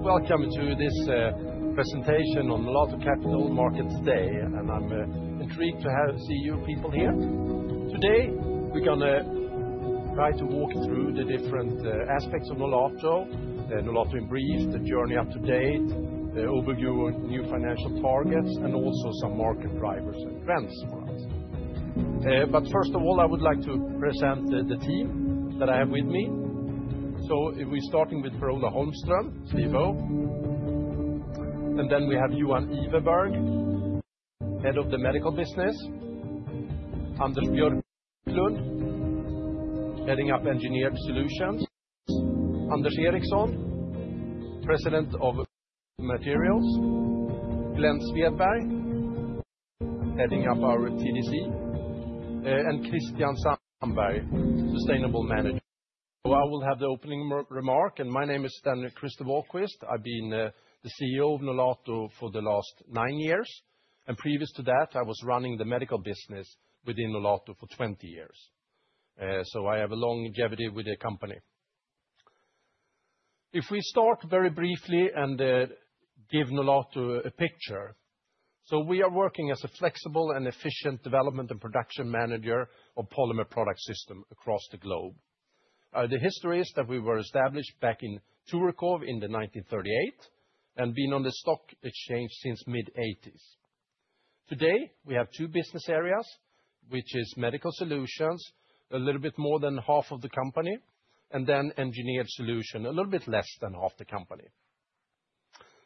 Welcome to this presentation on Nolato Capital Markets Day, and I'm intrigued to see you people here. Today we're going to try to walk through the different aspects of Nolato, Nolato in brief, the journey up to date, overview of new financial targets, and also some market drivers and trends for us. First of all, I would like to present the team that I have with me. We're starting with Per-Ola Holmström, CFO. Then we have Johan Iverberg, Head of the Medical Business, Anders Björklund, Heading Up Engineered Solutions, Anders Eriksson, President of Materials, Glenn Svedberg, Heading Up our TDC, and Kristian Sandberg, Sustainability Manager. I will have the opening remark, and my name is Dan Christer Wahlquist. I've been the CEO of Nolato for the last nine years, and previous to that, I was running the medical business within Nolato for 20 years. I have a longevity with the company. If we start very briefly and give Nolato a picture. We are working as a flexible and efficient development and production manager of polymer product systems across the globe. The history is that we were established back in Trelleborg in 1938 and have been on the stock exchange since the mid-1980s. Today we have two business areas, which are medical solutions, a little bit more than half of the company, and then engineered solutions, a little bit less than half the company.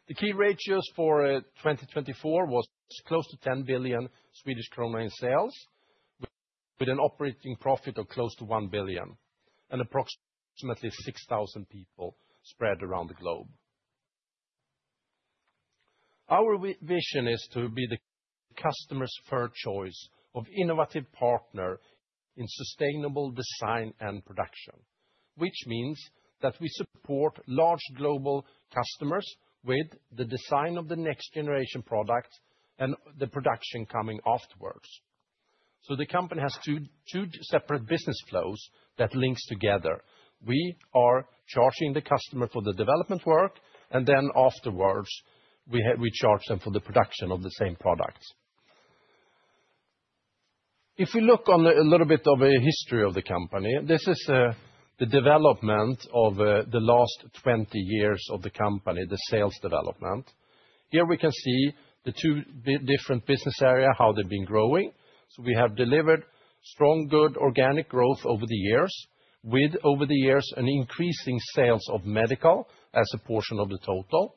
The key ratios for 2024 were close to 10 billion Swedish krona in sales, with an operating profit of close to 1 billion, and approximately 6,000 people spread around the globe. Our vision is to be the customer's first choice of innovative partners in sustainable design and production, which means that we support large global customers with the design of the next generation products and the production coming afterwards. The company has two separate business flows that link together. We are charging the customer for the development work, and then afterwards we charge them for the production of the same products. If we look on a little bit of a history of the company, this is the development of the last 20 years of the company, the sales development. Here we can see the two different business areas, how they've been growing. We have delivered strong, good organic growth over the years, with over the years an increasing sales of medical as a portion of the total.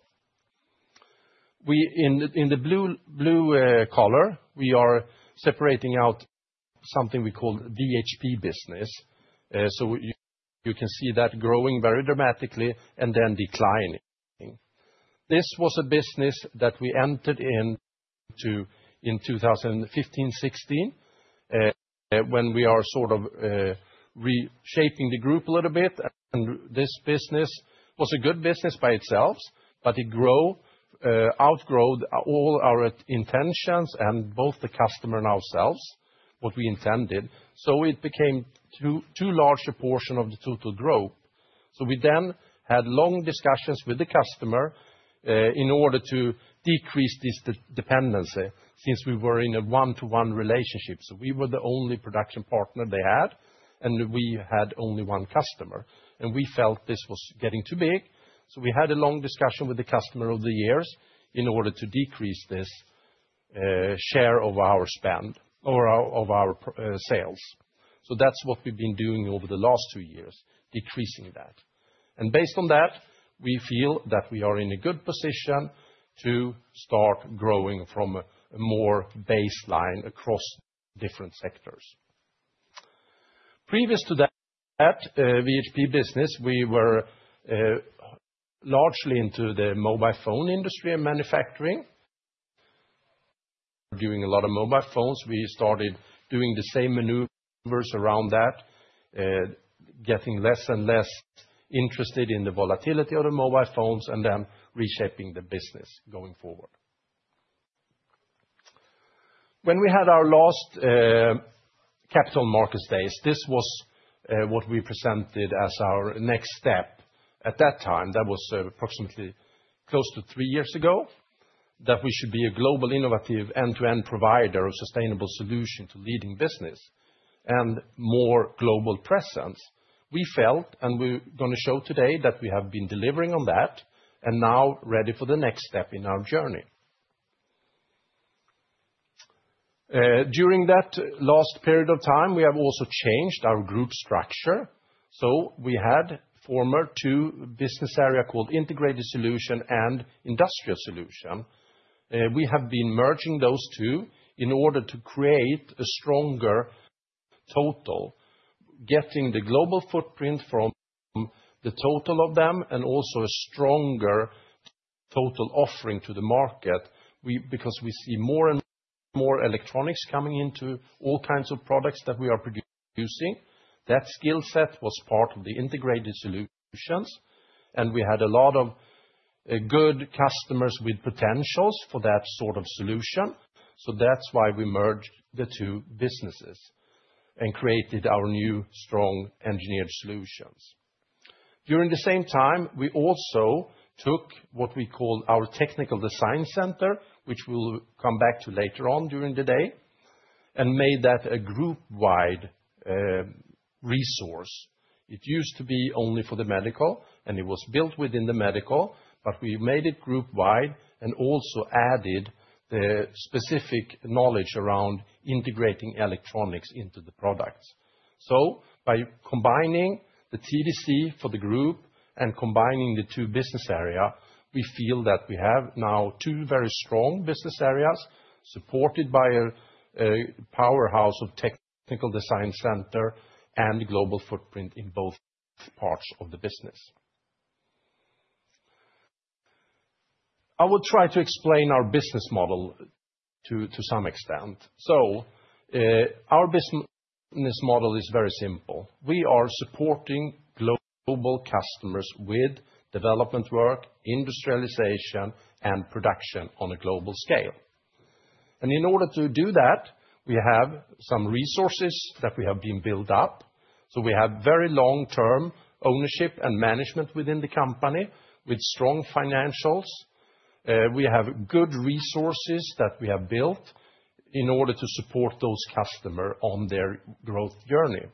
In the blue color, we are separating out something we call the DHP business. You can see that growing very dramatically and then declining. This was a business that we entered into in 2015-2016 when we are sort of reshaping the group a little bit, and this business was a good business by itself, but it outgrows all our intentions and both the customer and ourselves, what we intended. It became too large a portion of the total growth. We then had long discussions with the customer in order to decrease this dependency since we were in a one-to-one relationship. We were the only production partner they had, and we had only one customer. We felt this was getting too big. We had a long discussion with the customer over the years in order to decrease this share of our spend or of our sales. That is what we have been doing over the last two years, decreasing that. Based on that, we feel that we are in a good position to start growing from a more baseline across different sectors. Previous to that DHP business, we were largely into the mobile phone industry and manufacturing. We were doing a lot of mobile phones. We started doing the same maneuvers around that, getting less and less interested in the volatility of the mobile phones and then reshaping the business going forward. When we had our last Capital Markets Days, this was what we presented as our next step. At that time, that was approximately close to three years ago, that we should be a global innovative end-to-end provider of sustainable solutions to leading business and more global presence. We felt, and we are going to show today, that we have been delivering on that and now ready for the next step in our journey. During that last period of time, we have also changed our group structure. We had former two business areas called integrated solution and industrial solution. We have been merging those two in order to create a stronger total, getting the global footprint from the total of them and also a stronger total offering to the market because we see more and more electronics coming into all kinds of products that we are producing. That skill set was part of the integrated solutions, and we had a lot of good customers with potentials for that sort of solution. That is why we merged the two businesses and created our new strong engineered solutions. During the same time, we also took what we call our technical design center, which we will come back to later on during the day, and made that a group-wide resource. It used to be only for the medical, and it was built within the medical, but we made it group-wide and also added the specific knowledge around integrating electronics into the products. By combining the TDC for the group and combining the two business areas, we feel that we have now two very strong business areas supported by a powerhouse of technical design center and global footprint in both parts of the business. I will try to explain our business model to some extent. Our business model is very simple. We are supporting global customers with development work, industrialization, and production on a global scale. In order to do that, we have some resources that we have built up. We have very long-term ownership and management within the company with strong financials. We have good resources that we have built in order to support those customers on their growth journey.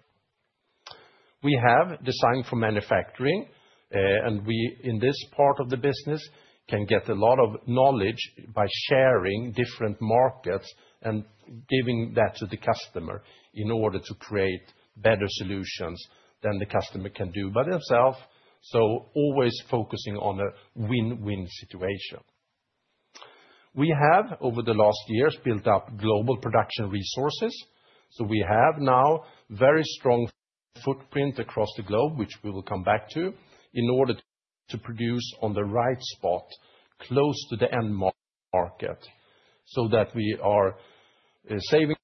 We have design for manufacturing, and we in this part of the business can get a lot of knowledge by sharing different markets and giving that to the customer in order to create better solutions than the customer can do by themselves. Always focusing on a win-win situation. We have, over the last years, built up global production resources. We have now a very strong footprint across the globe, which we will come back to, in order to produce on the right spot close to the end market so that we are saving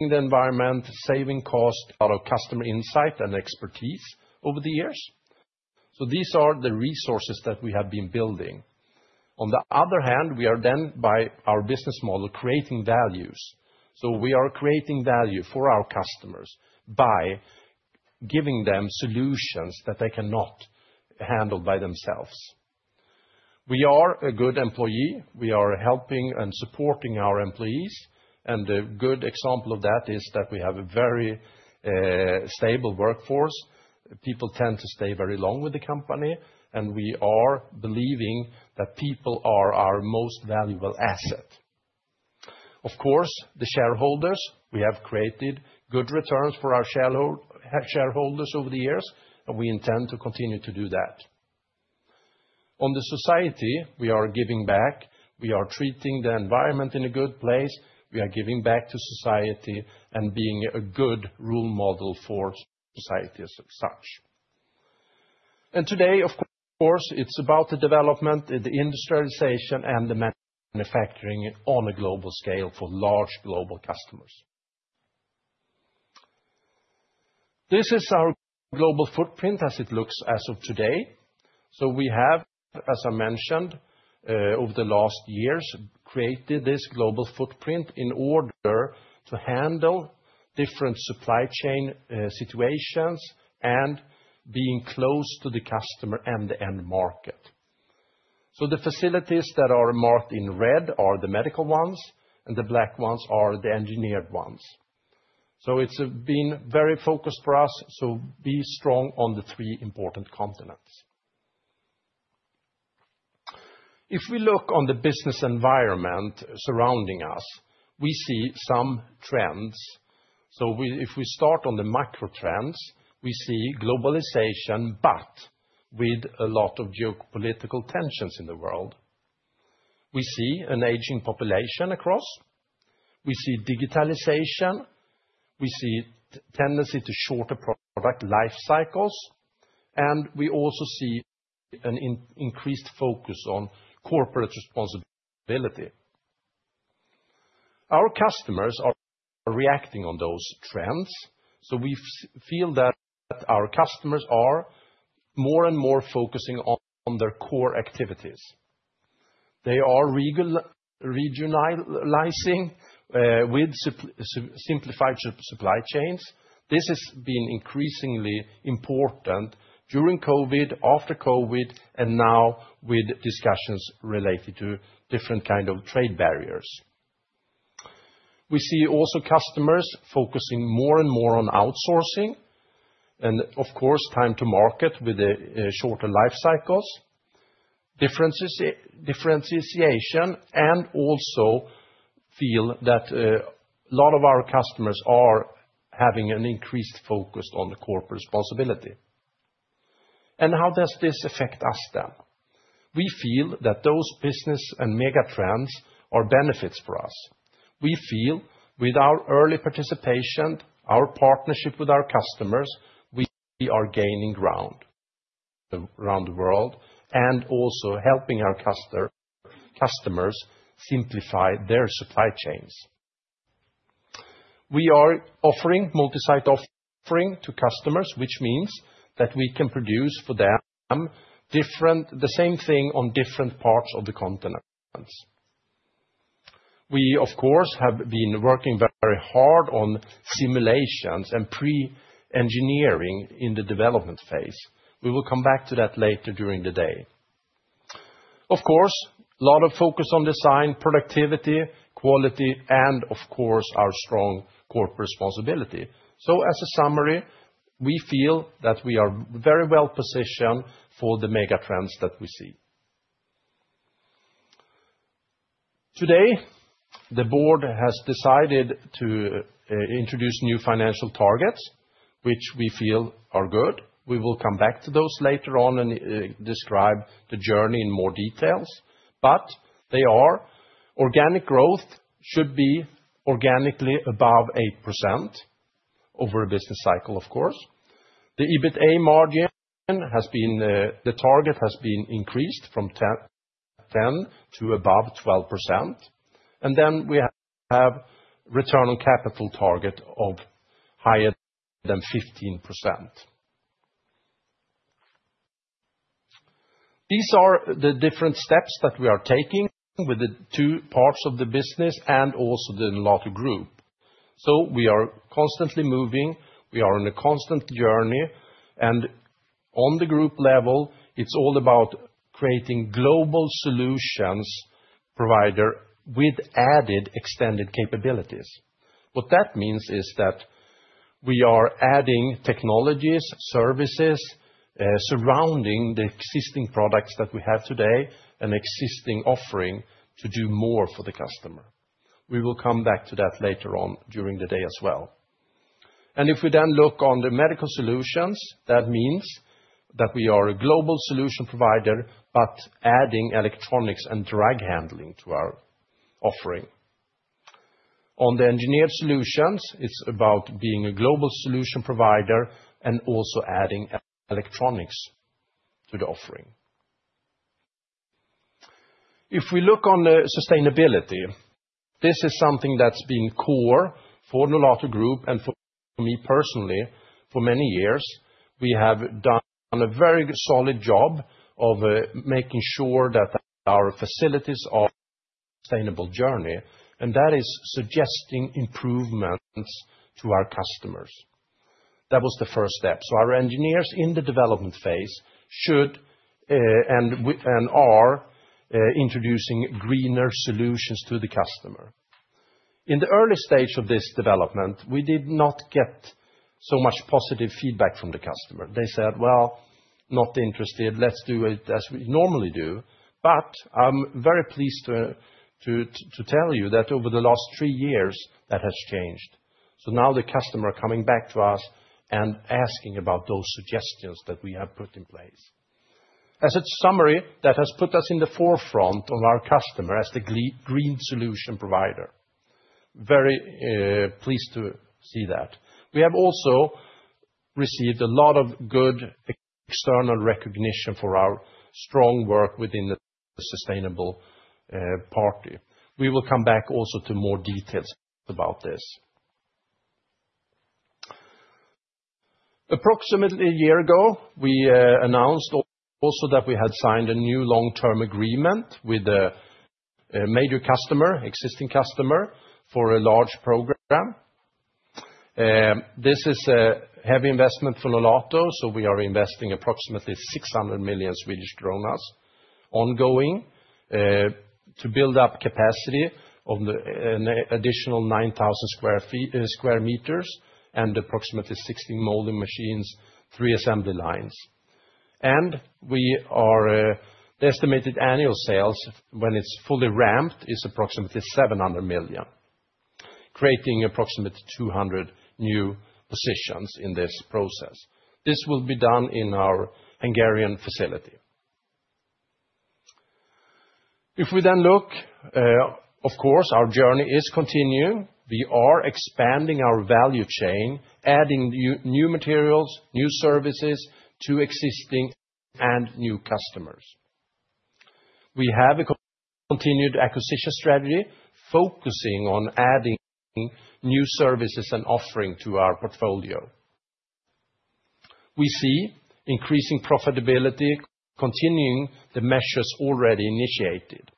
the environment, saving cost, a lot of customer insight and expertise over the years. These are the resources that we have been building. On the other hand, we are then, by our business model, creating values. We are creating value for our customers by giving them solutions that they cannot handle by themselves. We are a good employee. We are helping and supporting our employees. A good example of that is that we have a very stable workforce. People tend to stay very long with the company, and we are believing that people are our most valuable asset. Of course, the shareholders, we have created good returns for our shareholders over the years, and we intend to continue to do that. On the society, we are giving back. We are treating the environment in a good place. We are giving back to society and being a good role model for society as such. Today, of course, it is about the development, the industrialization, and the manufacturing on a global scale for large global customers. This is our global footprint as it looks as of today. We have, as I mentioned, over the last years, created this global footprint in order to handle different supply chain situations and being close to the customer and the end market. The facilities that are marked in red are the medical ones, and the black ones are the engineered ones. It has been very focused for us to be strong on the three important continents. If we look on the business environment surrounding us, we see some trends. If we start on the macro trends, we see globalization, but with a lot of geopolitical tensions in the world. We see an aging population across. We see digitalization. We see a tendency to shorter product life cycles. We also see an increased focus on corporate responsibility. Our customers are reacting on those trends. We feel that our customers are more and more focusing on their core activities. They are regionalizing with simplified supply chains. This has been increasingly important during COVID, after COVID, and now with discussions related to different kinds of trade barriers. We see also customers focusing more and more on outsourcing and, of course, time to market with shorter life cycles. Differentiation and also feel that a lot of our customers are having an increased focus on the corporate responsibility. How does this affect us then? We feel that those business and mega trends are benefits for us. We feel with our early participation, our partnership with our customers, we are gaining ground around the world and also helping our customers simplify their supply chains. We are offering multi-site offering to customers, which means that we can produce for them the same thing on different parts of the continents. We, of course, have been working very hard on simulations and pre-engineering in the development phase. We will come back to that later during the day. Of course, a lot of focus on design, productivity, quality, and, of course, our strong corporate responsibility. As a summary, we feel that we are very well positioned for the mega trends that we see. Today, the board has decided to introduce new financial targets, which we feel are good. We will come back to those later on and describe the journey in more details. Organic growth should be organically above 8% over a business cycle, of course. The EBITA margin target has been increased from 10% to above 12%. We have a return on capital target of higher than 15%. These are the different steps that we are taking with the two parts of the business and also the Nolato Group. We are constantly moving. We are on a constant journey. On the group level, it's all about creating a global solutions provider with added extended capabilities. What that means is that we are adding technologies, services surrounding the existing products that we have today and existing offering to do more for the customer. We will come back to that later on during the day as well. If we then look on the medical solutions, that means that we are a global solution provider, but adding electronics and drug handling to our offering. On the engineered solutions, it's about being a global solution provider and also adding electronics to the offering. If we look on the sustainability, this is something that's been core for Nolato Group and for me personally for many years. We have done a very solid job of making sure that our facilities are sustainable journey, and that is suggesting improvements to our customers. That was the first step. Our engineers in the development phase should and are introducing greener solutions to the customer. In the early stage of this development, we did not get so much positive feedback from the customer. They said, "Well, not interested. Let's do it as we normally do." I am very pleased to tell you that over the last three years, that has changed. Now the customer is coming back to us and asking about those suggestions that we have put in place. As a summary, that has put us in the forefront of our customer as the green solution provider. Very pleased to see that. We have also received a lot of good external recognition for our strong work within the sustainable party. We will come back also to more details about this. Approximately a year ago, we announced also that we had signed a new long-term agreement with a major customer, existing customer, for a large program. This is a heavy investment for Nolato, so we are investing approximately 600 million Swedish kronor ongoing to build up capacity of an additional 9,000 sq m and approximately 16 molding machines, three assembly lines. The estimated annual sales when it is fully ramped is approximately 700 million, creating approximately 200 new positions in this process. This will be done in our Hungarian facility. If we then look, of course, our journey is continuing. We are expanding our value chain, adding new materials, new services to existing and new customers. We have a continued acquisition strategy focusing on adding new services and offering to our portfolio. We see increasing profitability, continuing the measures already initiated.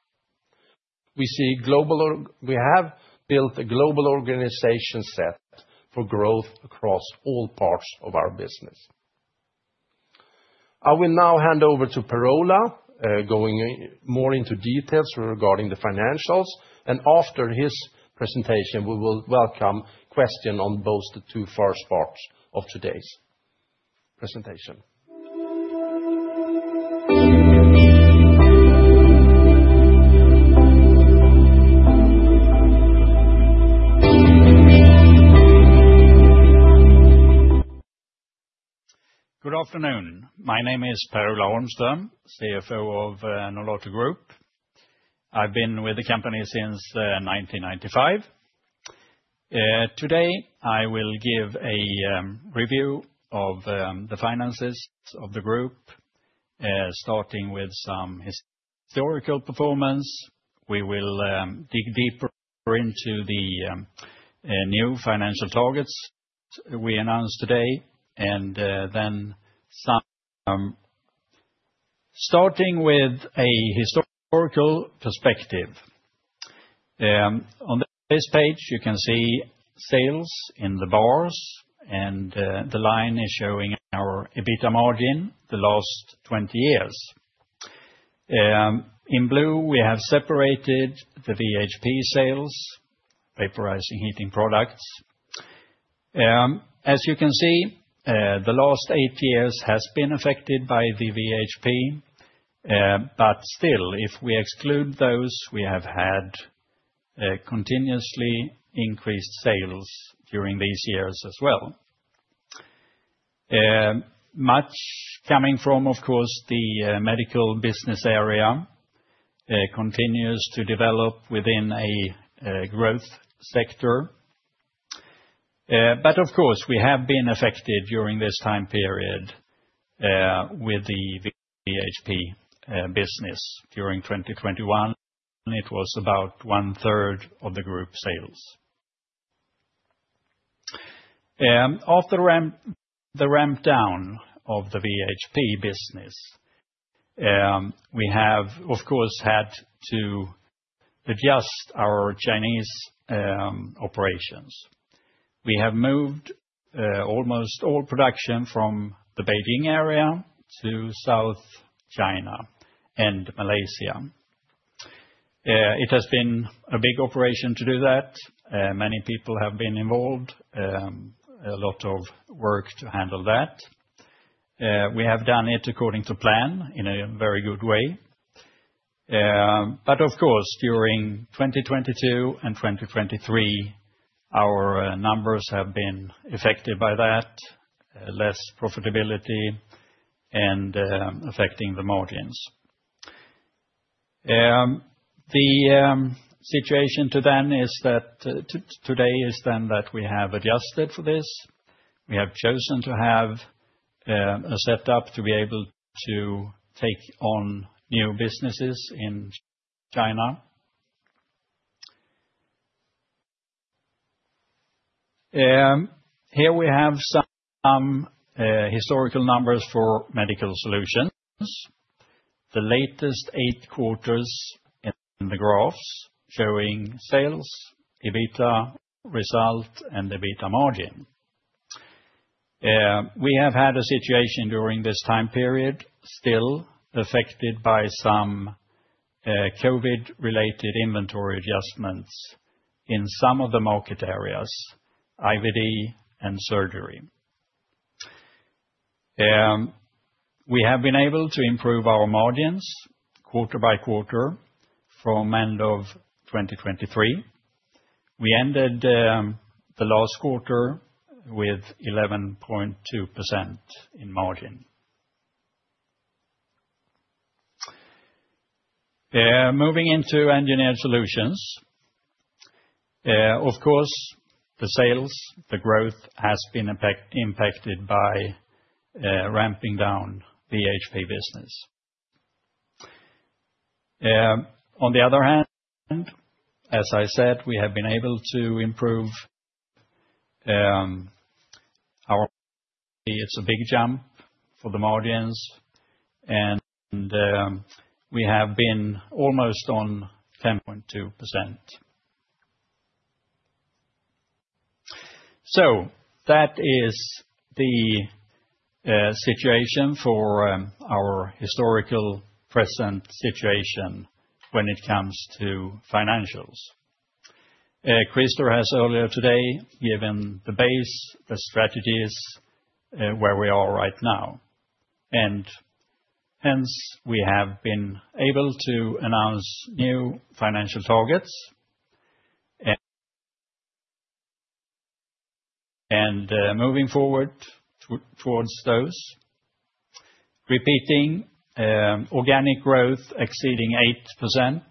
We have built a global organization set for growth across all parts of our business. I will now hand over to Per-Ola going more into details regarding the financials. After his presentation, we will welcome questions on both the two first parts of today's presentation. Good afternoon. My name is Per-Ola Holmström, CFO of Nolato Group. I've been with the company since 1995. Today, I will give a review of the finances of the group, starting with some historical performance. We will dig deeper into the new financial targets we announced today and then some. Starting with a historical perspective. On this page, you can see sales in the bars, and the line is showing our EBITA margin the last 20 years. In blue, we have separated the VHP sales, vaporizing heating products. As you can see, the last eight years has been affected by the VHP. Still, if we exclude those, we have had continuously increased sales during these years as well. Much coming from, of course, the medical business area continues to develop within a growth sector. Of course, we have been affected during this time period with the VHP business. During 2021, it was about one-third of the group sales. After the ramp down of the VHP business, we have, of course, had to adjust our Chinese operations. We have moved almost all production from the Beijing area to South China and Malaysia. It has been a big operation to do that. Many people have been involved. A lot of work to handle that. We have done it according to plan in a very good way. Of course, during 2022 and 2023, our numbers have been affected by that, less profitability, and affecting the margins. The situation today is that we have adjusted for this. We have chosen to have a setup to be able to take on new businesses in China. Here we have some historical numbers for Medical Solutions. The latest eight quarters in the graphs show sales, EBITDA result, and EBITDA margin. We have had a situation during this time period still affected by some COVID-related inventory adjustments in some of the market areas, IVD and surgery. We have been able to improve our margins quarter by quarter from end of 2023. We ended the last quarter with 11.2% in margin. Moving into Engineered Solutions, of course, the sales, the growth has been impacted by ramping down VHP business. On the other hand, as I said, we have been able to improve our margin. It's a big jump for the margins. We have been almost on 10.2%. That is the situation for our historical present situation when it comes to financials. Christer has earlier today given the base, the strategies, where we are right now. Hence, we have been able to announce new financial targets and moving forward towards those. Repeating, organic growth exceeding 8%,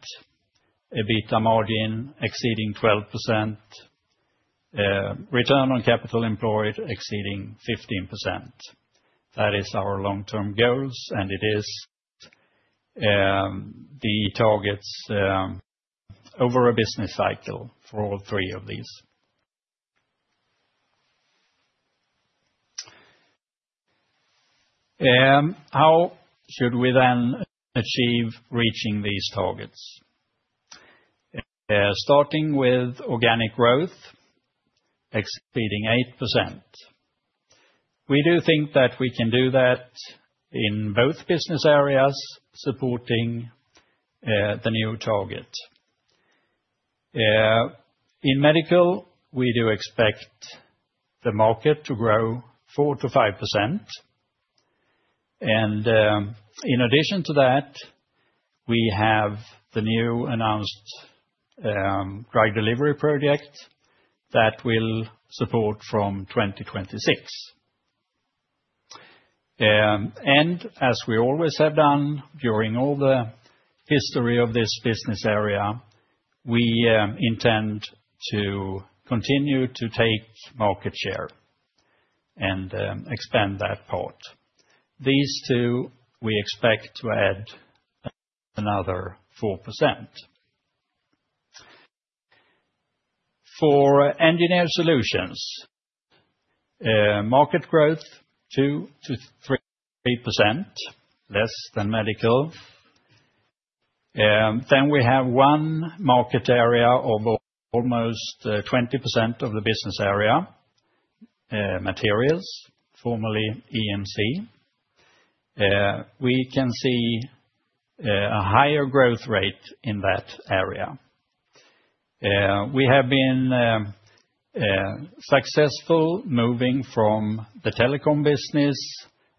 EBITA margin exceeding 12%, return on capital employed exceeding 15%. That is our long-term goals, and it is the targets over a business cycle for all three of these. How should we then achieve reaching these targets? Starting with organic growth exceeding 8%. We do think that we can do that in both business areas supporting the new target. In medical, we do expect the market to grow 4%-5%. In addition to that, we have the new announced drug delivery project that will support from 2026. As we always have done during all the history of this business area, we intend to continue to take market share and expand that part. These two, we expect to add another 4%. For engineered solutions, market growth 2-3%, less than medical. We have one market area of almost 20% of the business area, materials, formerly EMC. We can see a higher growth rate in that area. We have been successful moving from the telecom business,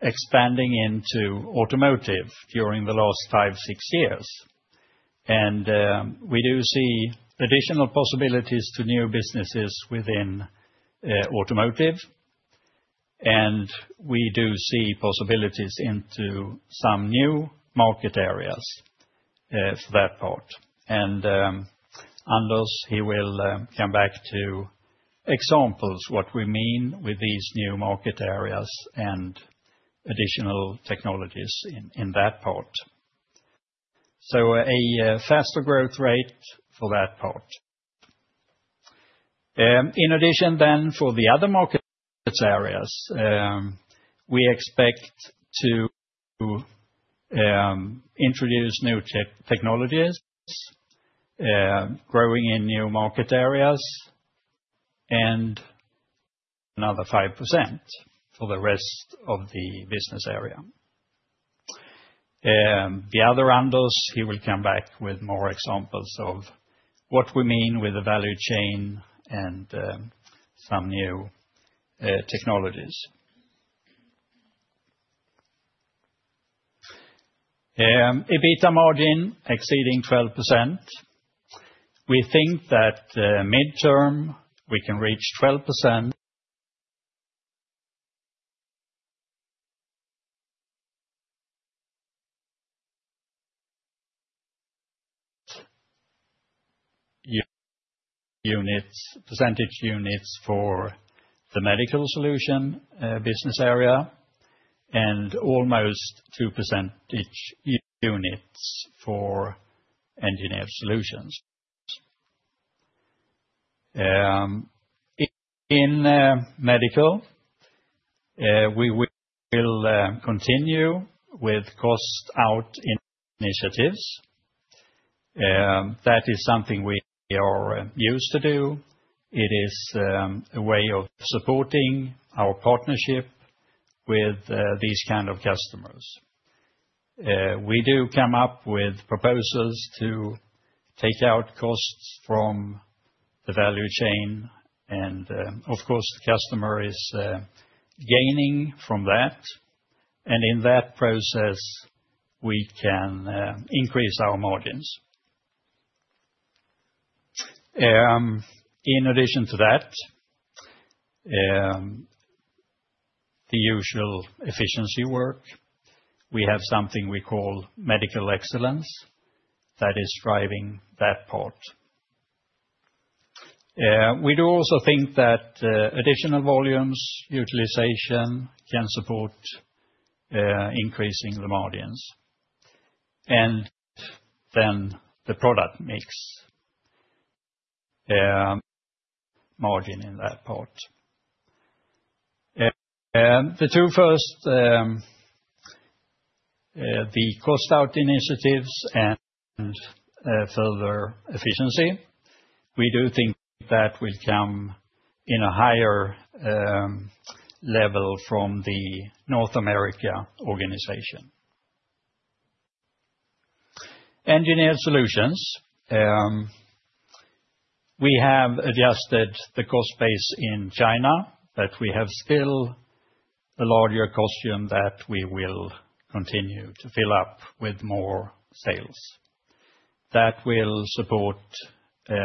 expanding into automotive during the last five, six years. We do see additional possibilities to new businesses within automotive. We do see possibilities into some new market areas for that part. Anders will come back to examples of what we mean with these new market areas and additional technologies in that part. A faster growth rate for that part. In addition, for the other market areas, we expect to introduce new technologies, growing in new market areas, and another 5% for the rest of the business area. The other Anders, he will come back with more examples of what we mean with the value chain and some new technologies. EBITA margin exceeding 12%. We think that midterm we can reach 12%. Percentage units for the medical solution business area and almost 2% each units for engineered solutions. In medical, we will continue with cost-out initiatives. That is something we are used to do. It is a way of supporting our partnership with these kind of customers. We do come up with proposals to take out costs from the value chain. Of course, the customer is gaining from that. In that process, we can increase our margins. In addition to that, the usual efficiency work, we have something we call medical excellence that is driving that part. We do also think that additional volumes, utilization can support increasing the margins. The product mix margin in that part. The two first, the cost-out initiatives and further efficiency, we do think that will come in a higher level from the North America organization. Engineered Solutions, we have adjusted the cost base in China, but we have still a larger cost base that we will continue to fill up with more sales that will support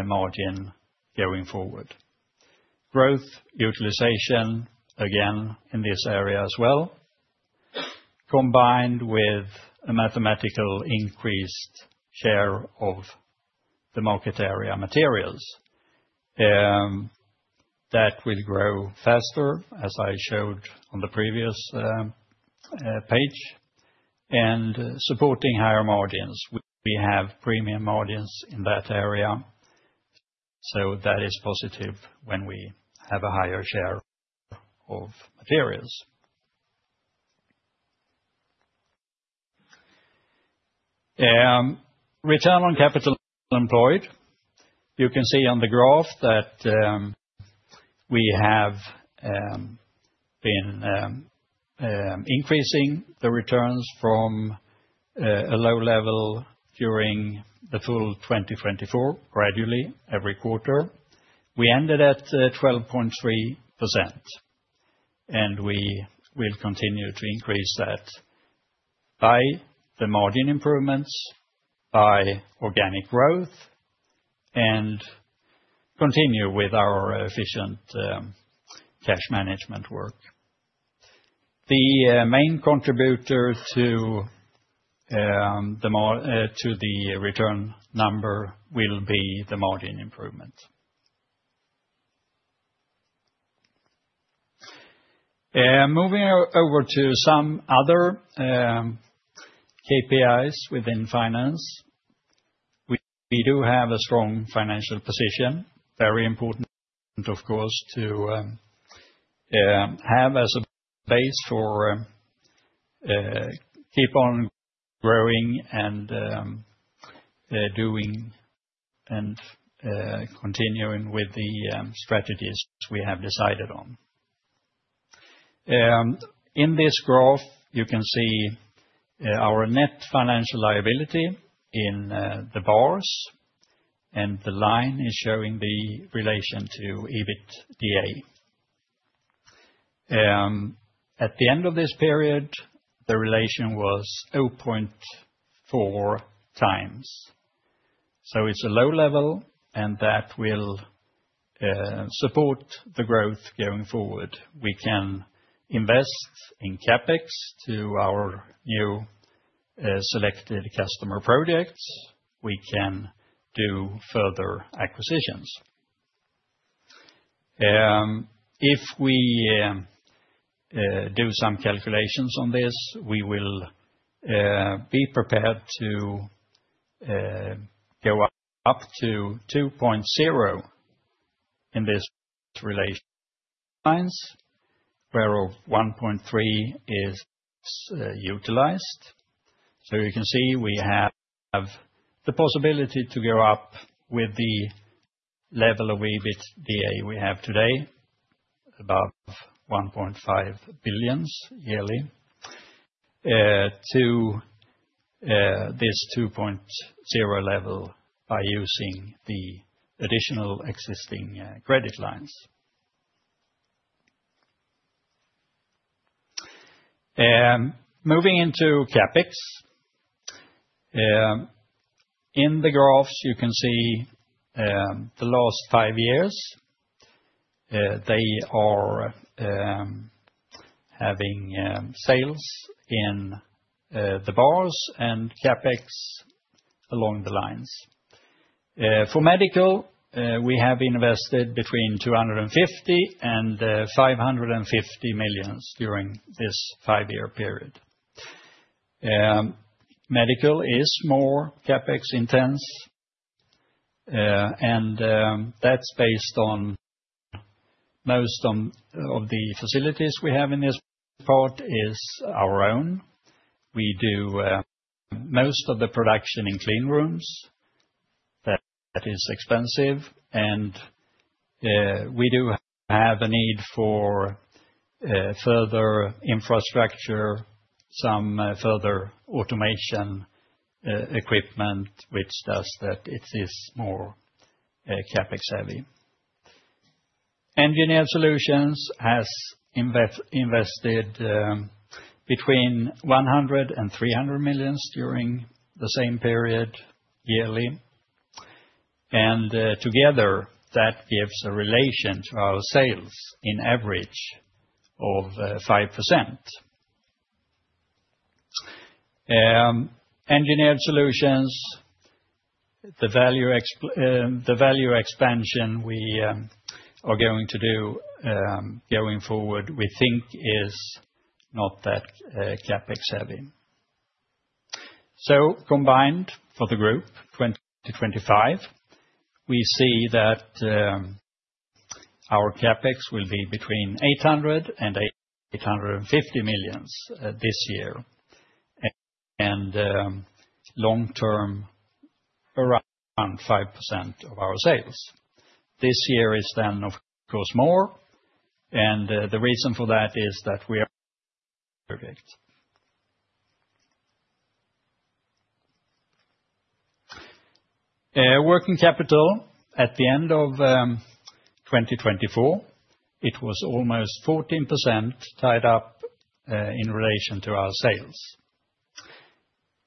margin going forward. Growth, utilization, again in this area as well, combined with a mathematical increased share of the market area Materials, that will grow faster, as I showed on the previous page. Supporting higher margins, we have premium margins in that area. That is positive when we have a higher share of materials. Return on capital employed, you can see on the graph that we have been increasing the returns from a low level during the full 2024, gradually every quarter. We ended at 12.3%. We will continue to increase that by the margin improvements, by organic growth, and continue with our efficient cash management work. The main contributor to the return number will be the margin improvement. Moving over to some other KPIs within finance, we do have a strong financial position, very important, of course, to have as a base for keep on growing and doing and continuing with the strategies we have decided on. In this graph, you can see our net financial liability in the bars, and the line is showing the relation to EBITDA. At the end of this period, the relation was 0.4x It is a low level, and that will support the growth going forward. We can invest in CapEx to our new selected customer projects. We can do further acquisitions. If we do some calculations on this, we will be prepared to go up to 2.0 in this relation lines, where 1.3 is utilized. You can see we have the possibility to go up with the level of EBITDA we have today, about 1.5 billion yearly, to this 2.0 level by using the additional existing credit lines. Moving into CapEx, in the graphs, you can see the last five years, they are having sales in the bars and CapEx along the lines. For Medical, we have invested between 250 million-550 million during this five-year period. Medical is more CapEx intense, and that is based on most of the facilities we have in this part is our own. We do most of the production in clean rooms. That is expensive. We do have a need for further infrastructure, some further automation equipment, which does that. It is more CapEx heavy. Engineered Solutions has invested between 100 million and 300 million during the same period yearly. Together, that gives a relation to our sales in average of 5%. Engineered Solutions, the value expansion we are going to do going forward, we think is not that CapEx heavy. Combined for the group, 2025, we see that our CapEx will be between 800 million-850 million this year. Long-term, around 5% of our sales. This year is then, of course, more. The reason for that is that we are project. Working capital at the end of 2024, it was almost 14% tied up in relation to our sales.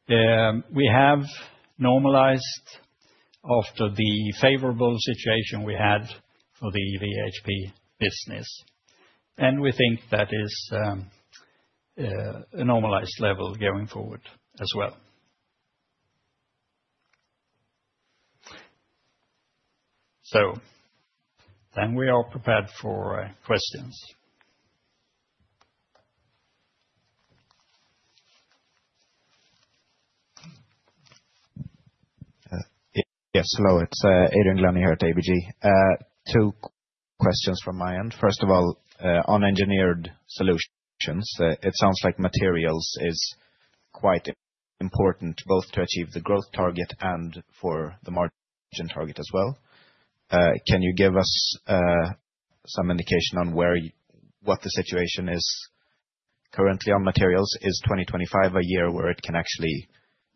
We have normalized after the favorable situation we had for the VHP business. We think that is a normalized level going forward as well. We are prepared for questions. Yes, hello. It's Adrian Glanney here at ABG. Two questions from my end. First of all, on engineered solutions, it sounds like materials is quite important both to achieve the growth target and for the margin target as well. Can you give us some indication on what the situation is currently on materials? Is 2025 a year where it can actually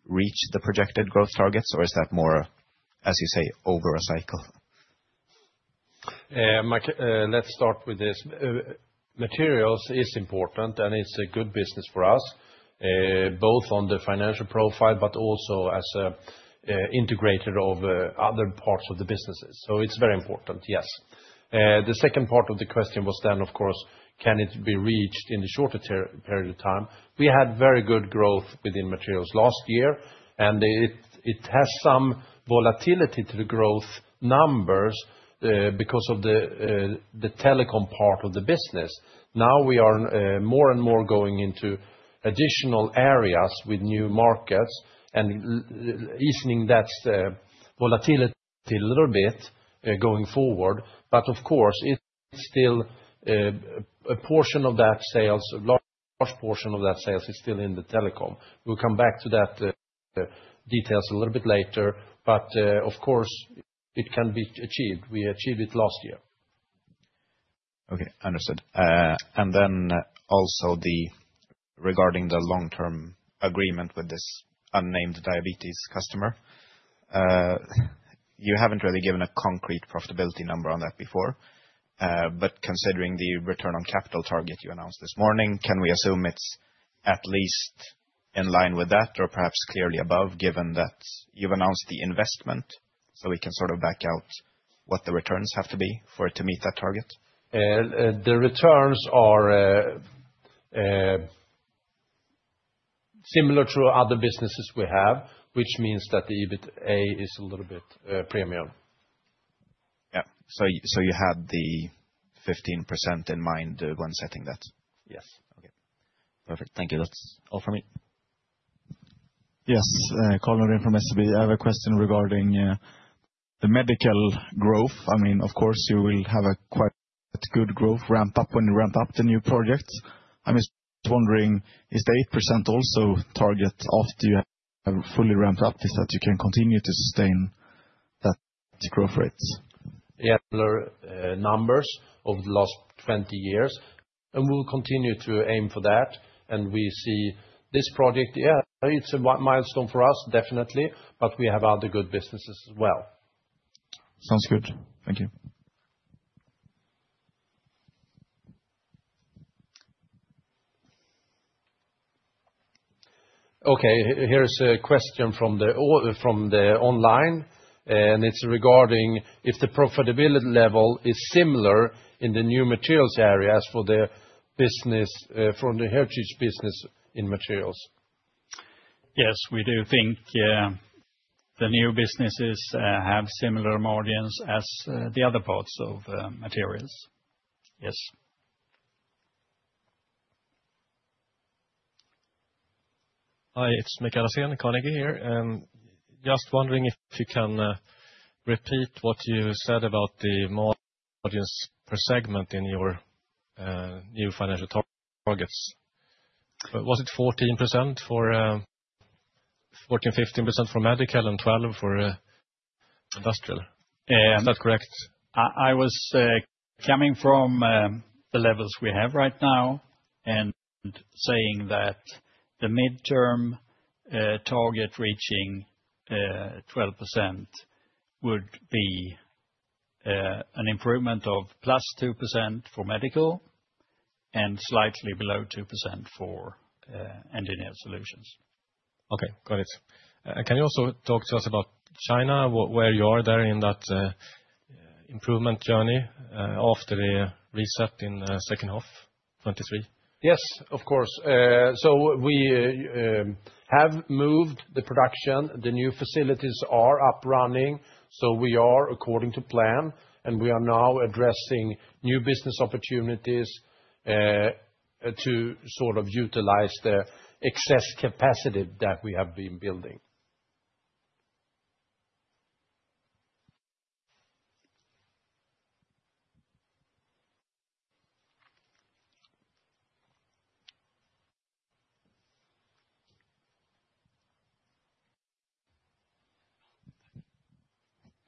reach the projected growth targets, or is that more, as you say, over a cycle? Let's start with this. Materials is important, and it's a good business for us, both on the financial profile, but also as an integrator of other parts of the businesses. So it's very important, yes. The second part of the question was then, of course, can it be reached in the shorter period of time? We had very good growth within materials last year, and it has some volatility to the growth numbers because of the telecom part of the business. Now we are more and more going into additional areas with new markets and easing that volatility a little bit going forward. But of course, it's still a portion of that sales, a large portion of that sales is still in the telecom. We'll come back to that details a little bit later. But of course, it can be achieved. We achieved it last year. Okay, understood. Also regarding the long-term agreement with this unnamed diabetes customer, you haven't really given a concrete profitability number on that before. Considering the return on capital target you announced this morning, can we assume it's at least in line with that or perhaps clearly above, given that you've announced the investment? We can sort of back out what the returns have to be for it to meet that target. The returns are similar to other businesses we have, which means that the EBITA is a little bit premium. Yeah. You had the 15% in mind when setting that? Yes. Okay. Perfect. Thank you. That's all from me. Yes, Colin from SEB. I have a question regarding the medical growth. I mean, of course, you will have a quite good growth ramp up when you ramp up the new projects. I'm just wondering, is the 8% also target after you have fully ramped up so that you can continue to sustain that growth rate? Regular numbers over the last 20 years. We will continue to aim for that. We see this project, yeah, it is a milestone for us, definitely. We have other good businesses as well. Sounds good. Thank you. Okay, here's a question from the online. It is regarding if the profitability level is similar in the new materials areas for the business, for the heritage business in materials. Yes, we do think the new businesses have similar margins as the other parts of materials. Yes. Hi, it's Mikael Asian, Carnegie here. Just wondering if you can repeat what you said about the margins per segment in your new financial targets. Was it 14% for 14, 15% for medical and 12 for industrial? Is that correct? I was coming from the levels we have right now and saying that the midterm target reaching 12% would be an improvement of plus 2% for Medical and slightly below 2% for Engineered Solutions. Okay, got it. Can you also talk to us about China, where you are there in that improvement journey after the reset in second half 2023? Yes, of course. We have moved the production. The new facilities are up running. We are, according to plan, and we are now addressing new business opportunities to sort of utilize the excess capacity that we have been building.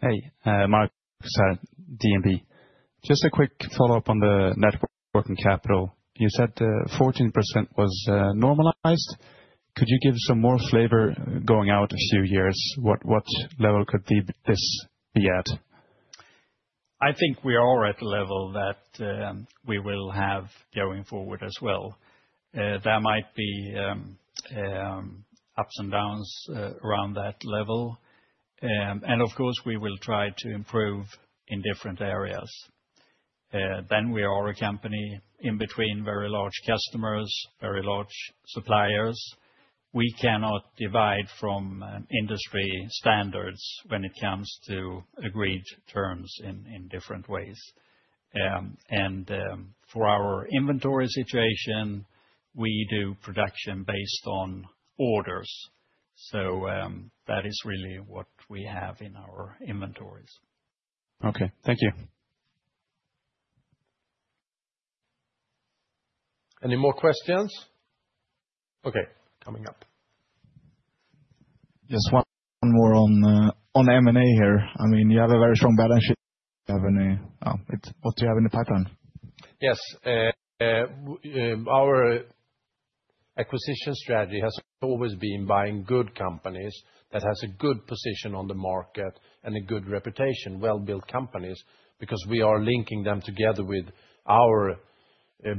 Hey, Markus at DNB. Just a quick follow-up on the networking capital. You said 14% was normalized. Could you give some more flavor going out a few years? What level could this be at? I think we are at the level that we will have going forward as well. There might be ups and downs around that level. Of course, we will try to improve in different areas. We are a company in between very large customers, very large suppliers. We cannot divide from industry standards when it comes to agreed terms in different ways. For our inventory situation, we do production based on orders. That is really what we have in our inventories. Okay, thank you. Any more questions? Okay, coming up. Just one more on M&A here. I mean, you have a very strong balance sheet. What do you have in the pipeline? Yes. Our acquisition strategy has always been buying good companies that have a good position on the market and a good reputation, well-built companies, because we are linking them together with our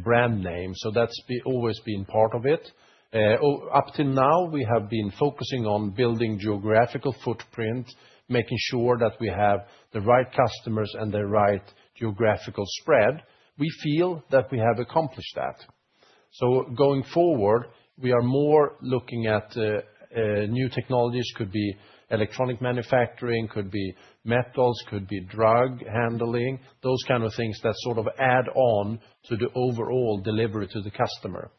brand name. That has always been part of it. Up till now, we have been focusing on building geographical footprint, making sure that we have the right customers and the right geographical spread. We feel that we have accomplished that. Going forward, we are more looking at new technologies. Could be electronic manufacturing, could be metals, could be drug handling, those kinds of things that sort of add on to the overall delivery to the customer.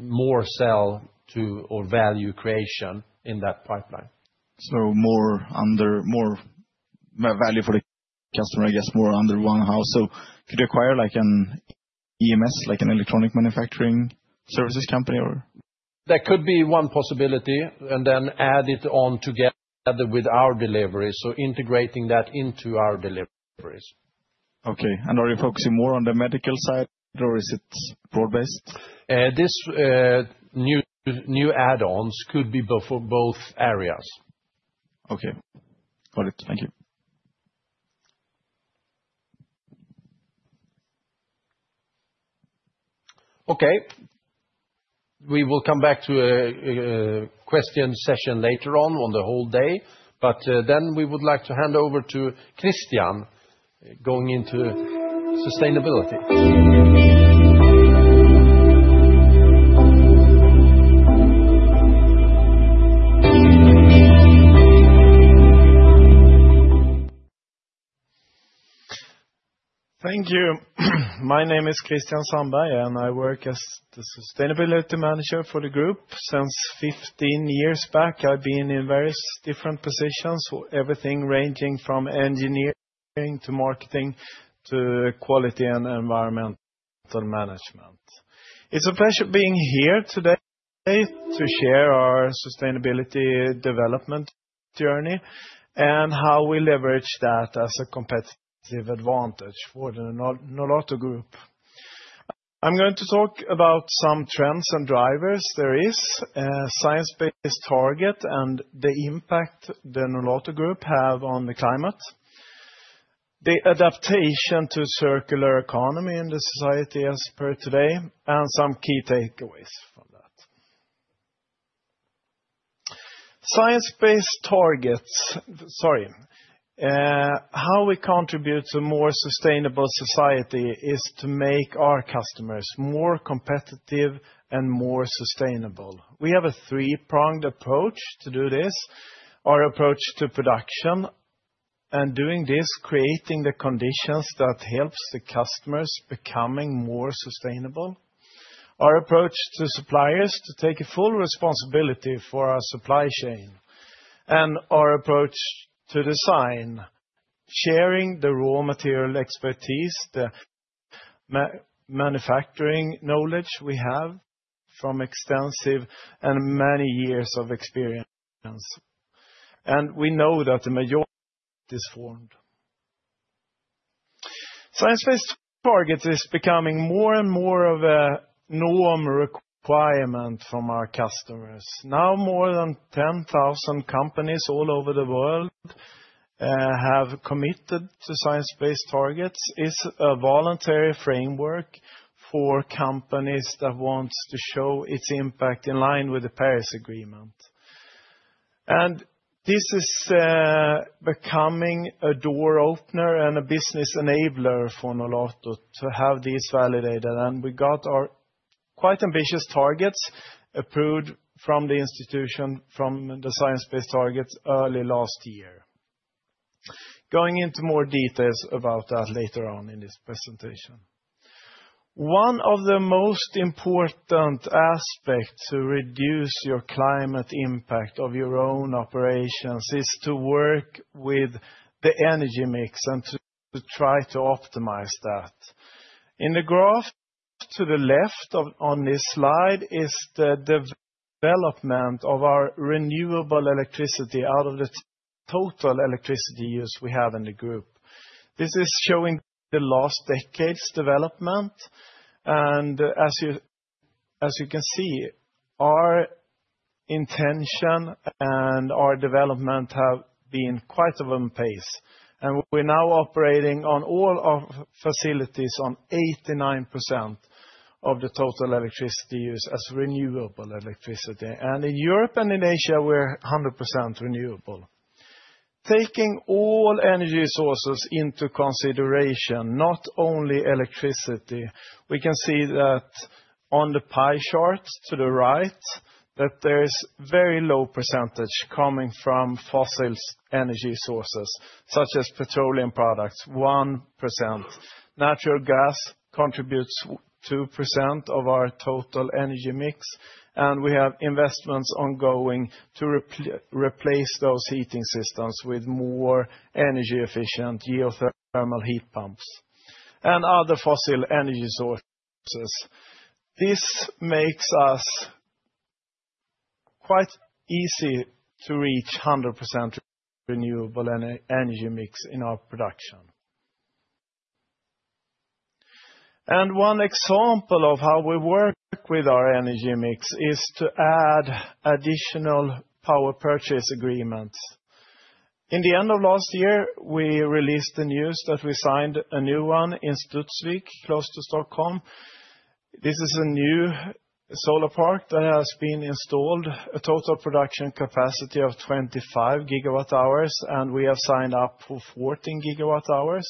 More sell to or value creation in that pipeline. More value for the customer, I guess, more under one house. Could you acquire like an EMS, like an electronic manufacturing services company or? That could be one possibility and then add it on together with our delivery. Integrating that into our deliveries. Okay. Are you focusing more on the medical side or is it broad-based? This new add-ons could be for both areas. Okay. Got it. Thank you. Okay. We will come back to a question session later on in the whole day. We would like to hand over to Christian going into sustainability. Thank you. My name is Kristian Sandberg, and I work as the Sustainability Manager for the group. Since 15 years back, I've been in various different positions, everything ranging from engineering to marketing to quality and environmental management. It's a pleasure being here today to share our sustainability development journey and how we leverage that as a competitive advantage for the Nolato Group. I'm going to talk about some trends and drivers. There is a science-based target and the impact the Nolato Group have on the climate, the adaptation to circular economy in the society as per today, and some key takeaways from that. Science-based targets, sorry, how we contribute to a more sustainable society is to make our customers more competitive and more sustainable. We have a three-pronged approach to do this. Our approach to production and doing this, creating the conditions that helps the customers becoming more sustainable. Our approach to suppliers is to take full responsibility for our supply chain. Our approach to design is sharing the raw material expertise, the manufacturing knowledge we have from extensive and many years of experience. We know that the majority is formed. Science-based targets is becoming more and more of a normal requirement from our customers. Now more than 10,000 companies all over the world have committed to science-based targets. It is a voluntary framework for companies that want to show its impact in line with the Paris Agreement. This is becoming a door opener and a business enabler for Nolato to have this validated. We got our quite ambitious targets approved from the institution, from the science-based targets early last year. Going into more details about that later on in this presentation. One of the most important aspects to reduce your climate impact of your own operations is to work with the energy mix and to try to optimize that. In the graph to the left on this slide is the development of our renewable electricity out of the total electricity use we have in the group. This is showing the last decade's development. As you can see, our intention and our development have been quite of a pace. We are now operating on all our facilities on 89% of the total electricity use as renewable electricity. In Europe and in Asia, we are 100% renewable. Taking all energy sources into consideration, not only electricity, we can see that on the pie chart to the right, that there is a very low percentage coming from fossil energy sources, such as petroleum products, 1%. Natural gas contributes 2% of our total energy mix. We have investments ongoing to replace those heating systems with more energy-efficient geothermal heat pumps and other fossil energy sources. This makes us quite easy to reach 100% renewable energy mix in our production. One example of how we work with our energy mix is to add additional power purchase agreements. At the end of last year, we released the news that we signed a new one in Stutsvik, close to Stockholm. This is a new solar park that has been installed, a total production capacity of 25 gigawatt hours, and we have signed up for 14 gigawatt hours.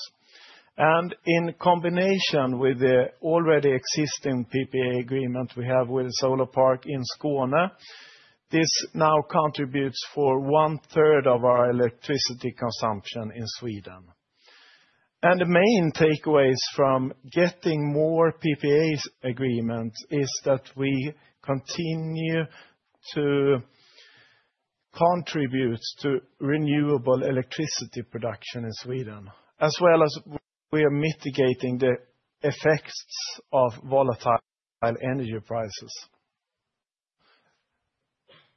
In combination with the already existing PPA agreement we have with the solar park in Skåne, this now contributes for one third of our electricity consumption in Sweden. The main takeaways from getting more PPA agreements are that we continue to contribute to renewable electricity production in Sweden, as well as we are mitigating the effects of volatile energy prices.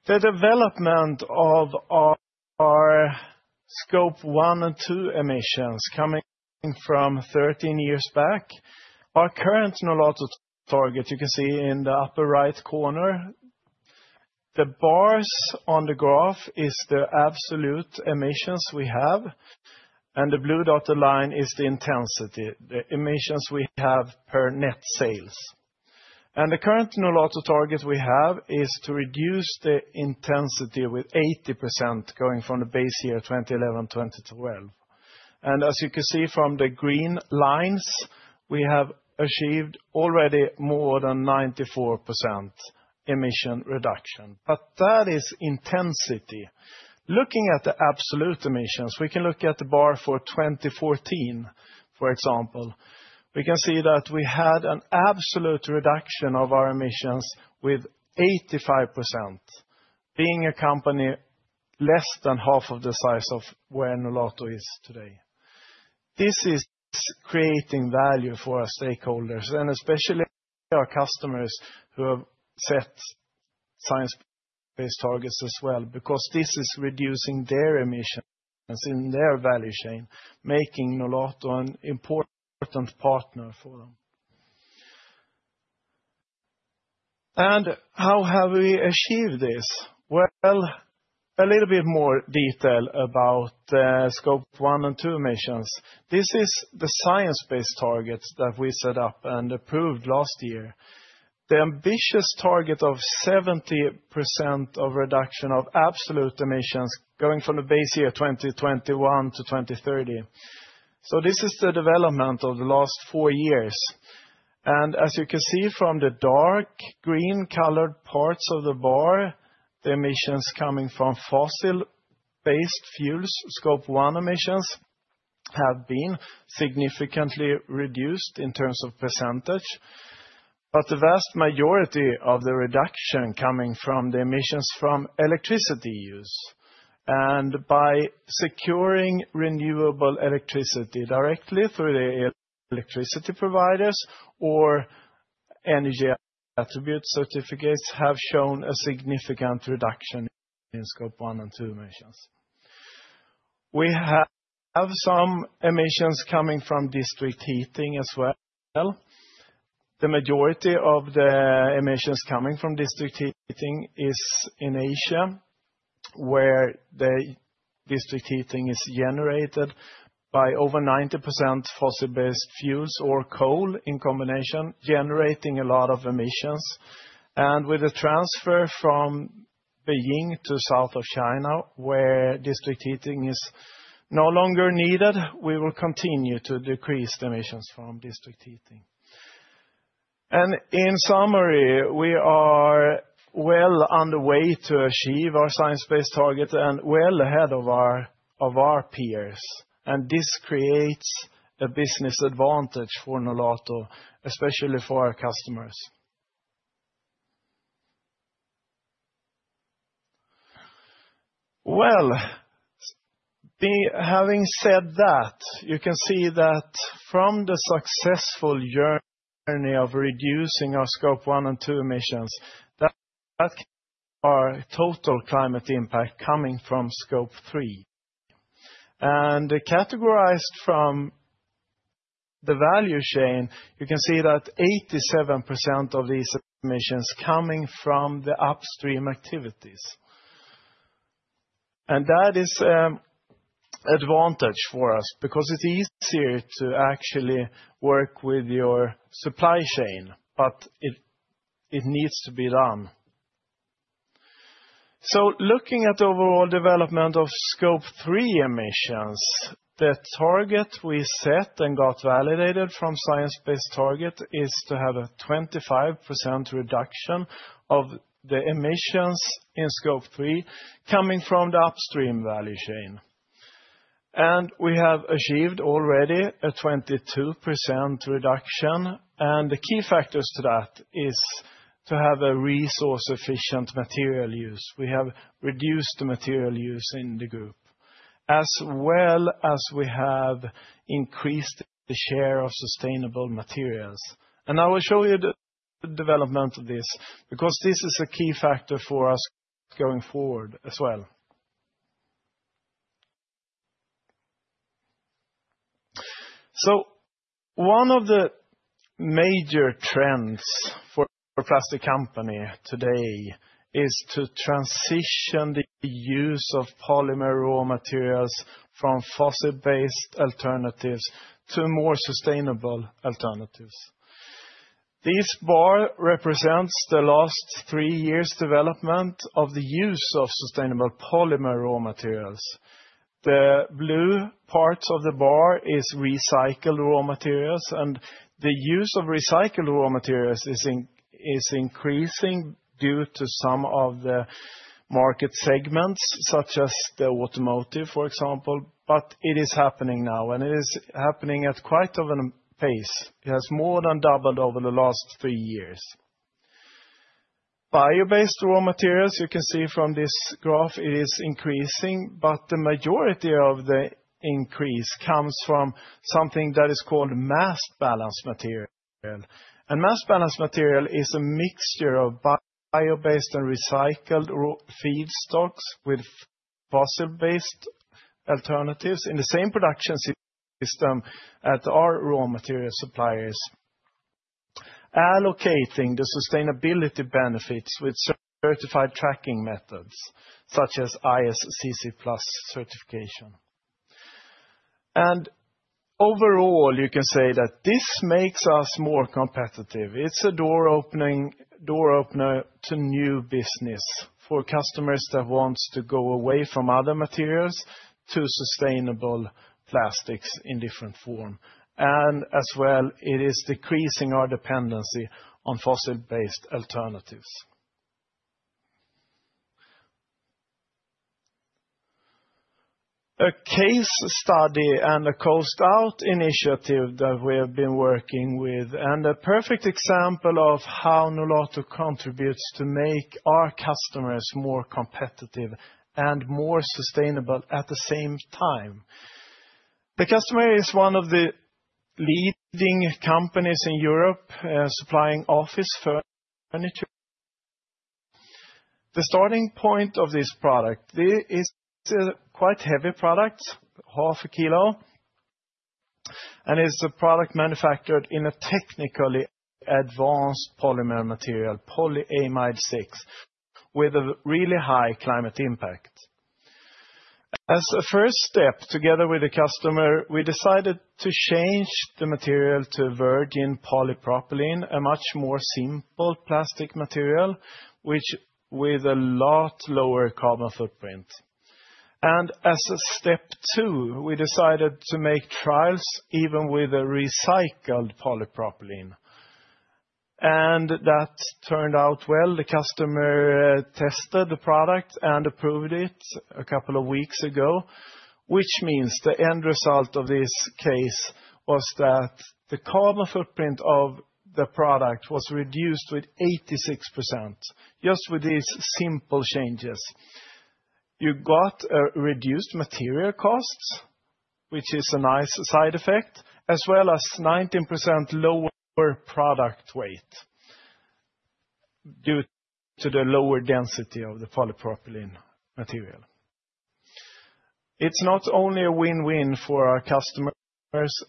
The development of our scope 1 and 2 emissions coming from 13 years back, our current Nolato target, you can see in the upper right corner, the bars on the graph are the absolute emissions we have. The blue dotted line is the intensity, the emissions we have per net sales. The current Nolato target we have is to reduce the intensity by 80% going from the base year 2011-2012. As you can see from the green lines, we have achieved already more than 94% emission reduction. That is intensity. Looking at the absolute emissions, we can look at the bar for 2014, for example. We can see that we had an absolute reduction of our emissions with 85%, being a company less than half of the size of where Nolato is today. This is creating value for our stakeholders and especially our customers who have set science-based targets as well, because this is reducing their emissions in their value chain, making Nolato an important partner for them. How have we achieved this? A little bit more detail about scope 1 and 2 emissions. This is the science-based target that we set up and approved last year. The ambitious target of 70% of reduction of absolute emissions going from the base year 2021 to 2030. This is the development of the last four years. As you can see from the dark green colored parts of the bar, the emissions coming from fossil-based fuels, scope one emissions, have been significantly reduced in terms of percentage. The vast majority of the reduction is coming from the emissions from electricity use. By securing renewable electricity directly through the electricity providers or energy attribute certificates, we have shown a significant reduction in scope one and two emissions. We have some emissions coming from district heating as well. The majority of the emissions coming from district heating is in Asia, where the district heating is generated by over 90% fossil-based fuels or coal in combination, generating a lot of emissions. With the transfer from Beijing to south of China, where district heating is no longer needed, we will continue to decrease the emissions from district heating. In summary, we are well on the way to achieve our science-based targets and well ahead of our peers. This creates a business advantage for Nolato, especially for our customers. Having said that, you can see that from the successful journey of reducing our scope one and two emissions, our total climate impact is coming from scope three. Categorized from the value chain, you can see that 87% of these emissions are coming from the upstream activities. That is an advantage for us because it is easier to actually work with your supply chain, but it needs to be done. Looking at the overall development of scope three emissions, the target we set and got validated from science-based target is to have a 25% reduction of the emissions in scope three coming from the upstream value chain. We have achieved already a 22% reduction. The key factors to that are to have a resource-efficient material use. We have reduced the material use in the group, as well as we have increased the share of sustainable materials. I will show you the development of this because this is a key factor for us going forward as well. One of the major trends for a plastic company today is to transition the use of polymer raw materials from fossil-based alternatives to more sustainable alternatives. This bar represents the last three years' development of the use of sustainable polymer raw materials. The blue part of the bar is recycled raw materials. The use of recycled raw materials is increasing due to some of the market segments, such as the automotive, for example. It is happening now, and it is happening at quite a pace. It has more than doubled over the last three years. Bio-based raw materials, you can see from this graph, are increasing, but the majority of the increase comes from something that is called mass balance material. Mass balance material is a mixture of bio-based and recycled feedstocks with fossil-based alternatives in the same production system at our raw material suppliers, allocating the sustainability benefits with certified tracking methods, such as ISCC Plus certification. Overall, you can say that this makes us more competitive. It is a door opener to new business for customers that want to go away from other materials to sustainable plastics in different forms. It is also decreasing our dependency on fossil-based alternatives. A case study and a coastal initiative that we have been working with, and a perfect example of how Nolato contributes to make our customers more competitive and more sustainable at the same time. The customer is one of the leading companies in Europe supplying office furniture. The starting point of this product, this is a quite heavy product, half a kilo, and it's a product manufactured in a technically advanced polymer material, polyamide 6, with a really high climate impact. As a first step, together with the customer, we decided to change the material to virgin polypropylene, a much more simple plastic material, which has a lot lower carbon footprint. As a step two, we decided to make trials even with a recycled polypropylene. That turned out well. The customer tested the product and approved it a couple of weeks ago, which means the end result of this case was that the carbon footprint of the product was reduced with 86% just with these simple changes. You got reduced material costs, which is a nice side effect, as well as 19% lower product weight due to the lower density of the polypropylene material. It's not only a win-win for our customers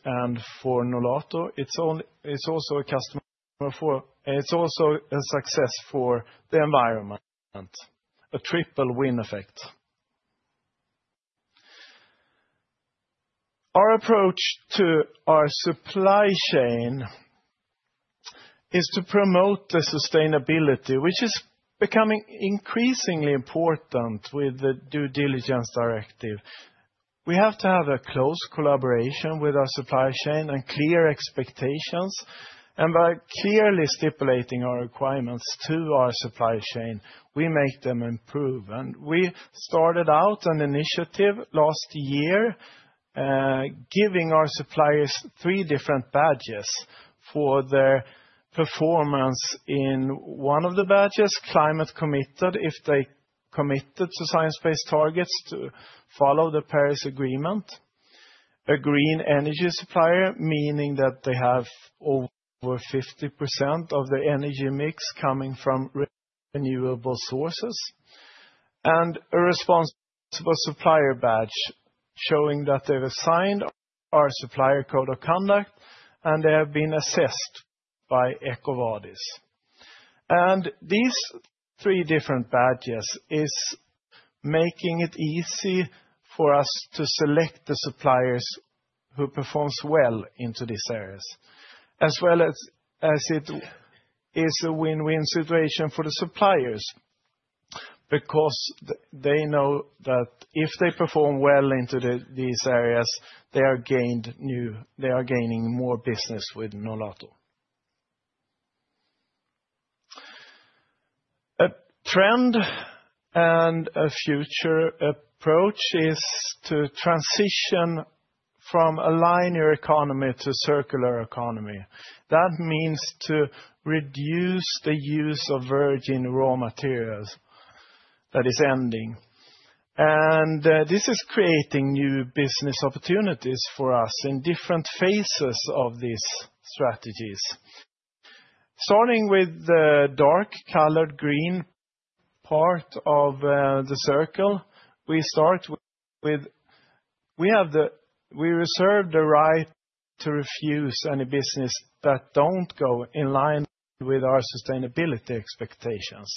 and for Nolato. It's also a success for the environment, a triple win effect. Our approach to our supply chain is to promote the sustainability, which is becoming increasingly important with the due diligence directive. We have to have a close collaboration with our supply chain and clear expectations. By clearly stipulating our requirements to our supply chain, we make them improve. We started out an initiative last year, giving our suppliers three different badges for their performance. In one of the badges, Climate Committed, if they committed to science-based targets to follow the Paris Agreement, a green energy supplier, meaning that they have over 50% of the energy mix coming from renewable sources, and a responsible supplier badge showing that they've signed our supplier code of conduct and they have been assessed by EcoVadis. These three different badges are making it easy for us to select the suppliers who perform well in these areas, as well as it is a win-win situation for the suppliers because they know that if they perform well in these areas, they are gaining more business with Nolato. A trend and a future approach is to transition from a linear economy to a circular economy. That means to reduce the use of virgin raw materials that is ending. This is creating new business opportunities for us in different phases of these strategies. Starting with the dark colored green part of the circle, we start with we reserve the right to refuse any business that does not go in line with our sustainability expectations.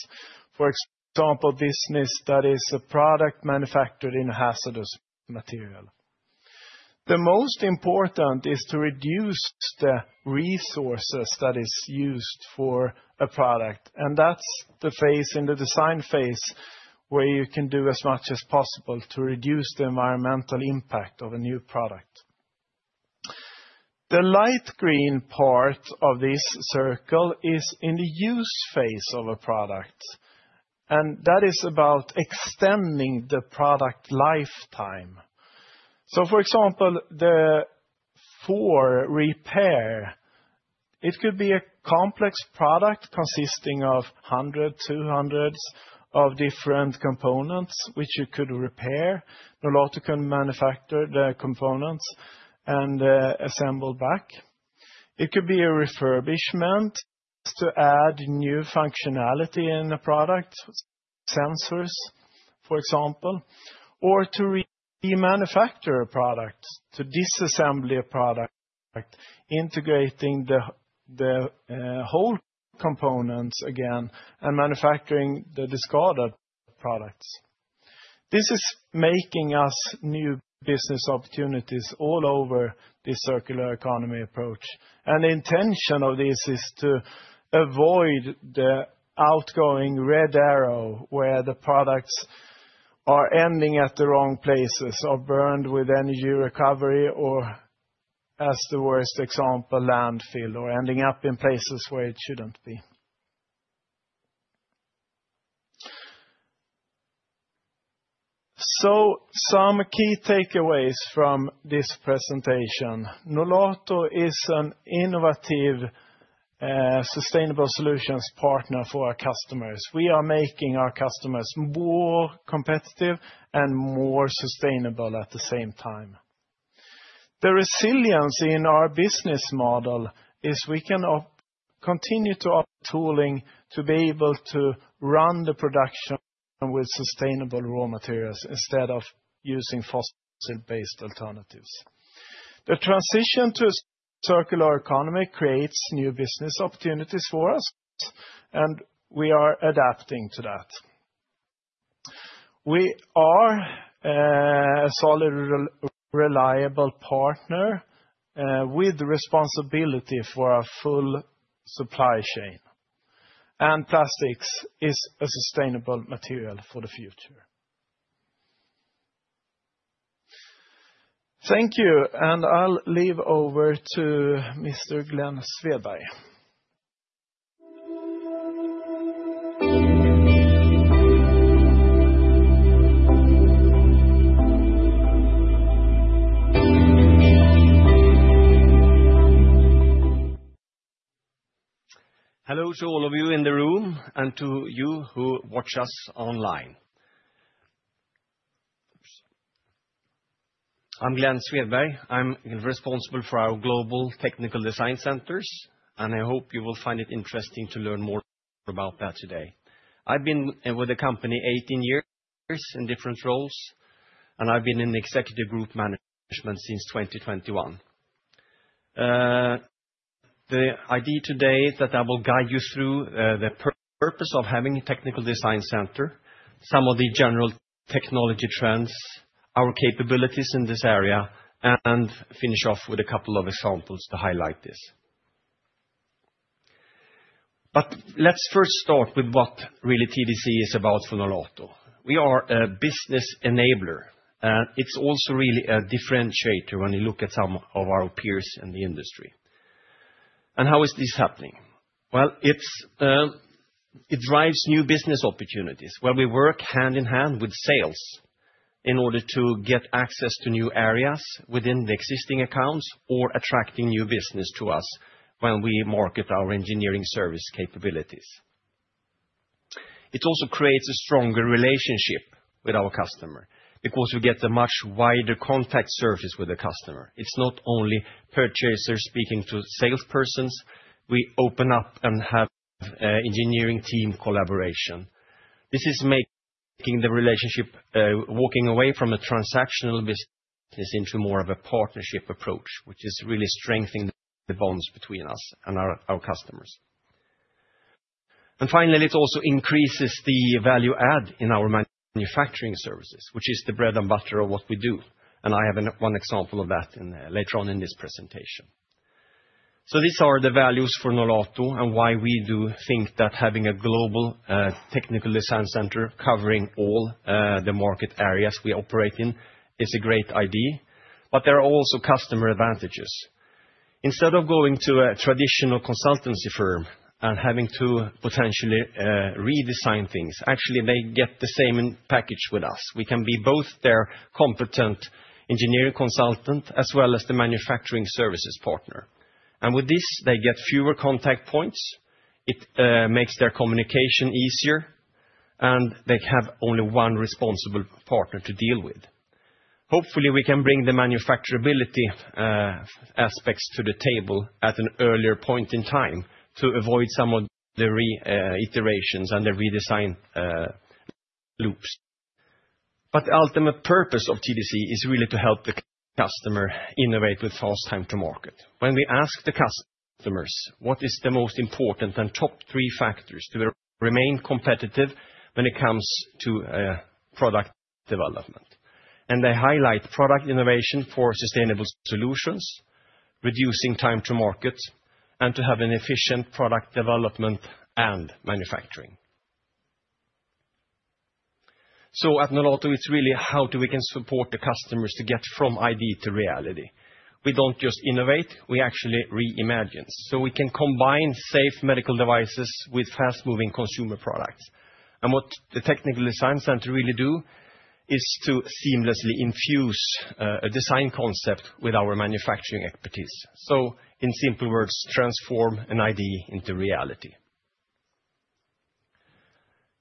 For example, business that is a product manufactured in hazardous material. The most important is to reduce the resources that are used for a product. That is the phase in the design phase where you can do as much as possible to reduce the environmental impact of a new product. The light green part of this circle is in the use phase of a product. That is about extending the product lifetime. For example, the four repair, it could be a complex product consisting of hundreds, two hundreds of different components, which you could repair. Nolato can manufacture the components and assemble back. It could be a refurbishment to add new functionality in a product, sensors, for example, or to remanufacture a product, to disassemble a product, integrating the whole components again and manufacturing the discarded products. This is making us new business opportunities all over this circular economy approach. The intention of this is to avoid the outgoing red arrow where the products are ending at the wrong places or burned with energy recovery or, as the worst example, landfill or ending up in places where it shouldn't be. Some key takeaways from this presentation. Nolato is an innovative sustainable solutions partner for our customers. We are making our customers more competitive and more sustainable at the same time. The resilience in our business model is we can continue to up tooling to be able to run the production with sustainable raw materials instead of using fossil-based alternatives. The transition to a circular economy creates new business opportunities for us, and we are adapting to that. We are a solid, reliable partner with responsibility for our full supply chain. Plastics are a sustainable material for the future. Thank you. I will leave over to Mr. Glenn Svedberg. Hello to all of you in the room and to you who watch us online. I'm Glenn Svedberg. I'm responsible for our global technical design centers, and I hope you will find it interesting to learn more about that today. I've been with the company 18 years in different roles, and I've been in executive group management since 2021. The idea today is that I will guide you through the purpose of having a technical design center, some of the general technology trends, our capabilities in this area, and finish off with a couple of examples to highlight this. Let's first start with what really TDC is about for Nolato. We are a business enabler, and it's also really a differentiator when you look at some of our peers in the industry. How is this happening? It drives new business opportunities where we work hand in hand with sales in order to get access to new areas within the existing accounts or attracting new business to us when we market our engineering service capabilities. It also creates a stronger relationship with our customer because we get a much wider contact surface with the customer. It's not only purchasers speaking to salespersons. We open up and have engineering team collaboration. This is making the relationship, walking away from a transactional business into more of a partnership approach, which is really strengthening the bonds between us and our customers. Finally, it also increases the value add in our manufacturing services, which is the bread and butter of what we do. I have one example of that later on in this presentation. These are the values for Nolato and why we do think that having a global technical design center covering all the market areas we operate in is a great idea. There are also customer advantages. Instead of going to a traditional consultancy firm and having to potentially redesign things, actually they get the same package with us. We can be both their competent engineering consultant as well as the manufacturing services partner. With this, they get fewer contact points. It makes their communication easier, and they have only one responsible partner to deal with. Hopefully, we can bring the manufacturability aspects to the table at an earlier point in time to avoid some of the reiterations and the redesign loops. The ultimate purpose of TDC is really to help the customer innovate with fast time to market. When we ask the customers, what is the most important and top three factors to remain competitive when it comes to product development? They highlight product innovation for sustainable solutions, reducing time to market, and to have an efficient product development and manufacturing. At Nolato, it's really how do we support the customers to get from idea to reality. We don't just innovate. We actually reimagine. We can combine safe medical devices with fast-moving consumer products. What the technical design center really does is to seamlessly infuse a design concept with our manufacturing expertise. In simple words, transform an idea into reality.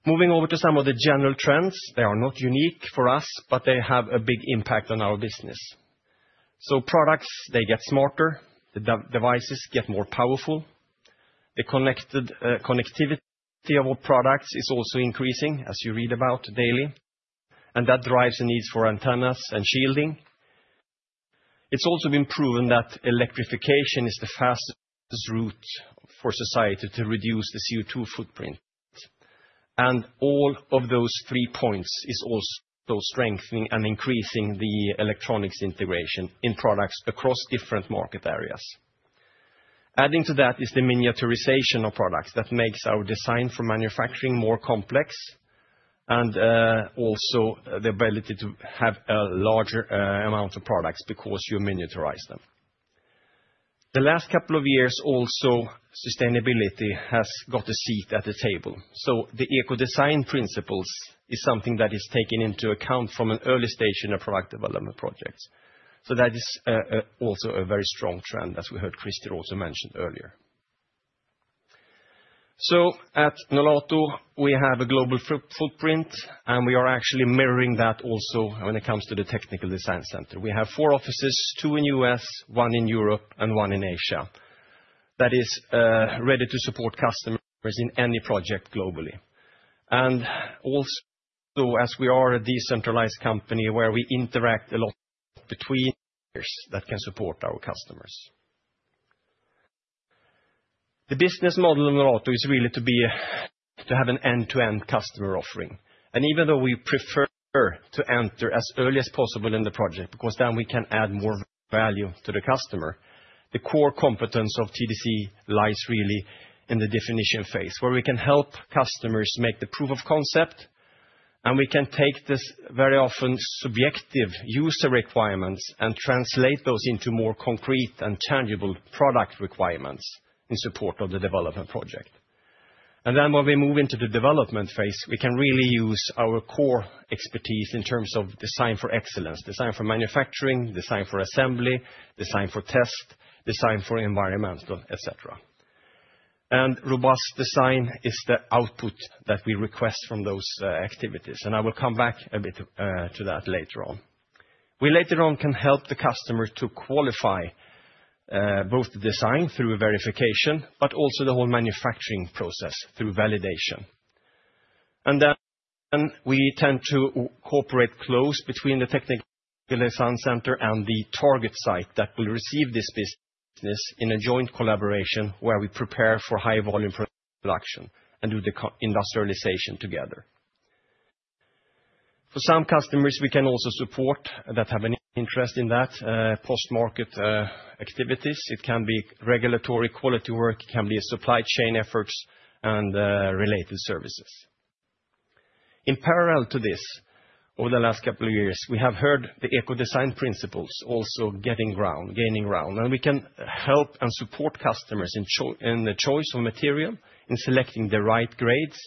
Moving over to some of the general trends, they are not unique for us, but they have a big impact on our business. Products get smarter. The devices get more powerful. The connectivity of our products is also increasing, as you read about daily. That drives the need for antennas and shielding. It has also been proven that electrification is the fastest route for society to reduce the CO2 footprint. All of those three points are also strengthening and increasing the electronics integration in products across different market areas. Adding to that is the miniaturization of products that makes our design for manufacturing more complex and also the ability to have a larger amount of products because you miniaturize them. The last couple of years, also sustainability has got a seat at the table. The eco design principles are something that is taken into account from an early stage in a product development project. That is also a very strong trend, as we heard Christer also mention earlier. At Nolato, we have a global footprint, and we are actually mirroring that also when it comes to the technical design center. We have four offices, two in the US, one in Europe, and one in Asia. That is ready to support customers in any project globally. As we are a decentralized company where we interact a lot between that can support our customers. The business model of Nolato is really to have an end-to-end customer offering. Even though we prefer to enter as early as possible in the project because then we can add more value to the customer, the core competence of TDC lies really in the definition phase where we can help customers make the proof of concept, and we can take this very often subjective user requirements and translate those into more concrete and tangible product requirements in support of the development project. When we move into the development phase, we can really use our core expertise in terms of design for excellence, design for manufacturing, design for assembly, design for test, design for environmental, etc. Robust design is the output that we request from those activities. I will come back a bit to that later on. We later on can help the customer to qualify both the design through verification, but also the whole manufacturing process through validation. We tend to cooperate close between the technical design center and the target site that will receive this business in a joint collaboration where we prepare for high-volume production and do the industrialization together. For some customers, we can also support that have an interest in that post-market activities. It can be regulatory quality work. It can be supply chain efforts and related services. In parallel to this, over the last couple of years, we have heard the eco design principles also gaining ground. We can help and support customers in the choice of material, in selecting the right grades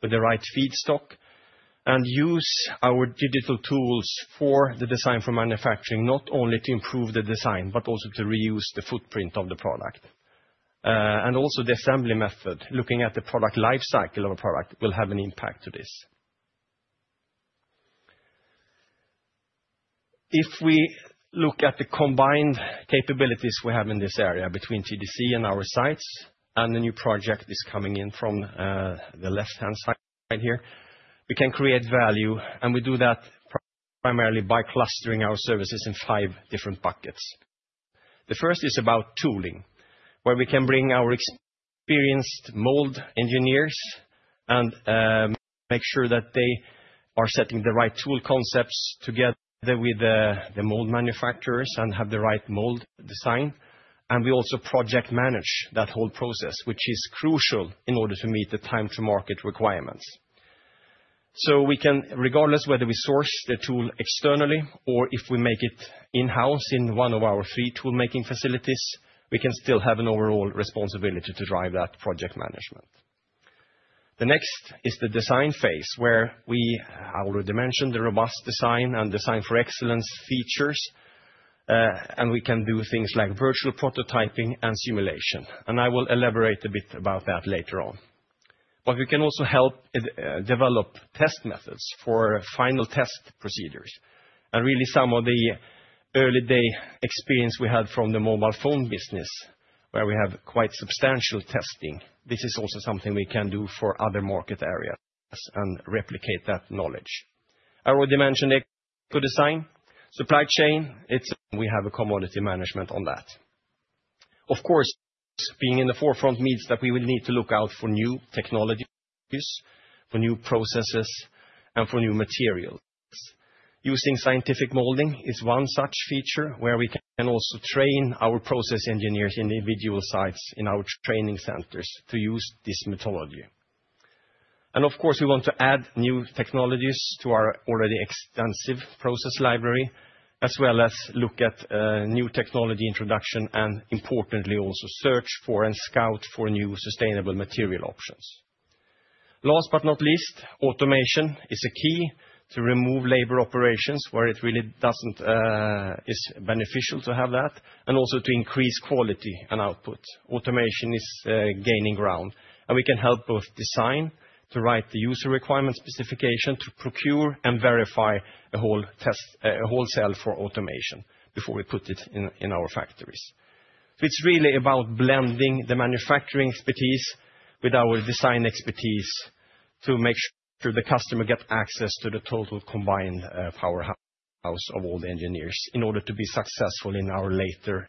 with the right feedstock, and use our digital tools for the design for manufacturing, not only to improve the design, but also to reuse the footprint of the product. Also, the assembly method, looking at the product lifecycle of a product, will have an impact to this. If we look at the combined capabilities we have in this area between TDC and our sites and the new project that is coming in from the left-hand side here, we can create value. We do that primarily by clustering our services in five different buckets. The first is about tooling, where we can bring our experienced mold engineers and make sure that they are setting the right tool concepts together with the mold manufacturers and have the right mold design. We also project manage that whole process, which is crucial in order to meet the time-to-market requirements. Regardless of whether we source the tool externally or if we make it in-house in one of our three tool-making facilities, we can still have an overall responsibility to drive that project management. The next is the design phase, where we already mentioned the robust design and design for excellence features. We can do things like virtual prototyping and simulation. I will elaborate a bit about that later on. We can also help develop test methods for final test procedures. Some of the early-day experience we had from the mobile phone business, where we have quite substantial testing, is also something we can do for other market areas and replicate that knowledge. I already mentioned eco design, supply chain. We have a commodity management on that. Of course, being in the forefront means that we will need to look out for new technologies, for new processes, and for new materials. Using scientific molding is one such feature where we can also train our process engineers in individual sites in our training centers to use this methodology. Of course, we want to add new technologies to our already extensive process library, as well as look at new technology introduction and, importantly, also search for and scout for new sustainable material options. Last but not least, automation is a key to remove labor operations where it really is beneficial to have that, and also to increase quality and output. Automation is gaining ground. We can help both design to write the user requirement specification to procure and verify a whole cell for automation before we put it in our factories. It is really about blending the manufacturing expertise with our design expertise to make sure the customer gets access to the total combined powerhouse of all the engineers in order to be successful in our later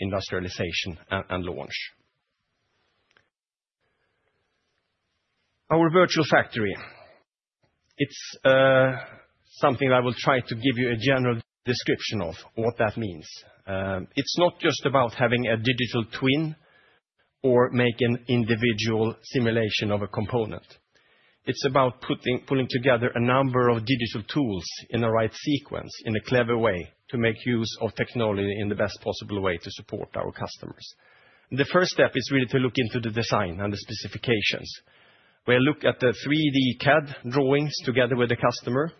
industrialization and launch. Our virtual factory, it is something that I will try to give you a general description of what that means. It is not just about having a digital twin or making an individual simulation of a component. It is about pulling together a number of digital tools in the right sequence in a clever way to make use of technology in the best possible way to support our customers. The first step is really to look into the design and the specifications. We look at the 3D CAD drawings together with the customer.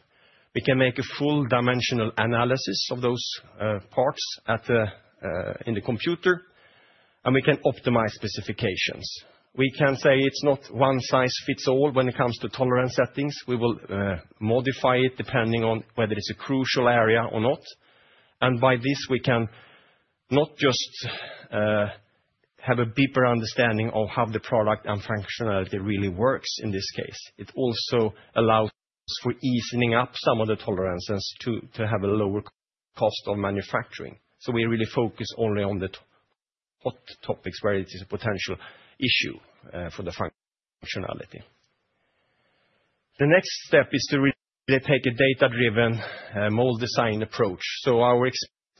We can make a full-dimensional analysis of those parts in the computer, and we can optimize specifications. It's not one size fits all when it comes to tolerance settings. We will modify it depending on whether it's a crucial area or not. By this, we can not just have a deeper understanding of how the product and functionality really works in this case. It also allows for easing up some of the tolerances to have a lower cost of manufacturing. We really focus only on the hot topics where it is a potential issue for the functionality. The next step is to really take a data-driven mold design approach.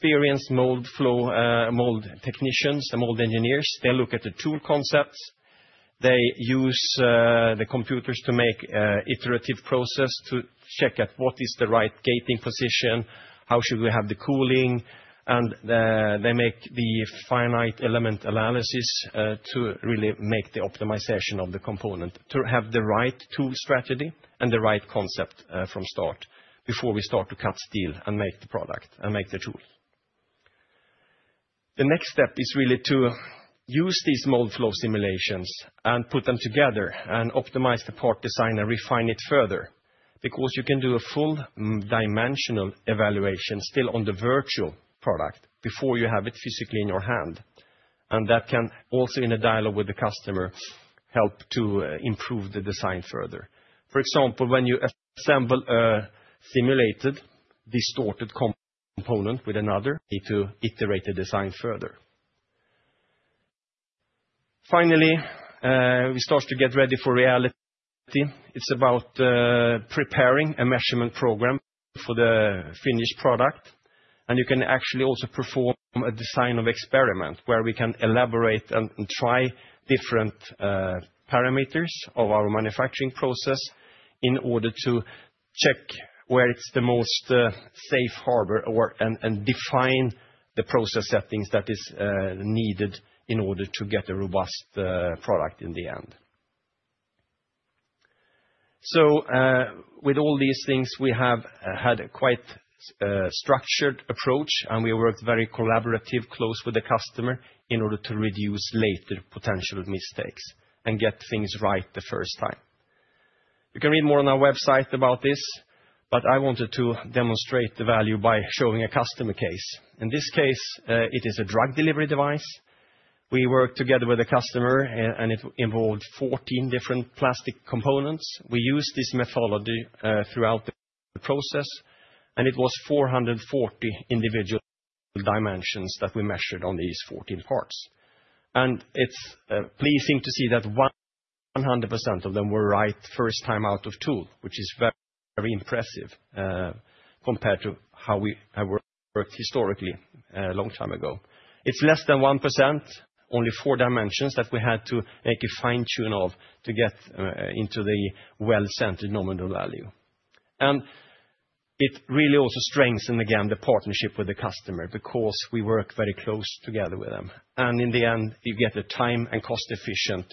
Our experienced mold technicians and mold engineers, they look at the tool concepts. They use the computers to make an iterative process to check at what is the right gating position, how should we have the cooling, and they make the finite element analysis to really make the optimization of the component to have the right tool strategy and the right concept from start before we start to cut steel and make the product and make the tools. The next step is really to use these mold flow simulations and put them together and optimize the part design and refine it further because you can do a full-dimensional evaluation still on the virtual product before you have it physically in your hand. That can also, in a dialogue with the customer, help to improve the design further. For example, when you assemble a simulated distorted component with another, you need to iterate the design further. Finally, we start to get ready for reality. It's about preparing a measurement program for the finished product. You can actually also perform a design of experiment where we can elaborate and try different parameters of our manufacturing process in order to check where it's the most safe harbor and define the process settings that are needed in order to get a robust product in the end. With all these things, we have had a quite structured approach, and we worked very collaboratively close with the customer in order to reduce later potential mistakes and get things right the first time. You can read more on our website about this, but I wanted to demonstrate the value by showing a customer case. In this case, it is a drug delivery device. We worked together with a customer, and it involved 14 different plastic components. We used this methodology throughout the process, and it was 440 individual dimensions that we measured on these 14 parts. It is pleasing to see that 100% of them were right the first time out of two, which is very impressive compared to how we have worked historically a long time ago. It is less than 1%, only four dimensions that we had to make a fine-tune of to get into the well-centered nominal value. It really also strengthens, again, the partnership with the customer because we work very close together with them. In the end, you get a time and cost-efficient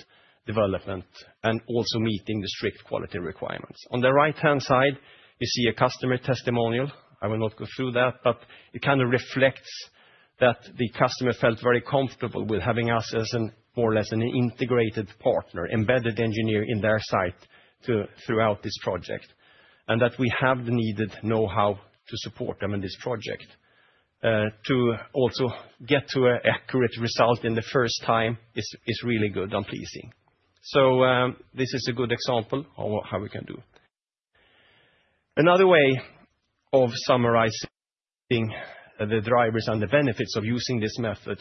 development and also meeting the strict quality requirements. On the right-hand side, you see a customer testimonial. I will not go through that, but it kind of reflects that the customer felt very comfortable with having us as more or less an integrated partner, embedded engineer in their site throughout this project, and that we have the needed know-how to support them in this project. To also get to an accurate result in the first time is really good and pleasing. This is a good example of how we can do. Another way of summarizing the drivers and the benefits of using this method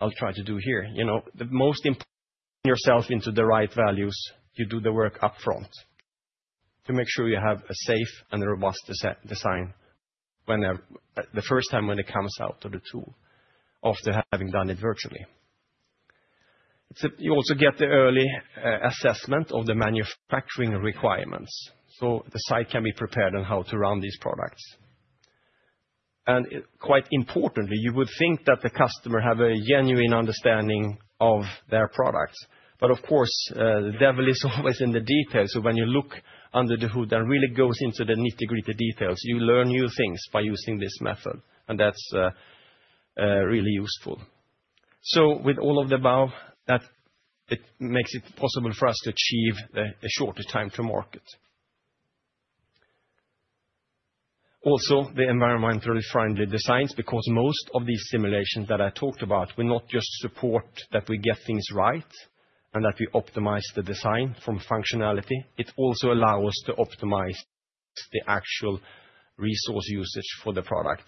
I'll try to do here. The most important is to get yourself into the right values. You do the work upfront to make sure you have a safe and robust design the first time when it comes out of the tool, after having done it virtually. You also get the early assessment of the manufacturing requirements, so the site can be prepared on how to run these products. Quite importantly, you would think that the customer has a genuine understanding of their products. Of course, the devil is always in the details. When you look under the hood and really go into the nitty-gritty details, you learn new things by using this method, and that's really useful. With all of the above, that makes it possible for us to achieve a shorter time to market. Also, the environmentally friendly designs, because most of these simulations that I talked about, we not just support that we get things right and that we optimize the design from functionality, it also allows us to optimize the actual resource usage for the product,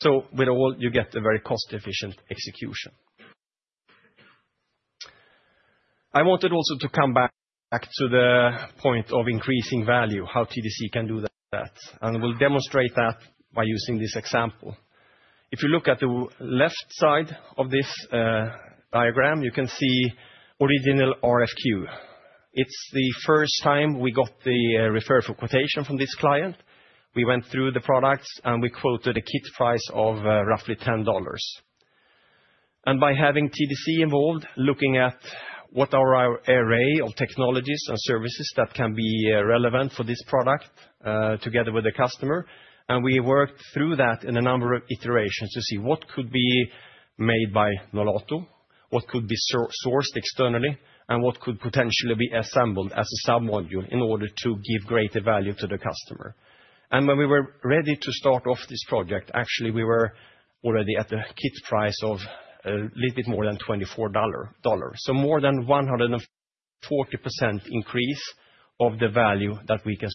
primarily by reducing weight and eliminating materials. With all, you get a very cost-efficient execution. I wanted also to come back to the point of increasing value, how TDC can do that. We'll demonstrate that by using this example. If you look at the left side of this diagram, you can see original RFQ. It's the first time we got the referral quotation from this client. We went through the products, and we quoted a kit price of roughly $10. By having TDC involved, looking at what are our array of technologies and services that can be relevant for this product together with the customer, we worked through that in a number of iterations to see what could be made by Nolato, what could be sourced externally, and what could potentially be assembled as a sub-module in order to give greater value to the customer. When we were ready to start off this project, actually, we were already at the kit price of a little bit more than $24. So more than 140% increase of the value that we can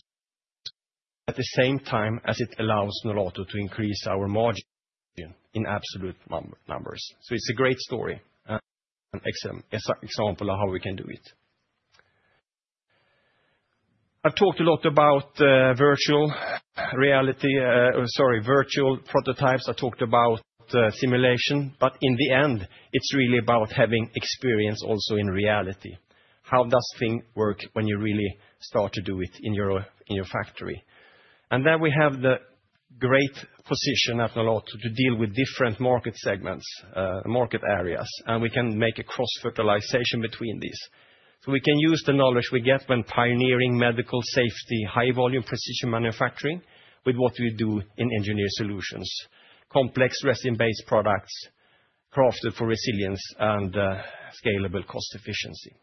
at the same time as it allows Nolato to increase our margin in absolute numbers. It is a great story, an example of how we can do it. I have talked a lot about virtual reality or, sorry, virtual prototypes. I talked about simulation, but in the end, it is really about having experience also in reality. How do things work when you really start to do it in your factory? We have the great position at Nolato to deal with different market segments, market areas, and we can make a cross-fertilization between these. We can use the knowledge we get when pioneering medical safety, high-volume precision manufacturing with what we do in engineer solutions, complex resin-based products crafted for resilience and scalable cost efficiency.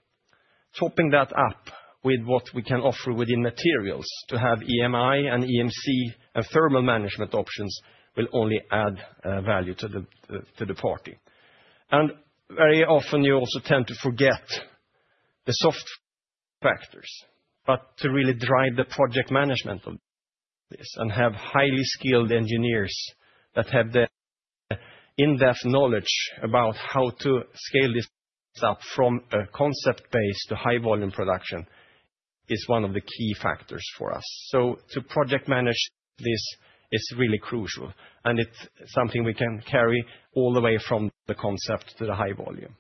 Topping that up with what we can offer within materials to have EMI and EMC and thermal management options will only add value to the party. Very often, you also tend to forget the soft factors, but to really drive the project management of this and have highly skilled engineers that have the in-depth knowledge about how to scale this up from a concept base to high-volume production is one of the key factors for us. To project manage this is really crucial, and it's something we can carry all the way from the concept to the high volume.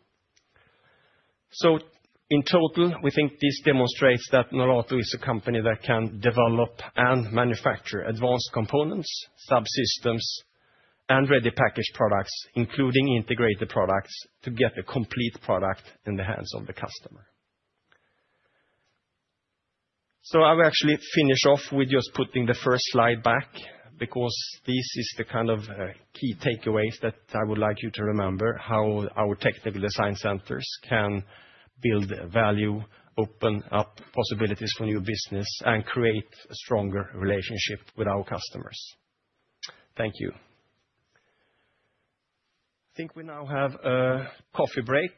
In total, we think this demonstrates that Nolato is a company that can develop and manufacture advanced components, subsystems, and ready-packaged products, including integrated products, to get the complete product in the hands of the customer. I will actually finish off with just putting the first slide back because these are the kind of key takeaways that I would like you to remember, how our technical design centers can build value, open up possibilities for new business, and create a stronger relationship with our customers. Thank you. I think we now have a coffee break,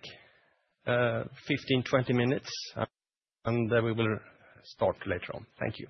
15-20 minutes, and we will start later on. Thank you.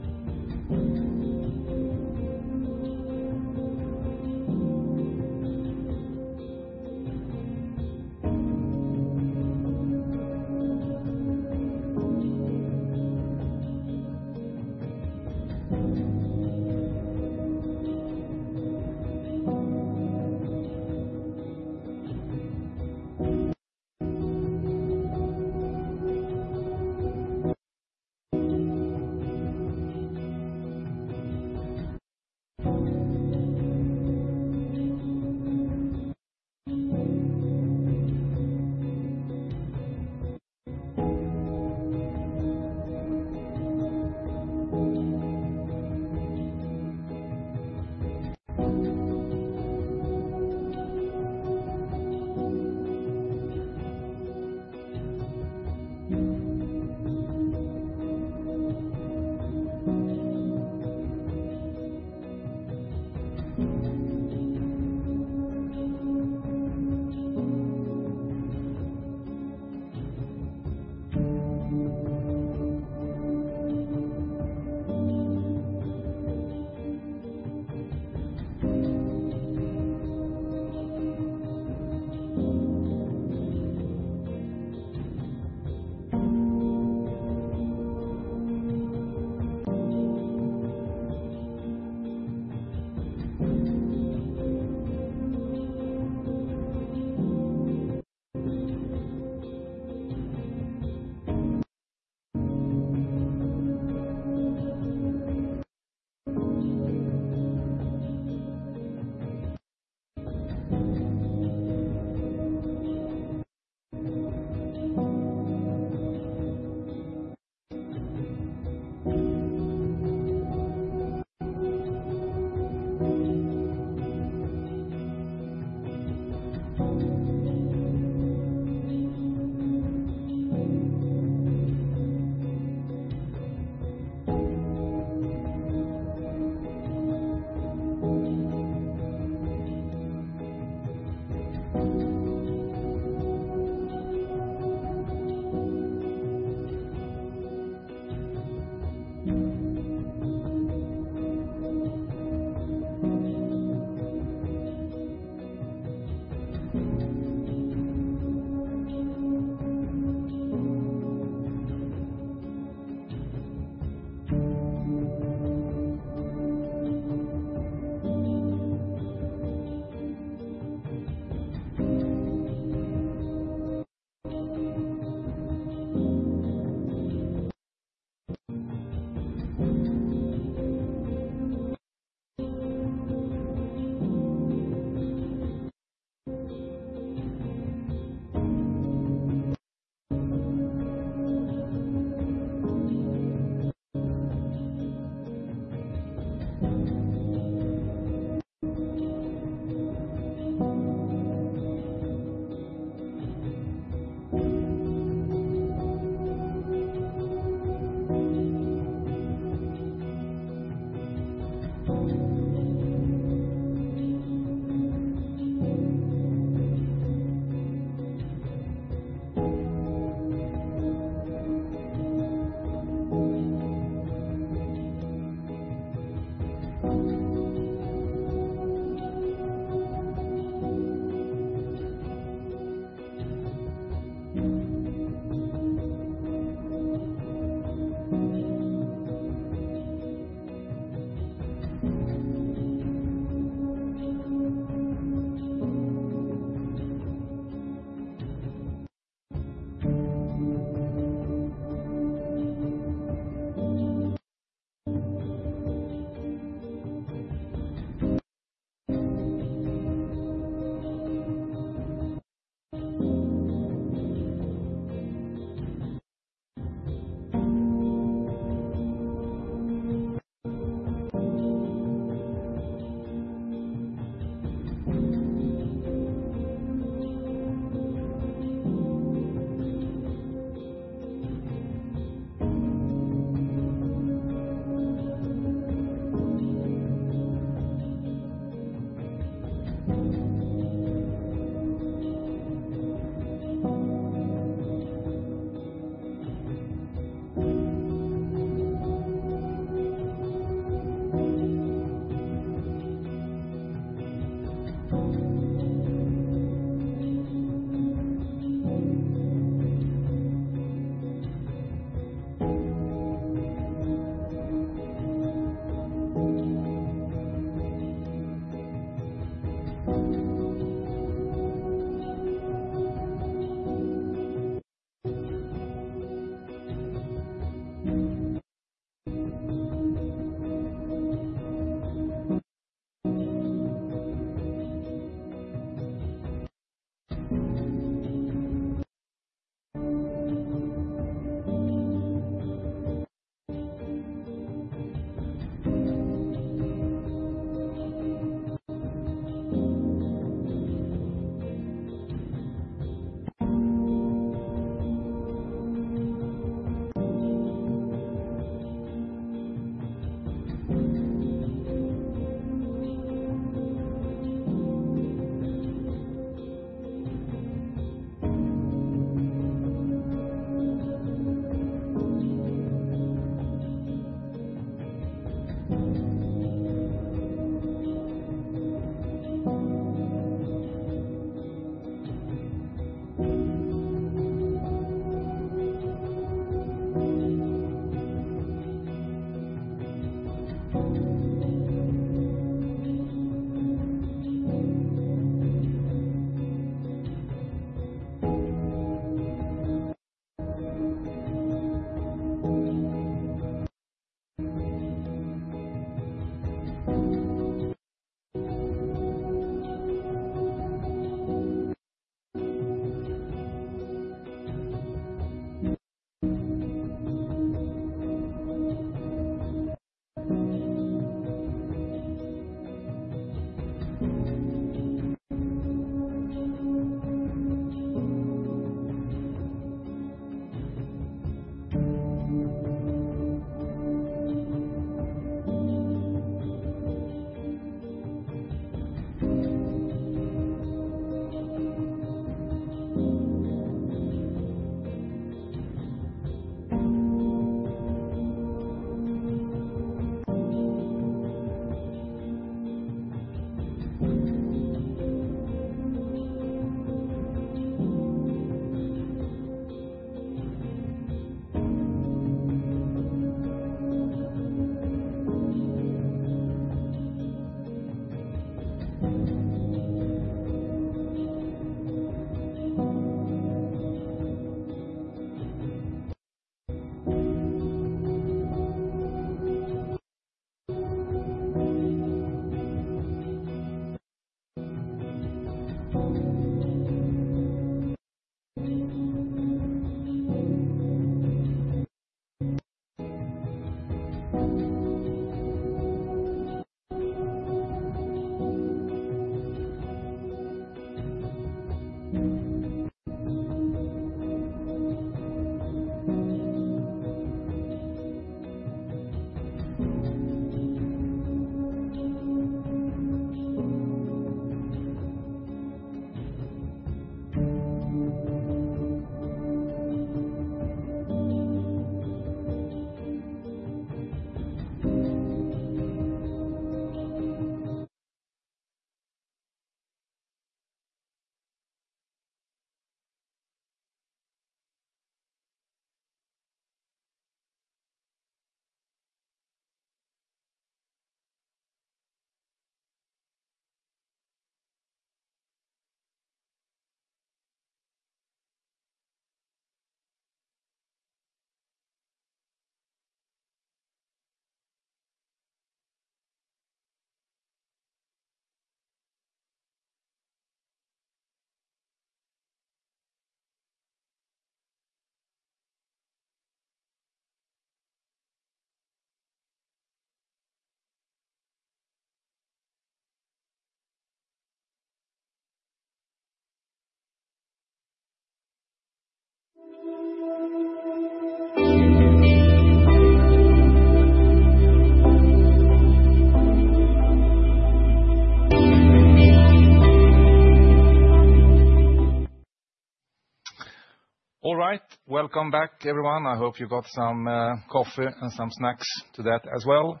All right, welcome back, everyone. I hope you got some coffee and some snacks to that as well.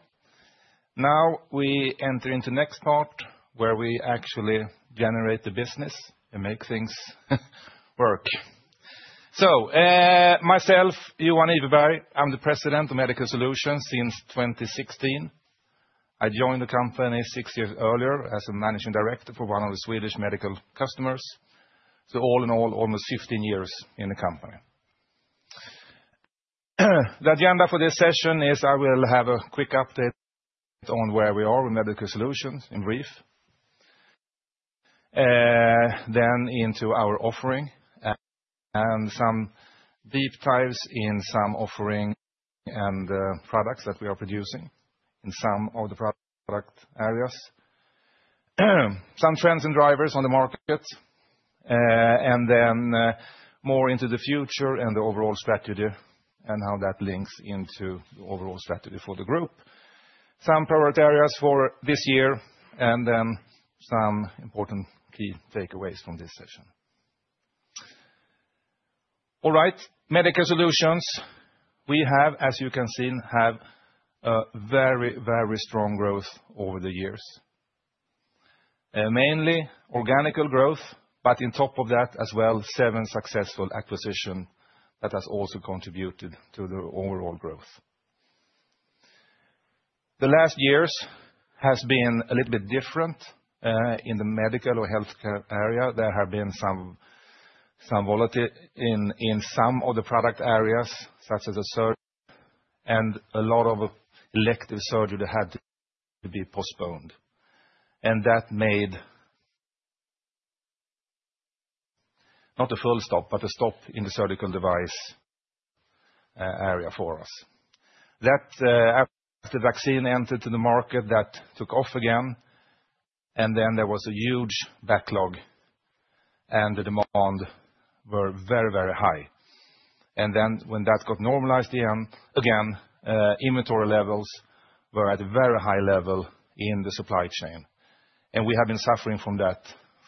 Now we enter into the next part where we actually generate the business and make things work. Myself, Johan Iverberg, I'm the President of Medical Solutions since 2016. I joined the company six years earlier as a Managing Director for one of the Swedish medical customers. All in all, almost 15 years in the company. The agenda for this session is I will have a quick update on where we are with Medical Solutions in brief. Then into our offering and some deep dives in some offering and products that we are producing in some of the product areas. Some trends and drivers on the market and then more into the future and the overall strategy and how that links into the overall strategy for the group. Some priority areas for this year and then some important key takeaways from this session. All right, Medical Solutions, we have, as you can see, have a very, very strong growth over the years. Mainly organic growth, but on top of that as well, seven successful acquisitions that have also contributed to the overall growth. The last years have been a little bit different in the medical or healthcare area. There have been some volatility in some of the product areas, such as the surgery and a lot of elective surgery that had to be postponed. That made not a full stop, but a stop in the surgical device area for us. After the vaccine entered the market, that took off again. There was a huge backlog and the demand was very, very high. When that got normalized again, inventory levels were at a very high level in the supply chain. We have been suffering from that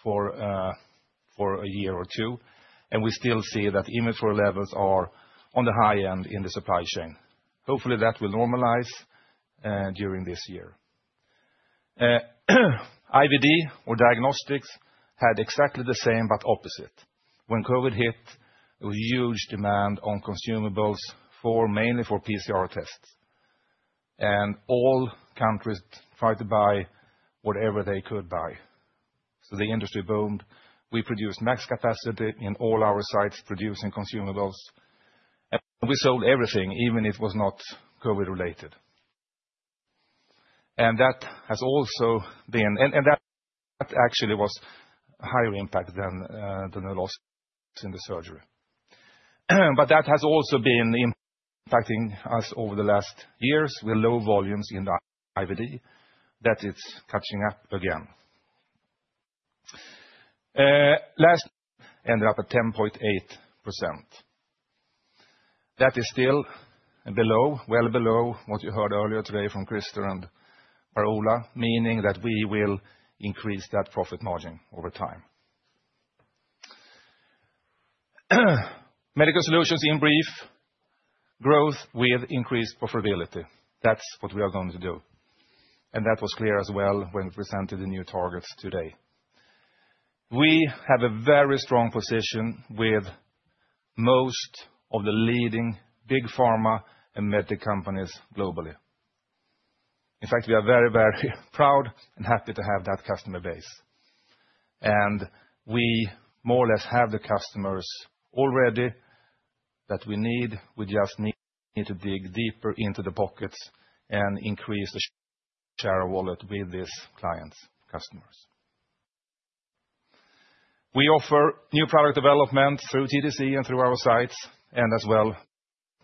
for a year or two. We still see that inventory levels are on the high end in the supply chain. Hopefully, that will normalize during this year. IVD or diagnostics had exactly the same, but opposite. When COVID hit, there was a huge demand on consumables, mainly for PCR tests. All countries tried to buy whatever they could buy. The industry boomed. We produced max capacity in all our sites producing consumables. We sold everything, even if it was not COVID-related. That has also been, and that actually was a higher impact than the loss in the surgery. That has also been impacting us over the last years with low volumes in IVD that it is catching up again. Last ended up at 10.8%. That is still below, well below what you heard earlier today from Christer and Per-Ola, meaning that we will increase that profit margin over time. Medical Solutions in brief, growth with increased profitability. That is what we are going to do. That was clear as well when we presented the new targets today. We have a very strong position with most of the leading big pharma and med tech companies globally. In fact, we are very, very proud and happy to have that customer base. We more or less have the customers already that we need. We just need to dig deeper into the pockets and increase the share of wallet with these clients' customers. We offer new product development through TDC and through our sites and as well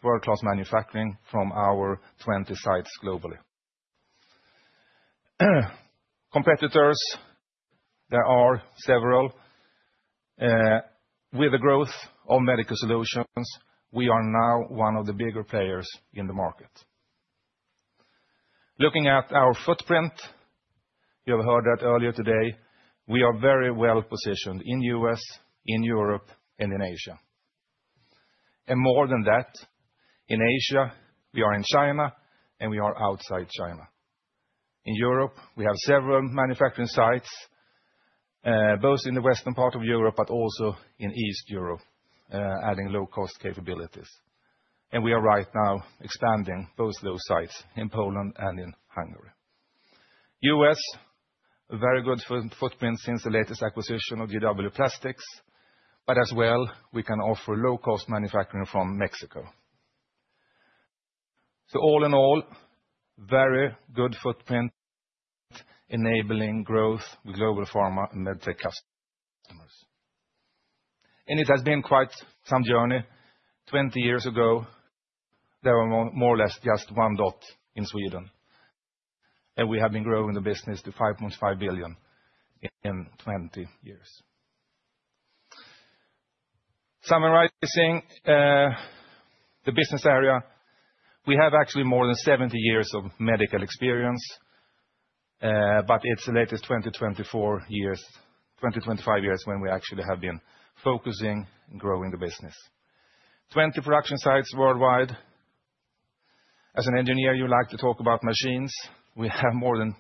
world-class manufacturing from our 20 sites globally. Competitors, there are several. With the growth of Medical Solutions, we are now one of the bigger players in the market. Looking at our footprint, you have heard that earlier today, we are very well positioned in the US, in Europe, and in Asia. More than that, in Asia, we are in China and we are outside China. In Europe, we have several manufacturing sites, both in the western part of Europe, but also in East Europe, adding low-cost capabilities. We are right now expanding both those sites in Poland and in Hungary. US, a very good footprint since the latest acquisition of GW Plastics, but as well, we can offer low-cost manufacturing from Mexico. All in all, very good footprint, enabling growth with global pharma and med tech customers. It has been quite some journey. Twenty years ago, there were more or less just one dot in Sweden. We have been growing the business to 5.5 billion in twenty years. Summarizing the business area, we have actually more than 70 years of medical experience, but it's the latest 20-25 years when we actually have been focusing and growing the business. Twenty production sites worldwide. As an engineer, you like to talk about machines. We have more than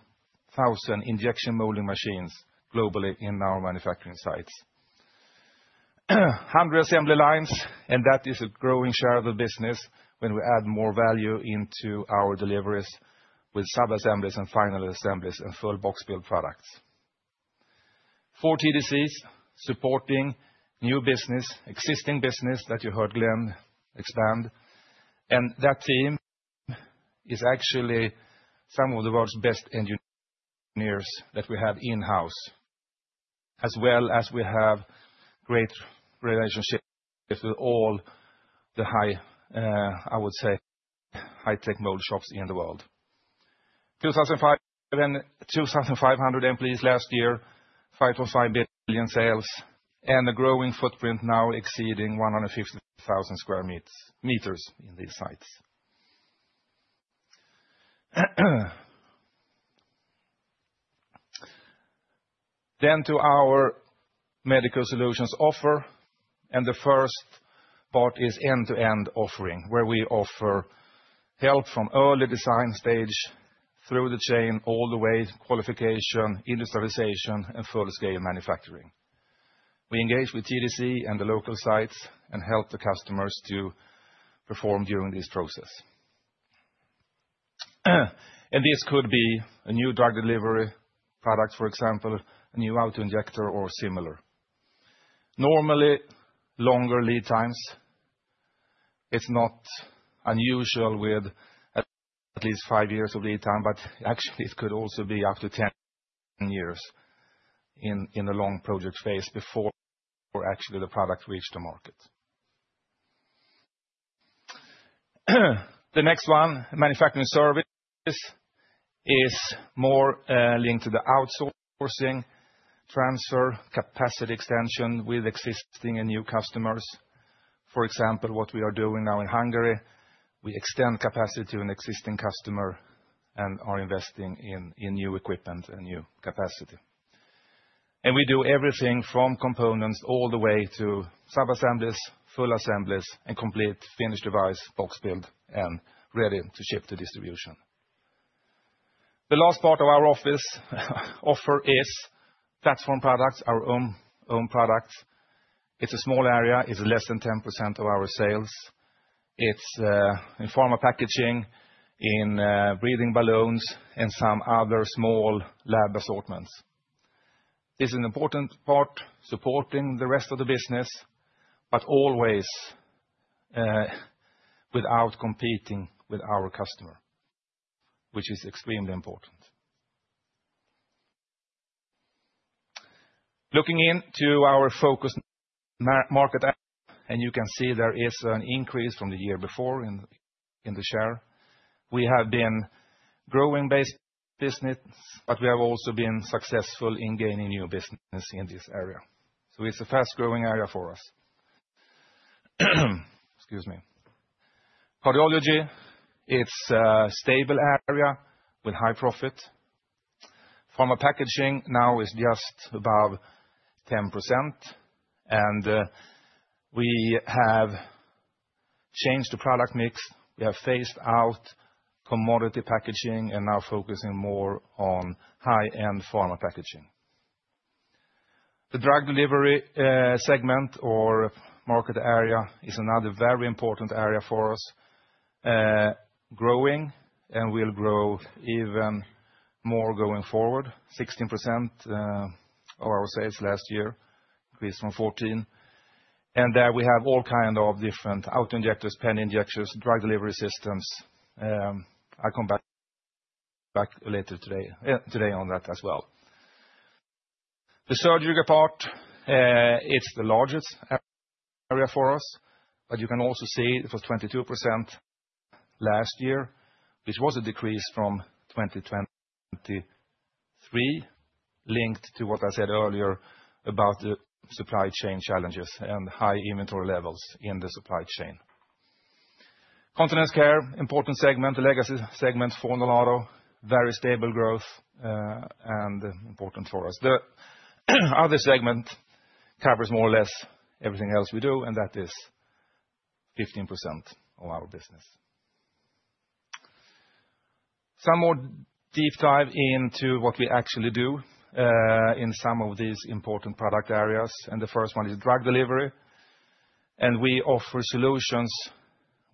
1,000 injection molding machines globally in our manufacturing sites. One hundred assembly lines, and that is a growing share of the business when we add more value into our deliveries with sub-assemblies and final assemblies and full box build products. Four TDCs supporting new business, existing business that you heard Glenn expand. That team is actually some of the world's best engineers that we have in-house, as well as we have great relationships with all the high, I would say, high-tech mold shops in the world. 2,500 employees last year, 5.5 billion sales, and a growing footprint now exceeding 150,000 square meters in these sites. To our Medical Solutions offer, the first part is end-to-end offering, where we offer help from early design stage through the chain, all the way to qualification, industrialization, and full-scale manufacturing. We engage with TDC and the local sites and help the customers to perform during this process. This could be a new drug delivery product, for example, a new auto-injector or similar. Normally, longer lead times. It is not unusual with at least five years of lead time, but actually it could also be up to 10 years in the long project phase before the product reaches the market. The next one, manufacturing service, is more linked to the outsourcing, transfer capacity extension with existing and new customers. For example, what we are doing now in Hungary, we extend capacity to an existing customer and are investing in new equipment and new capacity. We do everything from components all the way to sub-assemblies, full assemblies, and complete finished device, box build, and ready to ship to distribution. The last part of our offer is platform products, our own products. It is a small area. It is less than 10% of our sales. It is in pharma packaging, in breathing balloons, and some other small lab assortments. This is an important part supporting the rest of the business, but always without competing with our customer, which is extremely important. Looking into our focus market, and you can see there is an increase from the year before in the share. We have been growing based business, but we have also been successful in gaining new business in this area. It is a fast-growing area for us. Excuse me. Cardiology, it is a stable area with high profit. Pharma packaging now is just above 10%. We have changed the product mix. We have phased out commodity packaging and now focusing more on high-end pharma packaging. The drug delivery segment or market area is another very important area for us, growing and will grow even more going forward. 16% of our sales last year increased from 14%. There we have all kinds of different auto-injectors, pen injectors, drug delivery systems. I will come back later today on that as well. The surgical part, it is the largest area for us, but you can also see it was 22% last year, which was a decrease from 2023, linked to what I said earlier about the supply chain challenges and high inventory levels in the supply chain. Continental care, important segment, the legacy segment, Formula Auto, very stable growth and important for us. The other segment covers more or less everything else we do, and that is 15% of our business. Some more deep dive into what we actually do in some of these important product areas. The first one is drug delivery. We offer solutions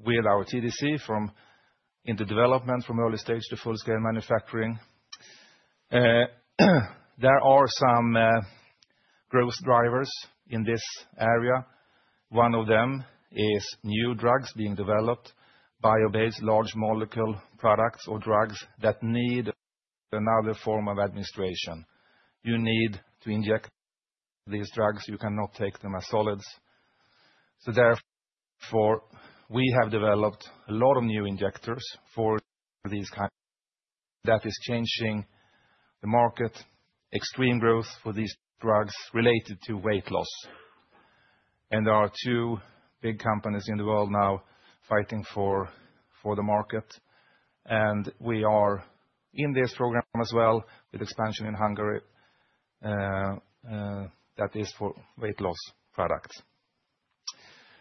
with our TDC from in the development, from early stage to full-scale manufacturing. There are some growth drivers in this area. One of them is new drugs being developed, bio-based, large molecule products or drugs that need another form of administration. You need to inject these drugs. You cannot take them as solids. Therefore, we have developed a lot of new injectors for these kinds of drugs that are changing the market. Extreme growth for these drugs related to weight loss. There are two big companies in the world now fighting for the market. We are in this program as well with expansion in Hungary that is for weight loss products.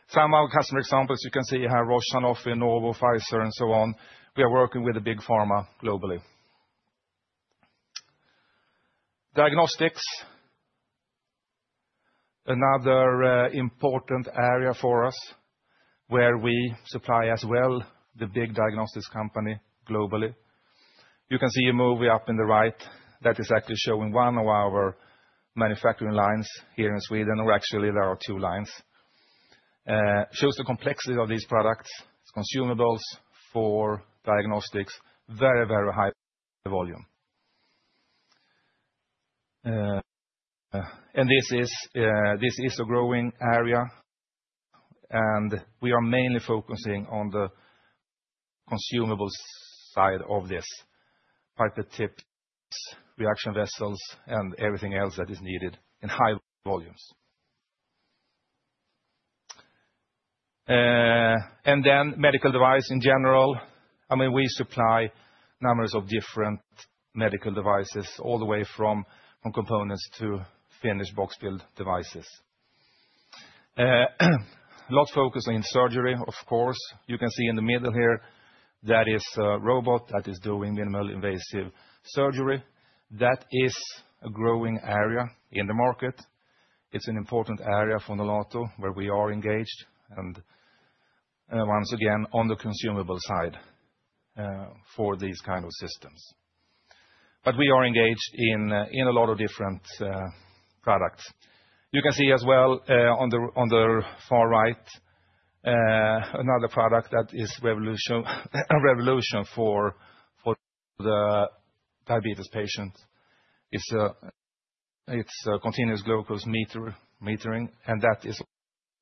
Some of our customer examples, you can see here Roche, Novo, Pfizer, and so on. We are working with the big pharma globally. Diagnostics, another important area for us where we supply as well the big diagnostics company globally. You can see a movie up in the right that is actually showing one of our manufacturing lines here in Sweden, or actually there are two lines. Shows the complexity of these products, consumables for diagnostics, very, very high volume. This is a growing area, and we are mainly focusing on the consumable side of this, pipette tips, reaction vessels, and everything else that is needed in high volumes. Medical device in general. I mean, we supply numbers of different medical devices all the way from components to finished box build devices. A lot of focus on surgery, of course. You can see in the middle here that is a robot that is doing minimal invasive surgery. That is a growing area in the market. It's an important area for Nolato where we are engaged and once again on the consumable side for these kinds of systems. We are engaged in a lot of different products. You can see as well on the far right another product that is revolution for the diabetes patient. It's a continuous glucose monitoring, and that is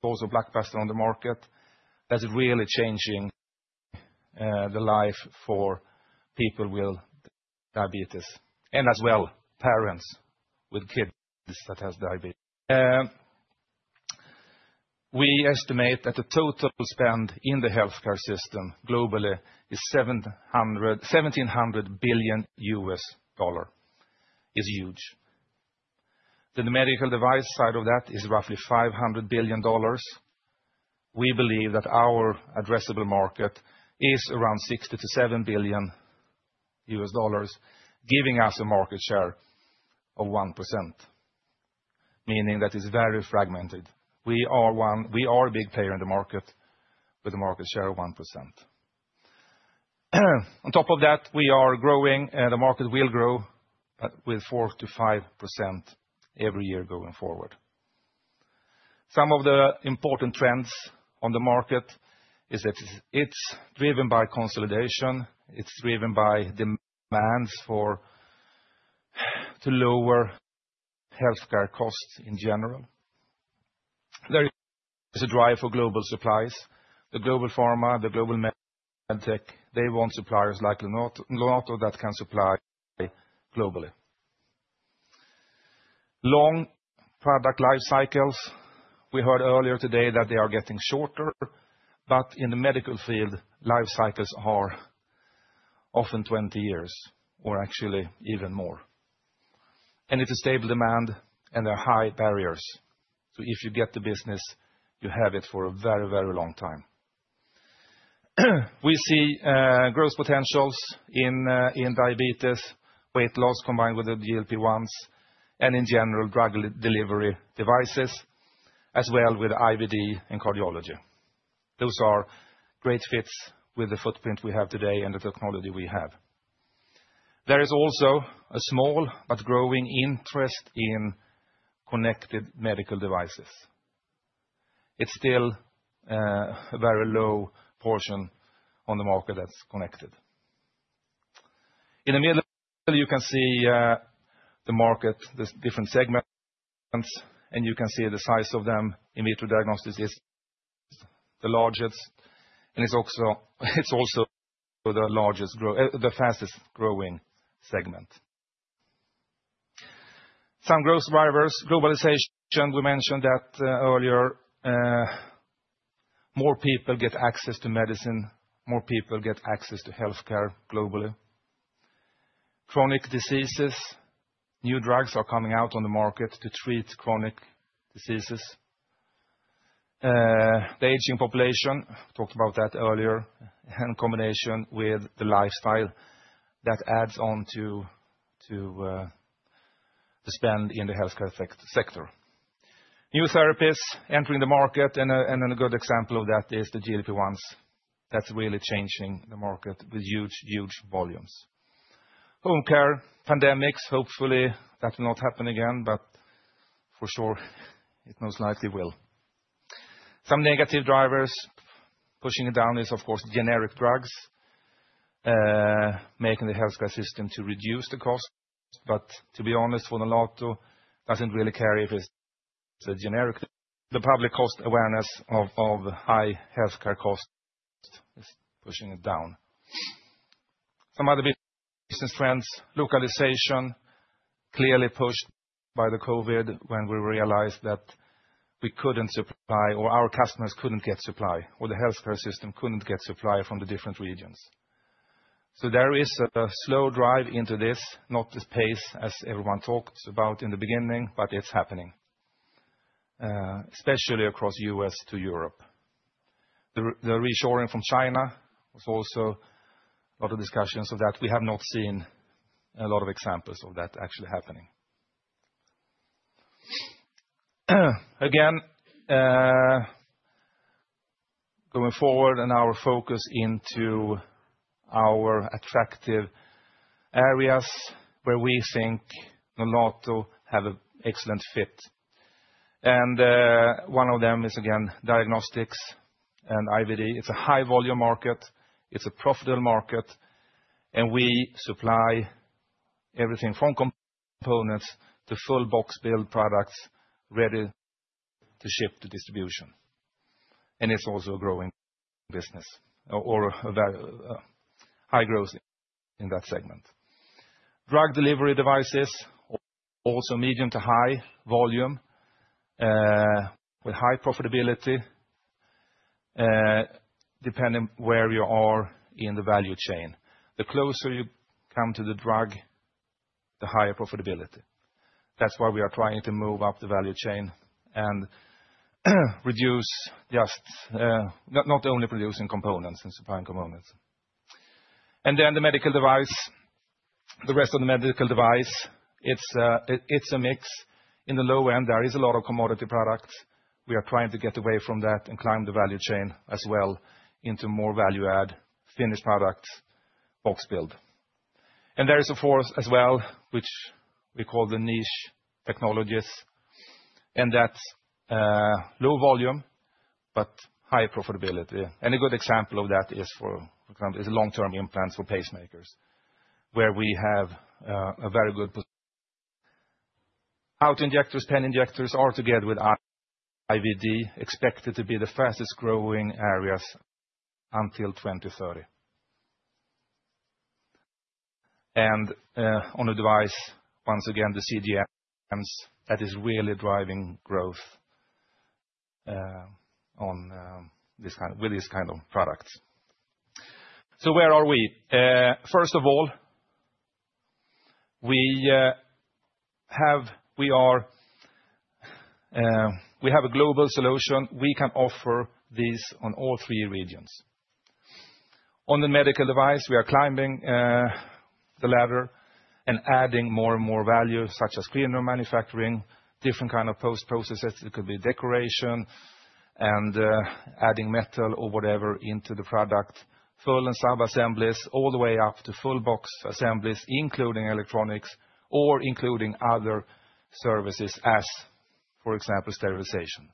also a blockbuster on the market that's really changing the life for people with diabetes and as well parents with kids that have diabetes. We estimate that the total spend in the healthcare system globally is $1,700 billion. It's huge. The medical device side of that is roughly $500 billion. We believe that our addressable market is around $6 billion-$7 billion, giving us a market share of 1%, meaning that it's very fragmented. We are a big player in the market with a market share of 1%. On top of that, we are growing, and the market will grow with 4%-5% every year going forward. Some of the important trends on the market are that it's driven by consolidation. It's driven by demands to lower healthcare costs in general. There is a drive for global supplies. The global pharma, the global med tech, they want suppliers like Nolato that can supply globally. Long product life cycles. We heard earlier today that they are getting shorter, but in the medical field, life cycles are often 20 years or actually even more. It is a stable demand, and there are high barriers. If you get the business, you have it for a very, very long time. We see growth potentials in diabetes, weight loss combined with the GLP-1s, and in general, drug delivery devices, as well with IVD and cardiology. Those are great fits with the footprint we have today and the technology we have. There is also a small but growing interest in connected medical devices. It is still a very low portion on the market that is connected. In the middle, you can see the market, the different segments, and you can see the size of them. In vitro diagnostics is the largest, and it is also the fastest growing segment. Some growth drivers, globalization, we mentioned that earlier. More people get access to medicine. More people get access to healthcare globally. Chronic diseases. New drugs are coming out on the market to treat chronic diseases. The aging population, talked about that earlier, and combination with the lifestyle that adds on to the spend in the healthcare sector. New therapies entering the market, and a good example of that is the GLP-1s. That's really changing the market with huge, huge volumes. Home care, pandemics, hopefully that will not happen again, but for sure, it most likely will. Some negative drivers pushing it down is, of course, generic drugs, making the healthcare system to reduce the cost. To be honest, for Nolato, it doesn't really carry if it's a generic. The public cost awareness of high healthcare costs is pushing it down. Some other recent trends, localization, clearly pushed by the COVID when we realized that we could not supply or our customers could not get supply or the healthcare system could not get supply from the different regions. There is a slow drive into this, not the pace as everyone talked about in the beginning, but it is happening, especially across the US to Europe. The reshoring from China was also a lot of discussions of that. We have not seen a lot of examples of that actually happening. Again, going forward and our focus into our attractive areas where we think Nolato has an excellent fit. One of them is, again, diagnostics and IVD. It is a high-volume market. It is a profitable market. We supply everything from components to full box build products ready to ship to distribution. It is also a growing business or a high growth in that segment. Drug delivery devices, also medium to high volume with high profitability, depending where you are in the value chain. The closer you come to the drug, the higher profitability. That's why we are trying to move up the value chain and reduce just not only producing components and supplying components. The rest of the medical device, it's a mix. In the low end, there is a lot of commodity products. We are trying to get away from that and climb the value chain as well into more value-add, finished products, box build. There is, of course, as well, which we call the niche technologies, and that's low volume, but high profitability. A good example of that is, for example, long-term implants for pacemakers, where we have a very good position. Auto-injectors, pen injectors are together with IVD, expected to be the fastest growing areas until 2030. On the device, once again, the CGMs, that is really driving growth with this kind of products. Where are we? First of all, we are a global solution. We can offer these on all three regions. On the medical device, we are climbing the ladder and adding more and more value, such as cleaner manufacturing, different kinds of post-processes. It could be decoration and adding metal or whatever into the product, full and sub-assemblies, all the way up to full box assemblies, including electronics or including other services as, for example, sterilization.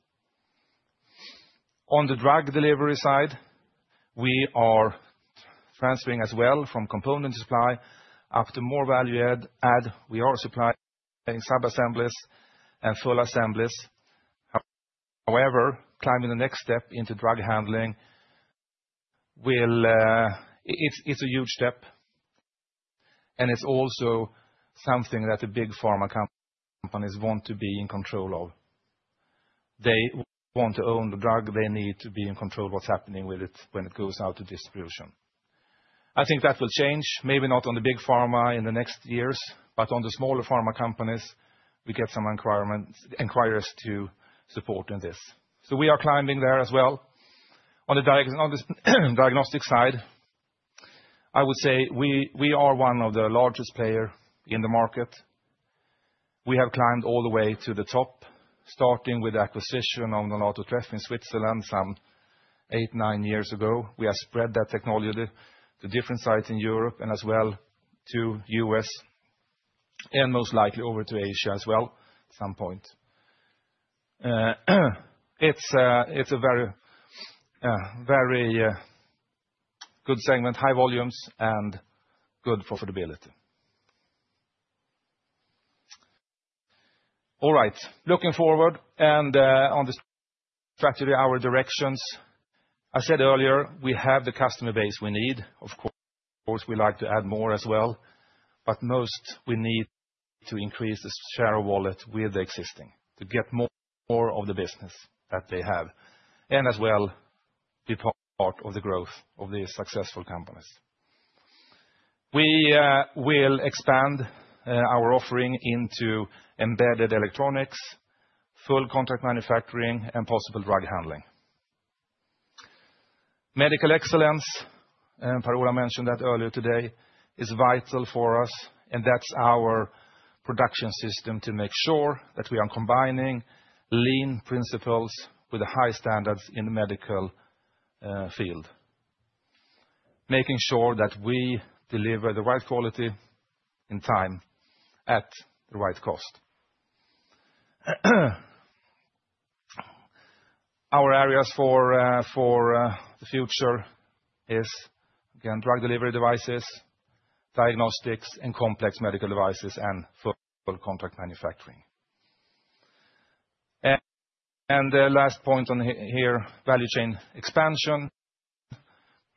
On the drug delivery side, we are transferring as well from component supply up to more value-added. We are supplying sub-assemblies and full assemblies. However, climbing the next step into drug handling, it's a huge step, and it's also something that the big pharma companies want to be in control of. They want to own the drug. They need to be in control of what's happening with it when it goes out to distribution. I think that will change, maybe not on the big pharma in the next years, but on the smaller pharma companies, we get some enquiries to support in this. We are climbing there as well. On the diagnostic side, I would say we are one of the largest players in the market. We have climbed all the way to the top, starting with the acquisition of Nolato Treft in Switzerland some eight, nine years ago. We have spread that technology to different sites in Europe and as well to the US and most likely over to Asia as well at some point. It's a very good segment, high volumes, and good profitability. All right, looking forward and on the trajectory, our directions. I said earlier, we have the customer base we need. Of course, we like to add more as well, but most we need to increase the share of wallet with the existing to get more of the business that they have and as well be part of the growth of these successful companies. We will expand our offering into embedded electronics, full contract manufacturing, and possible drug handling. Medical excellence, and Parula mentioned that earlier today, is vital for us, and that's our production system to make sure that we are combining lean principles with high standards in the medical field, making sure that we deliver the right quality in time at the right cost. Our areas for the future is, again, drug delivery devices, diagnostics, and complex medical devices and full contract manufacturing. The last point here, value chain expansion.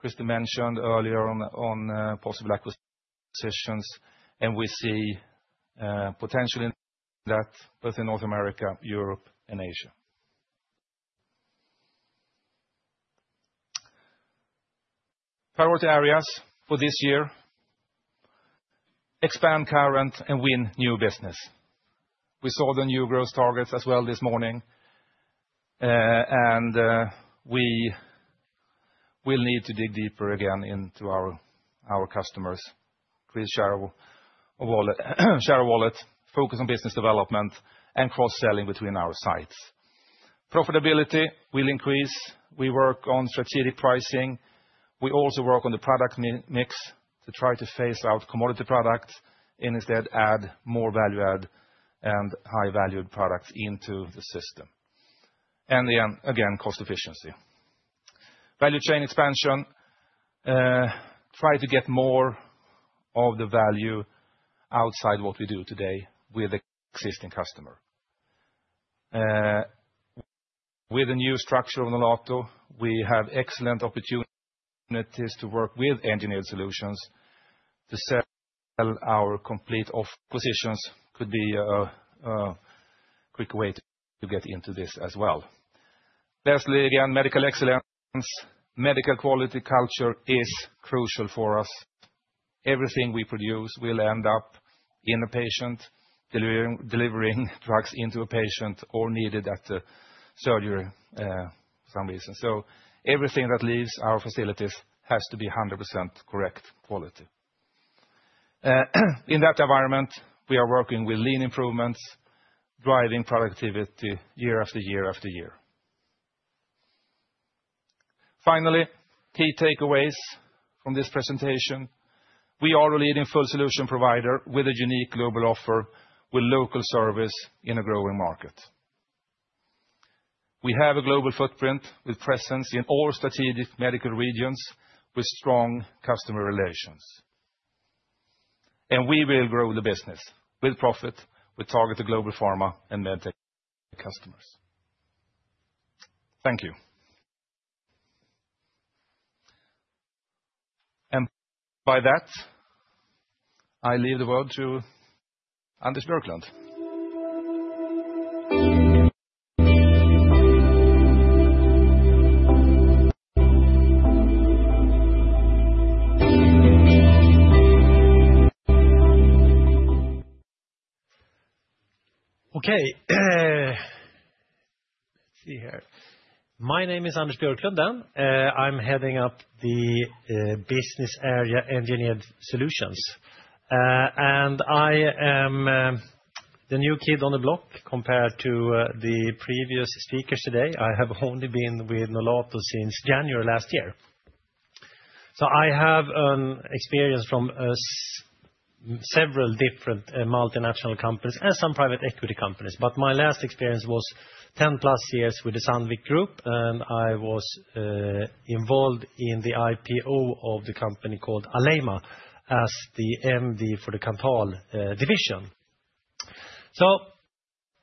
Christer mentioned earlier on possible acquisitions, and we see potential in that both in North America, Europe, and Asia. Priority areas for this year, expand current and win new business. We saw the new growth targets as well this morning, and we will need to dig deeper again into our customers' share of wallet, focus on business development and cross-selling between our sites. Profitability will increase. We work on strategic pricing. We also work on the product mix to try to phase out commodity products and instead add more value-add and high-valued products into the system. Again, cost efficiency. Value chain expansion, try to get more of the value outside what we do today with the existing customer. With the new structure of Nolato, we have excellent opportunities to work with engineered solutions to sell our complete positions. It could be a quick way to get into this as well. Lastly, again, medical excellence. Medical quality culture is crucial for us. Everything we produce will end up in a patient, delivering drugs into a patient or needed at the surgery for some reason. Everything that leaves our facilities has to be 100% correct quality. In that environment, we are working with lean improvements, driving productivity year after year after year. Finally, key takeaways from this presentation. We are a leading full solution provider with a unique global offer with local service in a growing market. We have a global footprint with presence in all strategic medical regions with strong customer relations. We will grow the business with profit with targeted global pharma and med tech customers. Thank you. By that, I leave the word to Anders Björklund. Okay. Let's see here. My name is Anders Björklund. I'm heading up the business area Engineered Solutions. I am the new kid on the block compared to the previous speakers today. I have only been with Nolato since January last year. I have experience from several different multinational companies and some private equity companies. My last experience was 10 plus years with the Sandvik Group, and I was involved in the IPO of the company called Alema as the MD for the Kanthal division.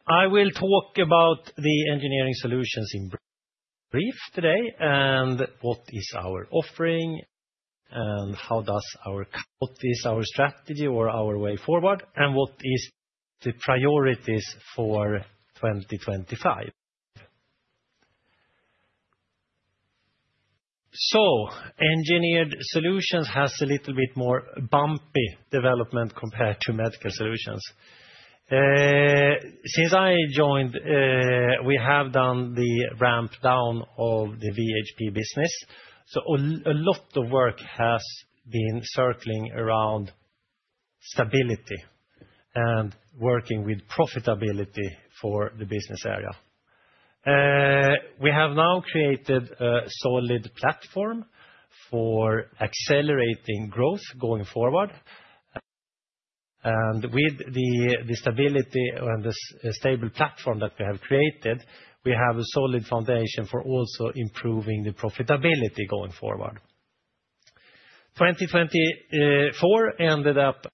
I will talk about the engineering solutions in brief today and what is our offering and how does our strategy or our way forward and what is the priorities for 2025. Engineered solutions has a little bit more bumpy development compared to medical solutions. Since I joined, we have done the ramp down of the VHP business. A lot of work has been circling around stability and working with profitability for the business area. We have now created a solid platform for accelerating growth going forward. With the stability and the stable platform that we have created, we have a solid foundation for also improving the profitability going forward. 2024 ended up.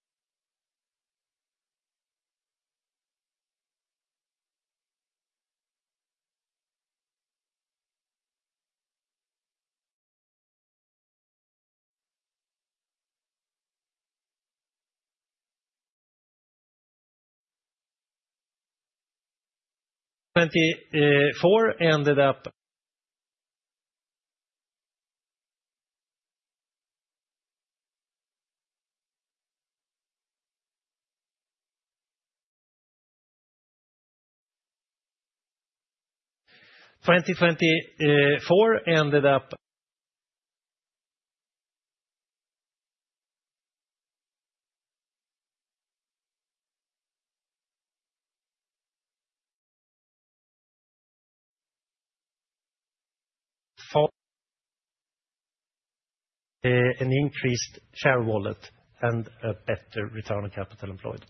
An increased share wallet and a better return on capital employed.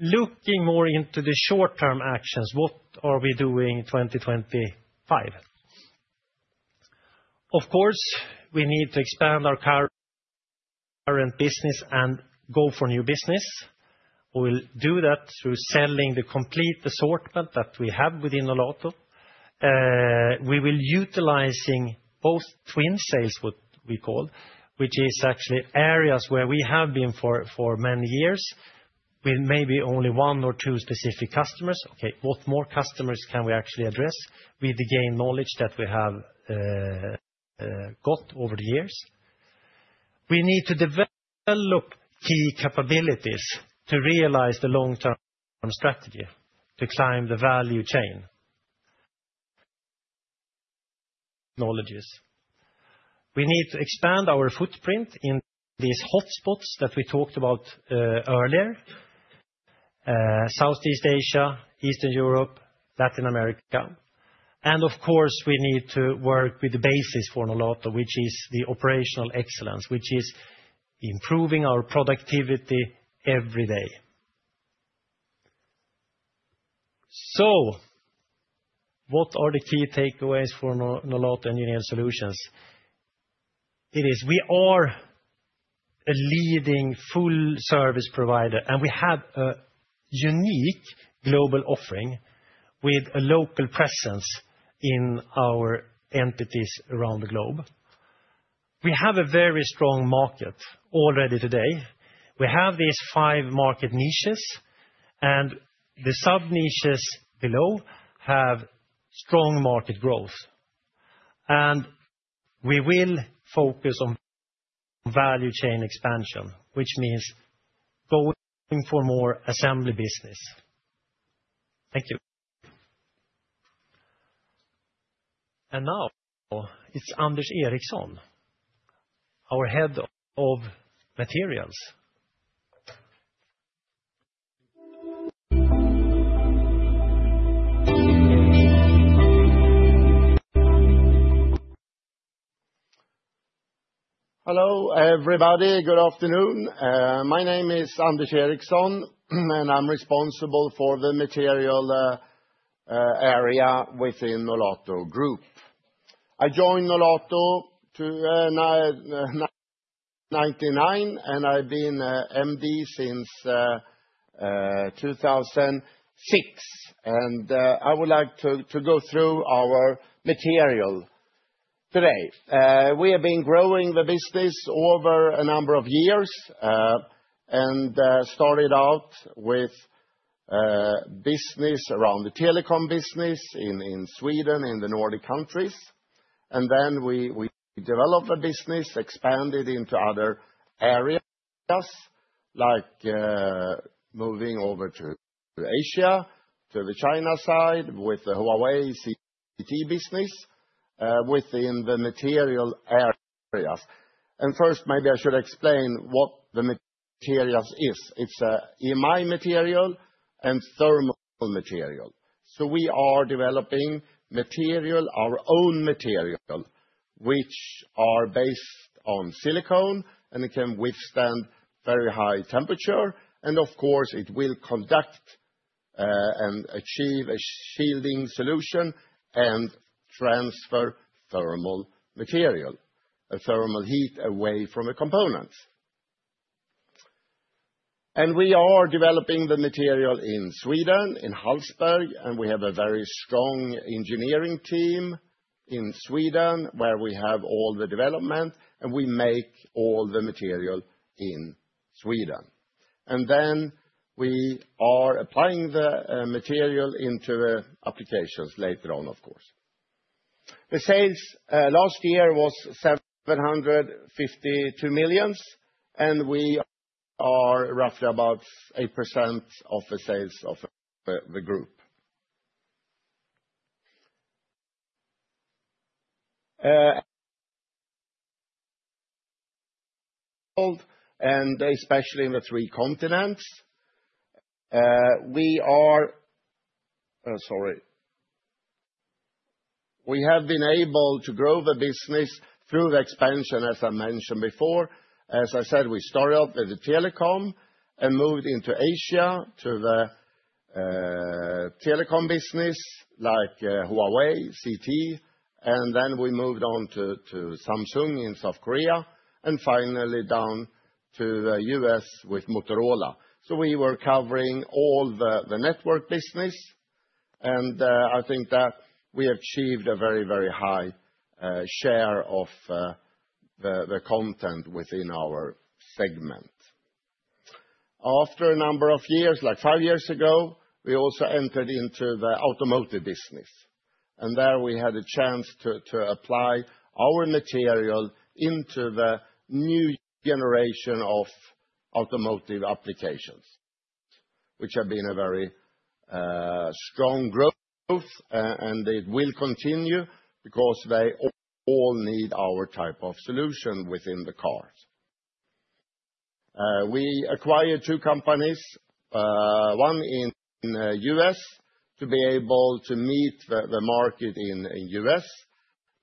Looking more into the short-term actions, what are we doing 2025? Of course, we need to expand our current business and go for new business. We'll do that through selling the complete assortment that we have within Nolato. We will utilize both twin sales, what we call, which is actually areas where we have been for many years with maybe only one or two specific customers. Okay, what more customers can we actually address with the gained knowledge that we have got over the years? We need to develop key capabilities to realize the long-term strategy to climb the value chain. Knowledges. We need to expand our footprint in these hotspots that we talked about earlier, Southeast Asia, Eastern Europe, Latin America. Of course, we need to work with the basis for Nolato, which is the operational excellence, which is improving our productivity every day. What are the key takeaways for Nolato engineered solutions? We are a leading full-service provider, and we have a unique global offering with a local presence in our entities around the globe. We have a very strong market already today. We have these five market niches, and the sub-niches below have strong market growth. We will focus on value chain expansion, which means going for more assembly business. Thank you. Now it is Anders Eriksson, our Head of Materials. Hello, everybody. Good afternoon. My name is Anders Eriksson, and I'm responsible for the material area within Nolato Group. I joined Nolato in 1999, and I've been MD since 2006. I would like to go through our material today. We have been growing the business over a number of years and started out with business around the telecom business in Sweden, in the Nordic countries. We developed the business, expanded into other areas like moving over to Asia, to the China side with the Huawei CT business within the material areas. First, maybe I should explain what the materials is. It's a my material and thermal material. We are developing material, our own material, which are based on silicone, and it can withstand very high temperature. Of course, it will conduct and achieve a shielding solution and transfer thermal material, thermal heat away from the components. We are developing the material in Sweden, in Hallsberg, and we have a very strong engineering team in Sweden where we have all the development, and we make all the material in Sweden. We are applying the material into applications later on, of course. The sales last year was 752 million, and we are roughly about 8% of the sales of the group. Especially in the three continents, we are sorry. We have been able to grow the business through the expansion, as I mentioned before. As I said, we started off with the telecom and moved into Asia to the telecom business like Huawei CT, and then we moved on to Samsung in South Korea and finally down to the US with Motorola. We were covering all the network business, and I think that we achieved a very, very high share of the content within our segment. After a number of years, like five years ago, we also entered into the automotive business, and there we had a chance to apply our material into the new generation of automotive applications, which have been a very strong growth, and it will continue because they all need our type of solution within the cars. We acquired two companies, one in the US to be able to meet the market in the US,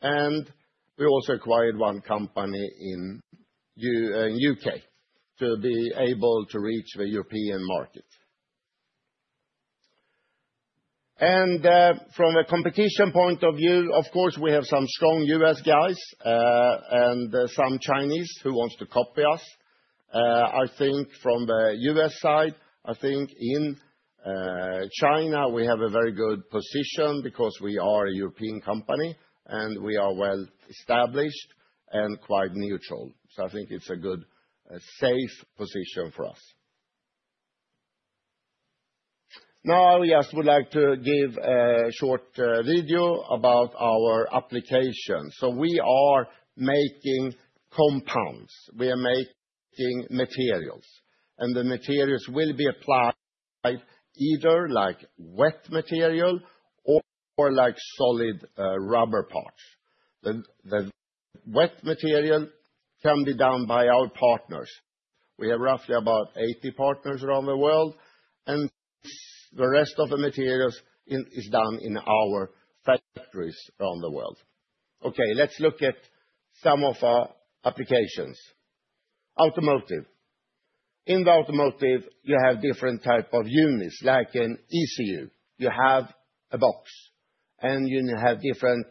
and we also acquired one company in the U.K. to be able to reach the European market. From a competition point of view, of course, we have some strong US guys and some Chinese who want to copy us. I think from the US side, I think in China we have a very good position because we are a European company and we are well established and quite neutral. I think it's a good, safe position for us. Now I just would like to give a short video about our application. We are making compounds. We are making materials, and the materials will be applied either like wet material or like solid rubber parts. The wet material can be done by our partners. We have roughly about 80 partners around the world, and the rest of the materials is done in our factories around the world. Okay, let's look at some of our applications. Automotive. In the automotive, you have different types of units, like an ECU. You have a box, and you have different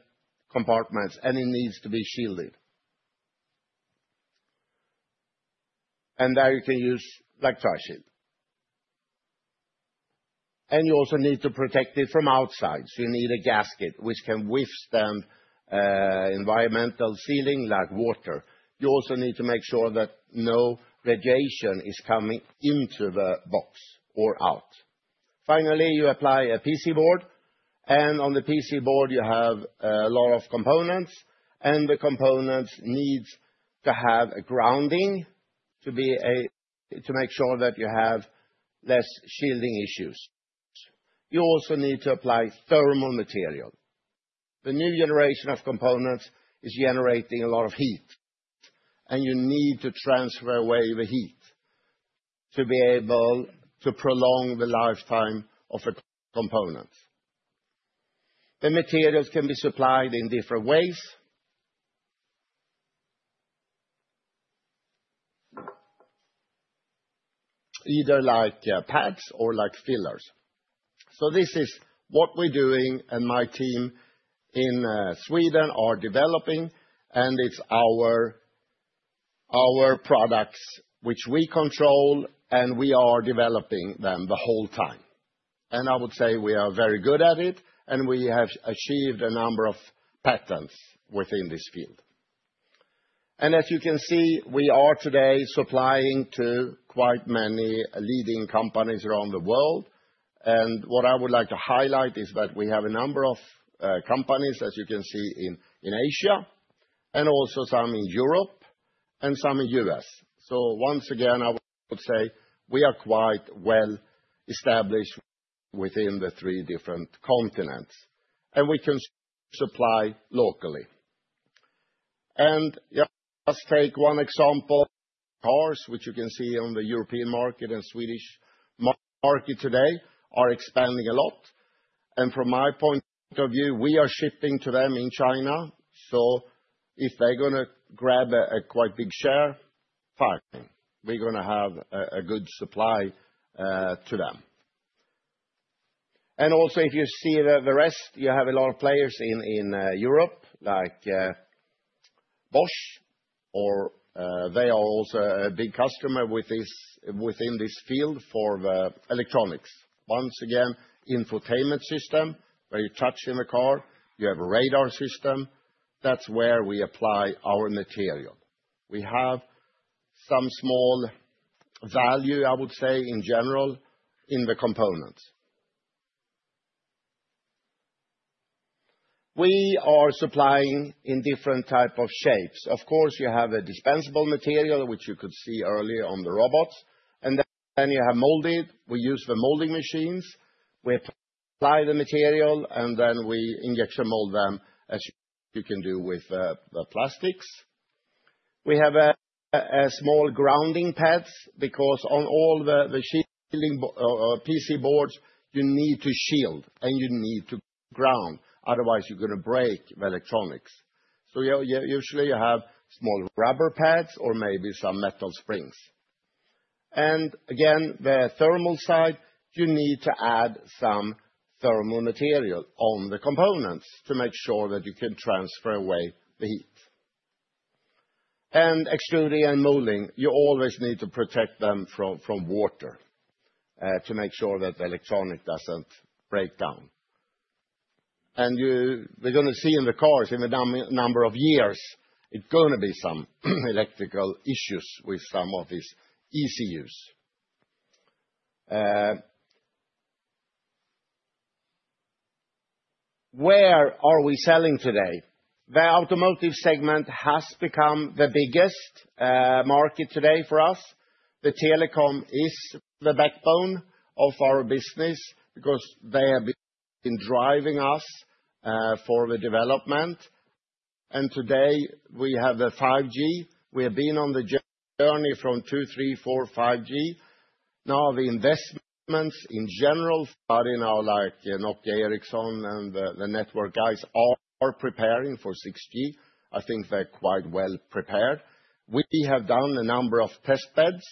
compartments, and it needs to be shielded. There you can use like a Tri-Shield. You also need to protect it from outside. You need a gasket, which can withstand environmental sealing like water. You also need to make sure that no radiation is coming into the box or out. Finally, you apply a PC board, and on the PC board, you have a lot of components, and the components need to have a grounding to make sure that you have less shielding issues. You also need to apply thermal material. The new generation of components is generating a lot of heat, and you need to transfer away the heat to be able to prolong the lifetime of a component. The materials can be supplied in different ways, either like pads or like fillers. This is what we're doing, and my team in Sweden are developing, and it's our products which we control, and we are developing them the whole time. I would say we are very good at it, and we have achieved a number of patents within this field. As you can see, we are today supplying to quite many leading companies around the world. What I would like to highlight is that we have a number of companies, as you can see, in Asia and also some in Europe and some in the U.S. I would say we are quite well established within the three different continents, and we can supply locally. Let's take one example: cars, which you can see on the European market and Swedish market today, are expanding a lot. From my point of view, we are shipping to them in China. If they are going to grab a quite big share, fine, we are going to have a good supply to them. If you see the rest, you have a lot of players in Europe like Bosch, or they are also a big customer within this field for the electronics. Once again, infotainment system where you touch in the car, you have a radar system. That's where we apply our material. We have some small value, I would say, in general in the components. We are supplying in different types of shapes. Of course, you have a dispensable material, which you could see earlier on the robots, and then you have molded. We use the molding machines. We apply the material, and then we injection mold them, as you can do with the plastics. We have small grounding pads because on all the PC boards, you need to shield, and you need to ground. Otherwise, you're going to break the electronics. Usually, you have small rubber pads or maybe some metal springs. Again, the thermal side, you need to add some thermal material on the components to make sure that you can transfer away the heat. Extruding and molding, you always need to protect them from water to make sure that the electronic does not break down. We are going to see in the cars in a number of years, it is going to be some electrical issues with some of these ECUs. Where are we selling today? The automotive segment has become the biggest market today for us. The telecom is the backbone of our business because they have been driving us for the development. Today, we have the 5G. We have been on the journey from 2, 3, 4, 5G. Now, the investments in general, starting out like Nokia, Ericsson and the network guys, are preparing for 6G. I think they're quite well prepared. We have done a number of test beds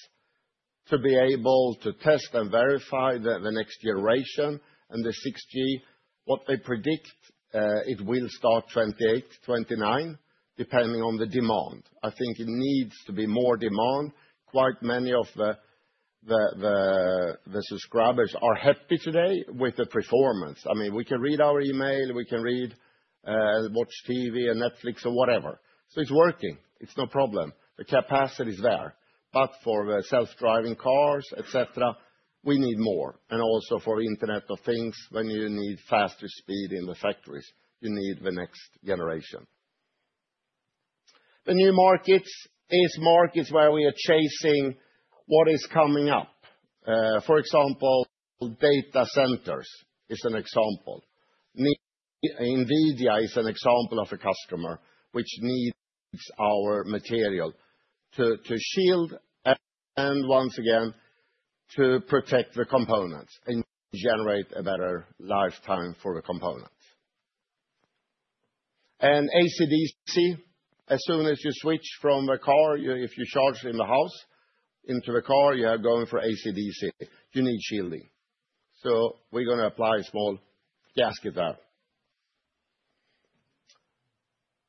to be able to test and verify the next generation and the 6G. What they predict, it will start 2028, 2029, depending on the demand. I think it needs to be more demand. Quite many of the subscribers are happy today with the performance. I mean, we can read our email, we can read and watch TV and Netflix or whatever. It is working. It is no problem. The capacity is there. For the self-driving cars, etc., we need more. Also for Internet of Things, when you need faster speed in the factories, you need the next generation. The new markets are markets where we are chasing what is coming up. For example, data centers is an example. Nvidia is an example of a customer which needs our material to shield and once again to protect the components and generate a better lifetime for the components. ACDC, as soon as you switch from the car, if you charge in the house into the car, you are going for ACDC. You need shielding. We are going to apply a small gasket there.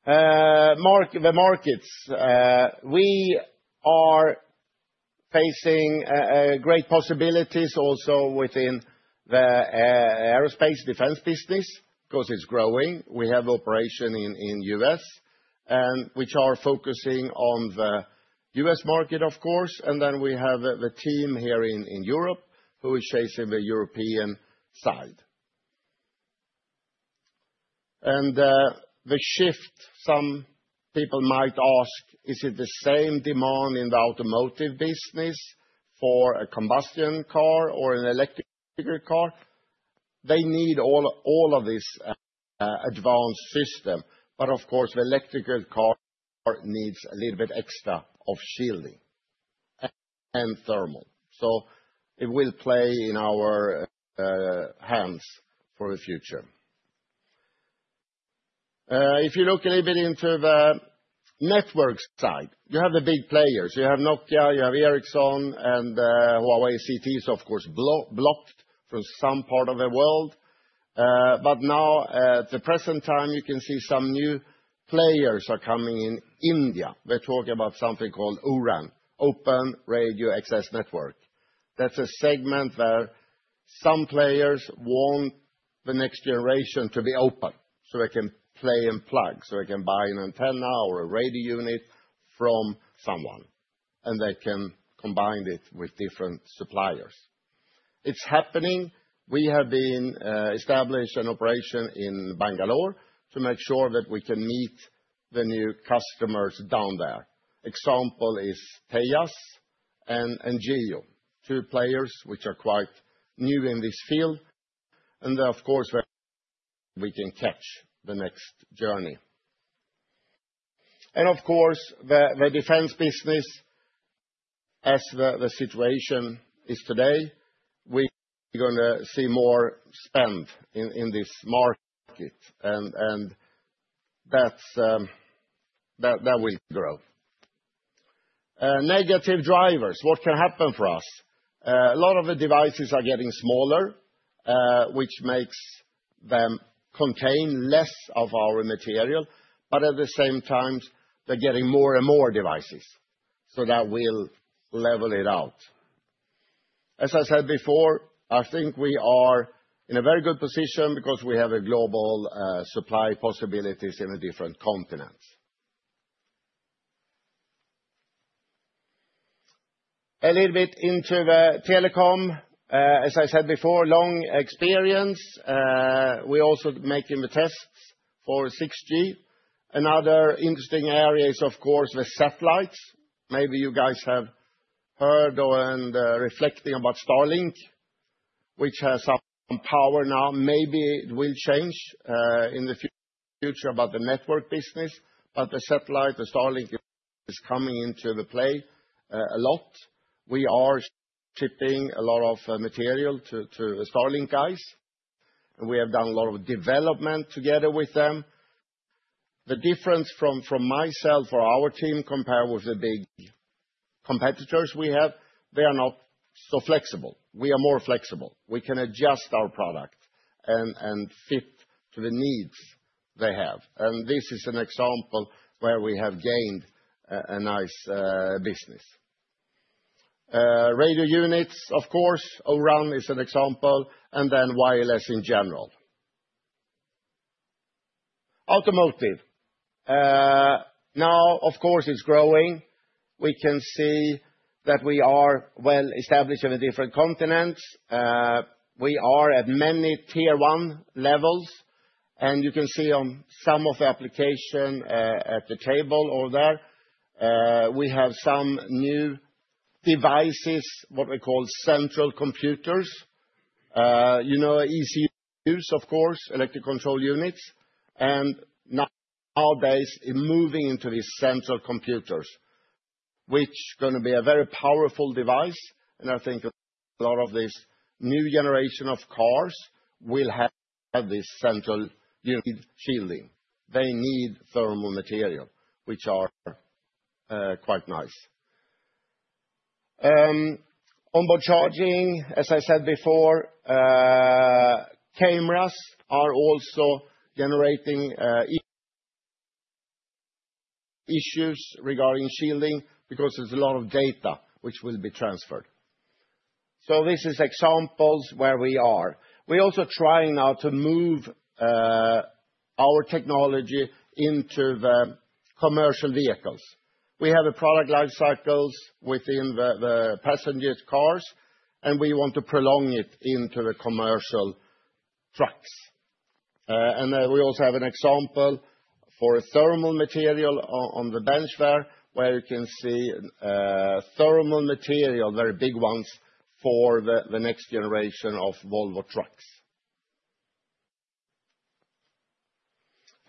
The markets, we are facing great possibilities also within the aerospace defense business because it's growing. We have operations in the U.S, and we are focusing on the U.S. market, of course. We have the team here in Europe who are chasing the European side. The shift, some people might ask, is it the same demand in the automotive business for a combustion car or an electric car? They need all of this advanced system. Of course, the electric car needs a little bit extra of shielding and thermal. It will play in our hands for the future. If you look a little bit into the network side, you have the big players. You have Nokia, you have Ericsson, and Huawei. CT is, of course, blocked from some part of the world. Now, at the present time, you can see some new players are coming in India. We're talking about something called ORAN, Open Radio Access Network. That's a segment where some players want the next generation to be open so they can play and plug, so they can buy an antenna or a radio unit from someone, and they can combine it with different suppliers. It's happening. We have been established an operation in Bangalore to make sure that we can meet the new customers down there. Example is Tejas Networks and NGEO, two players which are quite new in this field. Of course, we can catch the next journey. Of course, the defense business, as the situation is today, we are going to see more spend in this market, and that will grow. Negative drivers, what can happen for us? A lot of the devices are getting smaller, which makes them contain less of our material, but at the same time, there are more and more devices. That will level it out. As I said before, I think we are in a very good position because we have global supply possibilities in different continents. A little bit into the telecom, as I said before, long experience. We are also making the tests for 6G. Another interesting area is, of course, the satellites. Maybe you guys have heard and reflected about Starlink, which has some power now. Maybe it will change in the future about the network business, but the satellite, the Starlink, is coming into the play a lot. We are shipping a lot of material to the Starlink guys, and we have done a lot of development together with them. The difference from myself or our team compared with the big competitors we have, they are not so flexible. We are more flexible. We can adjust our product and fit to the needs they have. This is an example where we have gained a nice business. Radio units, of course, ORAN is an example, and then wireless in general. Automotive. Now, of course, it's growing. We can see that we are well established in the different continents. We are at many tier one levels, and you can see on some of the applications at the table over there, we have some new devices, what we call central computers. You know, ECUs, of course, electric control units. Nowadays, moving into these central computers, which is going to be a very powerful device, and I think a lot of this new generation of cars will have this central unit shielding. They need thermal material, which are quite nice. Onboard charging, as I said before, cameras are also generating issues regarding shielding because there's a lot of data which will be transferred. This is examples where we are. We are also trying now to move our technology into the commercial vehicles. We have product life cycles within the passenger cars, and we want to prolong it into the commercial trucks. We also have an example for thermal material on the bench there, where you can see thermal material, very big ones for the next generation of Volvo trucks.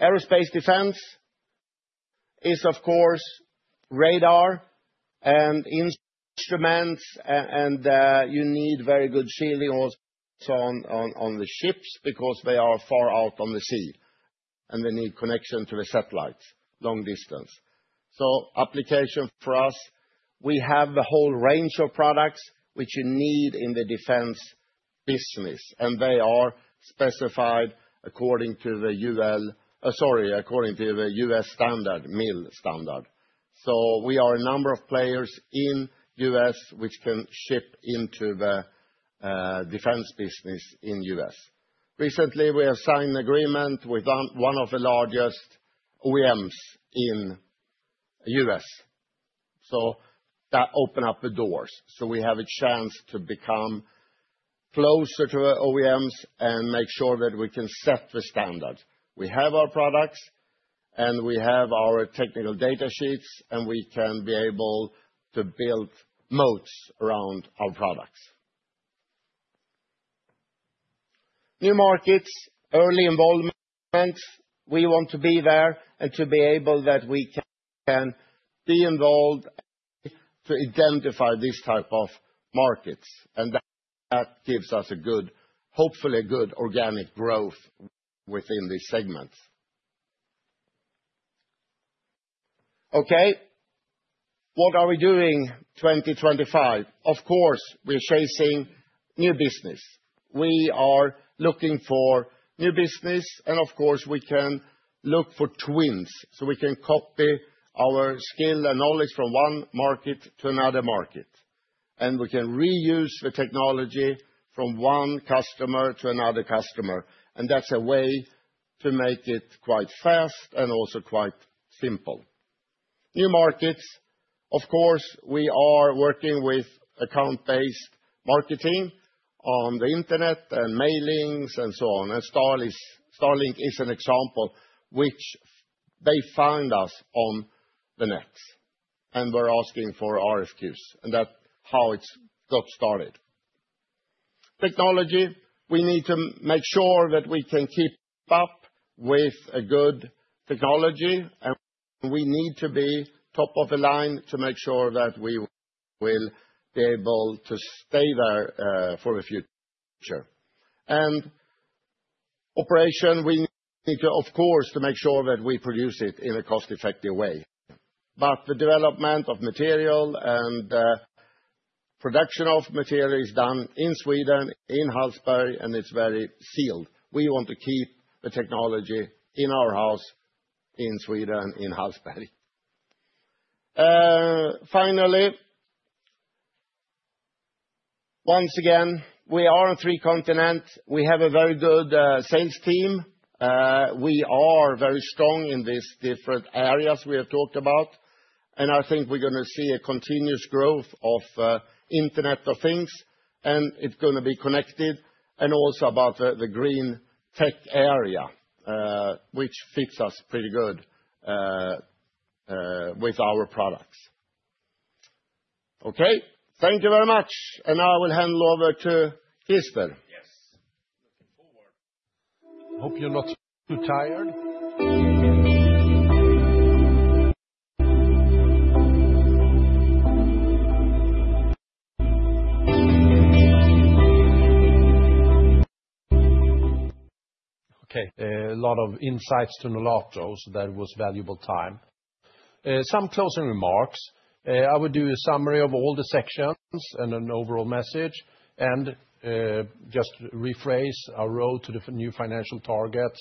Aerospace defense is, of course, radar and instruments, and you need very good shielding also on the ships because they are far out on the sea, and they need connection to the satellites long distance. Application for us, we have a whole range of products which you need in the defense business, and they are specified according to the U.S. standard, MIL standard. We are a number of players in the U.S. which can ship into the defense business in the U.S. Recently, we have signed an agreement with one of the largest OEMs in the U.S. That opened up the doors. We have a chance to become closer to OEMs and make sure that we can set the standard. We have our products, and we have our technical data sheets, and we can be able to build modes around our products. New markets, early involvement. We want to be there and to be able that we can be involved to identify these types of markets. That gives us a good, hopefully good organic growth within these segments. Okay. What are we doing 2025? Of course, we're chasing new business. We are looking for new business, and of course, we can look for twins. We can copy our skill and knowledge from one market to another market. We can reuse the technology from one customer to another customer. That's a way to make it quite fast and also quite simple. New markets. Of course, we are working with account-based marketing on the internet and mailings and so on. SpaceX Starlink is an example which they found us on the net. They were asking for RFQs and that's how it got started. Technology. We need to make sure that we can keep up with good technology, and we need to be top of the line to make sure that we will be able to stay there for the future. Operation, we need to, of course, make sure that we produce it in a cost-effective way. The development of material and production of material is done in Sweden, in Hallsberg, and it's very sealed. We want to keep the technology in our house in Sweden, in Hallsberg. Finally, once again, we are on three continents. We have a very good sales team. We are very strong in these different areas we have talked about. I think we're going to see a continuous growth of Internet of Things, and it's going to be connected. Also about the green tech area, which fits us pretty good with our products. Okay. Thank you very much. Now I will hand over to Christian. Yes. Looking forward. Hope you're not too tired. Okay. A lot of insights to Nolato, so that was valuable time. Some closing remarks. I will do a summary of all the sections and an overall message, and just rephrase our road to the new financial targets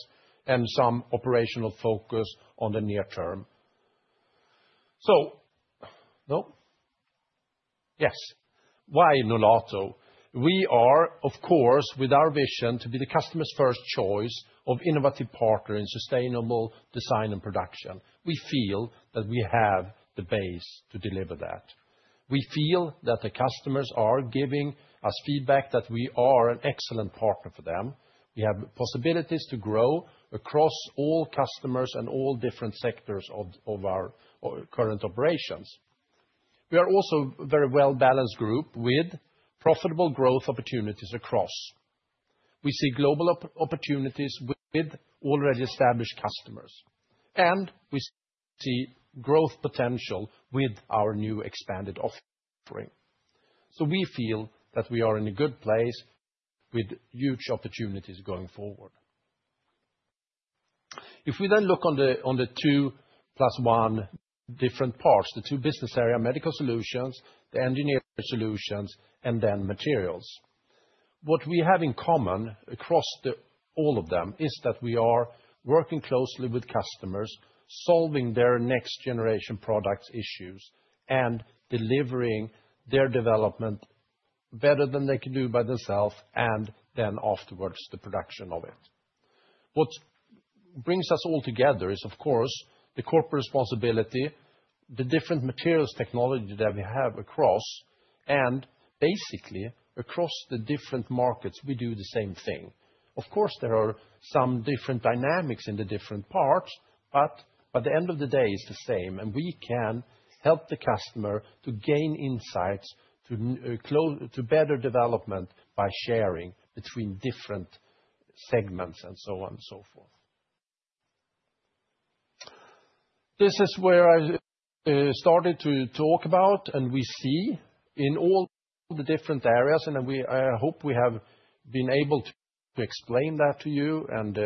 and some operational focus on the near term. No. Yes. Why Nolato? We are, of course, with our vision to be the customer's first choice of innovative partner in sustainable design and production. We feel that we have the base to deliver that. We feel that the customers are giving us feedback that we are an excellent partner for them. We have possibilities to grow across all customers and all different sectors of our current operations. We are also a very well-balanced group with profitable growth opportunities across. We see global opportunities with already established customers, and we see growth potential with our new expanded offering. We feel that we are in a good place with huge opportunities going forward. If we then look on the two plus one different parts, the two business areas, medical solutions, the engineering solutions, and then materials. What we have in common across all of them is that we are working closely with customers, solving their next generation product issues, and delivering their development better than they can do by themselves, and then afterwards the production of it. What brings us all together is, of course, the corporate responsibility, the different materials technology that we have across, and basically across the different markets, we do the same thing. Of course, there are some different dynamics in the different parts, but by the end of the day, it's the same, and we can help the customer to gain insights to better development by sharing between different segments and so on and so forth. This is where I started to talk about, and we see in all the different areas, and I hope we have been able to explain that to you and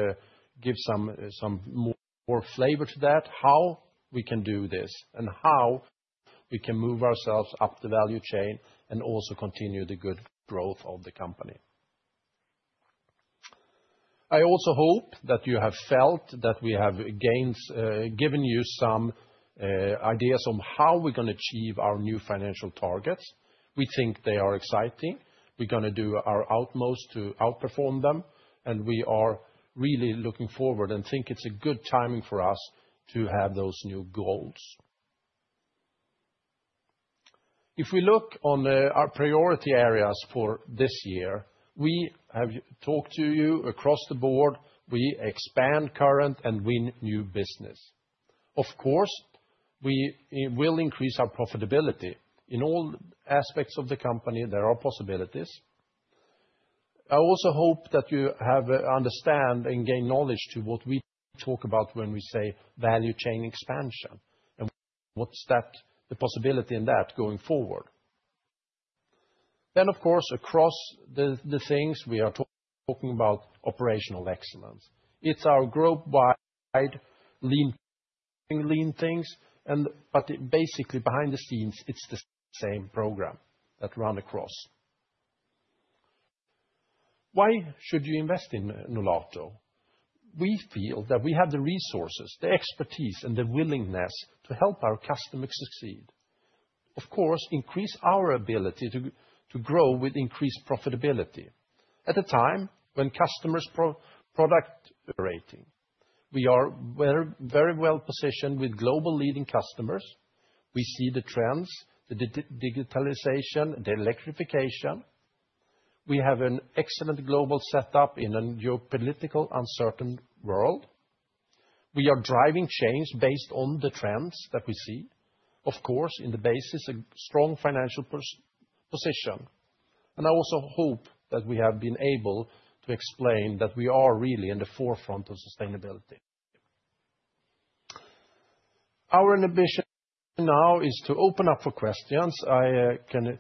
give some more flavor to that, how we can do this and how we can move ourselves up the value chain and also continue the good growth of the company. I also hope that you have felt that we have given you some ideas on how we're going to achieve our new financial targets. We think they are exciting. We're going to do our utmost to outperform them, and we are really looking forward and think it's a good timing for us to have those new goals. If we look on our priority areas for this year, we have talked to you across the board. We expand current and win new business. Of course, we will increase our profitability in all aspects of the company. There are possibilities. I also hope that you have understood and gained knowledge to what we talk about when we say value chain expansion. What's the possibility in that going forward? Of course, across the things we are talking about, operational excellence. It's our growth-wide lean things, but basically behind the scenes, it's the same program that runs across. Why should you invest in Nolato? We feel that we have the resources, the expertise, and the willingness to help our customers succeed. Of course, increase our ability to grow with increased profitability. At a time when customers' product rating, we are very well positioned with global leading customers. We see the trends, the digitalization, the electrification. We have an excellent global setup in a geopolitically uncertain world. We are driving change based on the trends that we see. Of course, in the basis, a strong financial position. I also hope that we have been able to explain that we are really in the forefront of sustainability. Our ambition now is to open up for questions. I can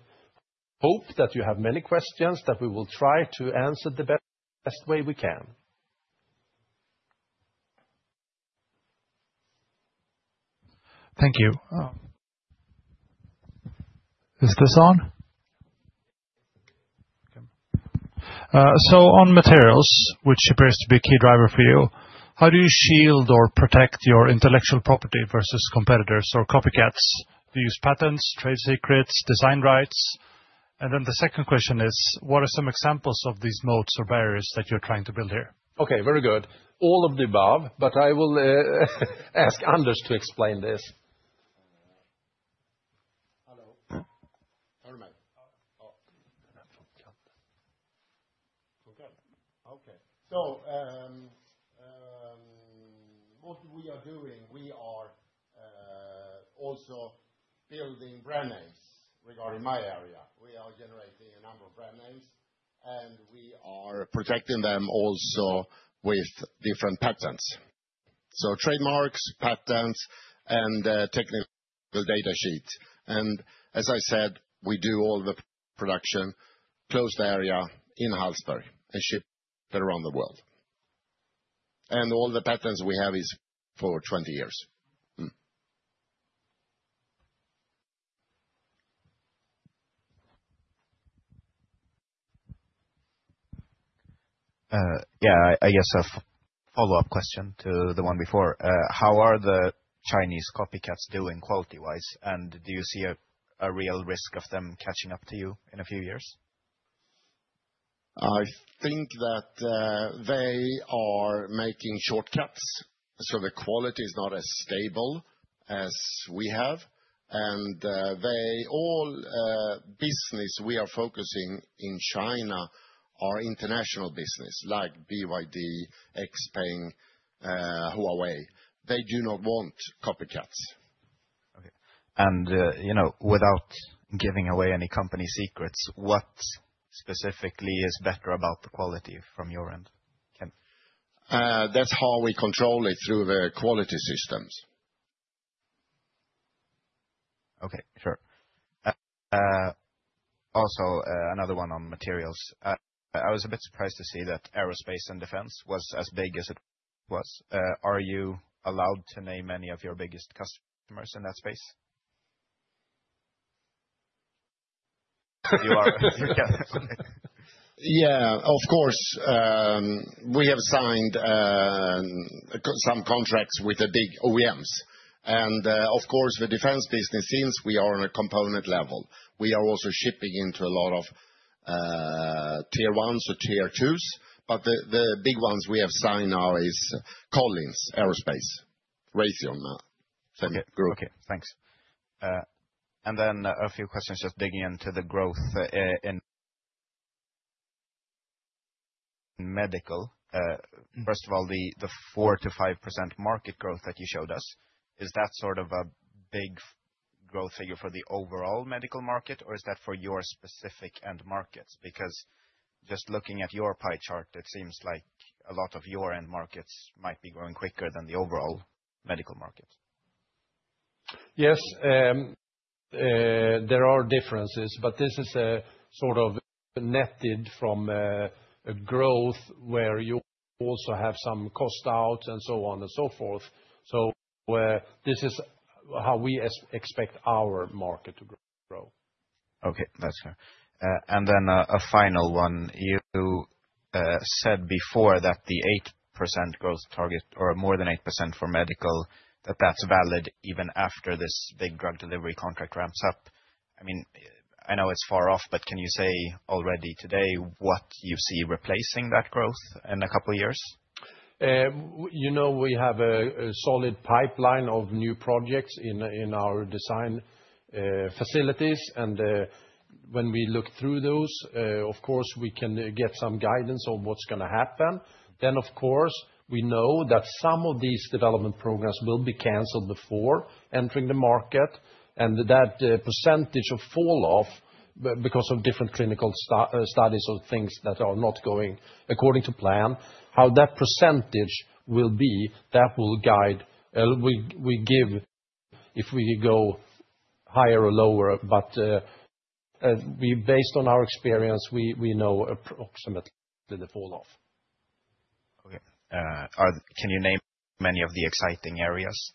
hope that you have many questions that we will try to answer the best way we can. Thank you. Is this on? On materials, which appears to be a key driver for you, how do you shield or protect your intellectual property versus competitors or copycats? Do you use patents, trade secrets, design rights? The second question is, what are some examples of these modes or barriers that you're trying to build here? Very good. All of the above, but I will ask Anders to explain this. Hello. What we are doing, we are also building brand names regarding my area. We are generating a number of brand names, and we are protecting them also with different patents. Trademarks, patents, and technical data sheets. As I said, we do all the production close to the area in Hallsberg, and ship it around the world. All the patents we have are for 20 years. I guess a follow-up question to the one before. How are the Chinese copycats doing quality-wise, and do you see a real risk of them catching up to you in a few years? I think that they are making shortcuts, so the quality is not as stable as we have. All business we are focusing in China is international business, like BYD, Xpeng, Huawei. They do not want copycats. Okay. Without giving away any company secrets, what specifically is better about the quality from your end? That is how we control it through the quality systems. Okay, sure. Also, another one on materials. I was a bit surprised to see that aerospace and defense was as big as it was. Are you allowed to name any of your biggest customers in that space? You are. Yeah, of course. We have signed some contracts with the big OEMs. Of course, the defense business, since we are on a component level, we are also shipping into a lot of tier ones or tier twos. The big ones we have signed now are Collins Aerospace, Raytheon, same group. Okay, thanks. A few questions just digging into the growth in medical. First of all, the 4-5% market growth that you showed us, is that sort of a big growth figure for the overall medical market, or is that for your specific end markets? Because just looking at your pie chart, it seems like a lot of your end markets might be growing quicker than the overall medical market. Yes, there are differences, but this is sort of netted from a growth where you also have some cost out and so on and so forth. This is how we expect our market to grow. Okay, that's fair. A final one. You said before that the 8% growth target or more than 8% for medical, that that's valid even after this big drug delivery contract ramps up. I mean, I know it's far off, but can you say already today what you see replacing that growth in a couple of years? We have a solid pipeline of new projects in our design facilities. When we look through those, of course, we can get some guidance on what's going to happen. Of course, we know that some of these development programs will be canceled before entering the market. That percentage of falloff because of different clinical studies or things that are not going according to plan, how that percentage will be, that will guide. We give if we go higher or lower, but based on our experience, we know approximately the falloff. Okay. Can you name any of the exciting areas?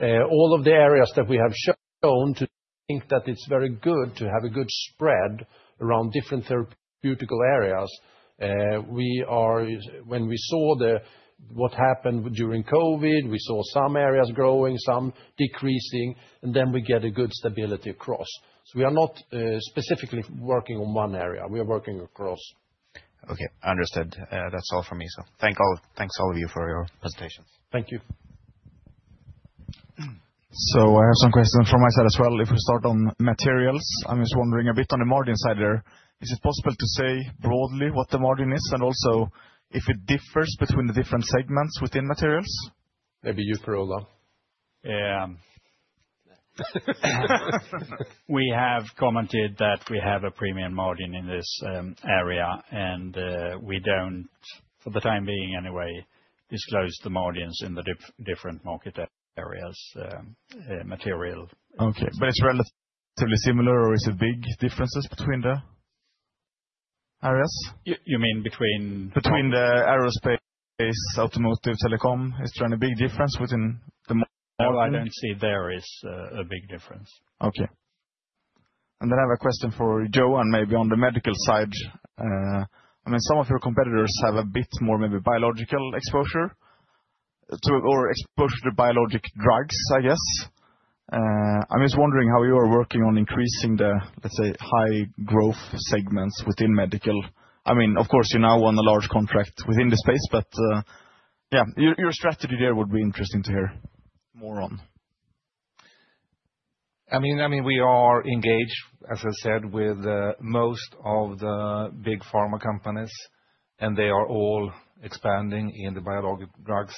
All of the areas that we have shown, we think that it's very good to have a good spread around different therapeutical areas. When we saw what happened during COVID, we saw some areas growing, some decreasing, and then we get a good stability across. We are not specifically working on one area. We are working across. Okay, understood. That's all from me. Thanks all of you for your presentations. Thank you. I have some questions for myself as well. If we start on materials, I'm just wondering a bit on the margin side there. Is it possible to say broadly what the margin is and also if it differs between the different segments within materials? Maybe you, Per-Ola. We have commented that we have a premium margin in this area, and we don't, for the time being anyway, disclose the margins in the different market areas material. Okay, but it's relatively similar or is it big differences between the areas? You mean between? Between the aerospace, automotive, telecom, is there any big difference within the margin? I don't see there is a big difference. Okay. I have a question for Joe, and maybe on the medical side. I mean, some of your competitors have a bit more maybe biological exposure or exposure to biologic drugs, I guess. I'm just wondering how you are working on increasing the, let's say, high growth segments within medical. I mean, of course, you're now on a large contract within the space, but yeah, your strategy there would be interesting to hear more on. I mean, we are engaged, as I said, with most of the big pharma companies, and they are all expanding in the biologic drugs.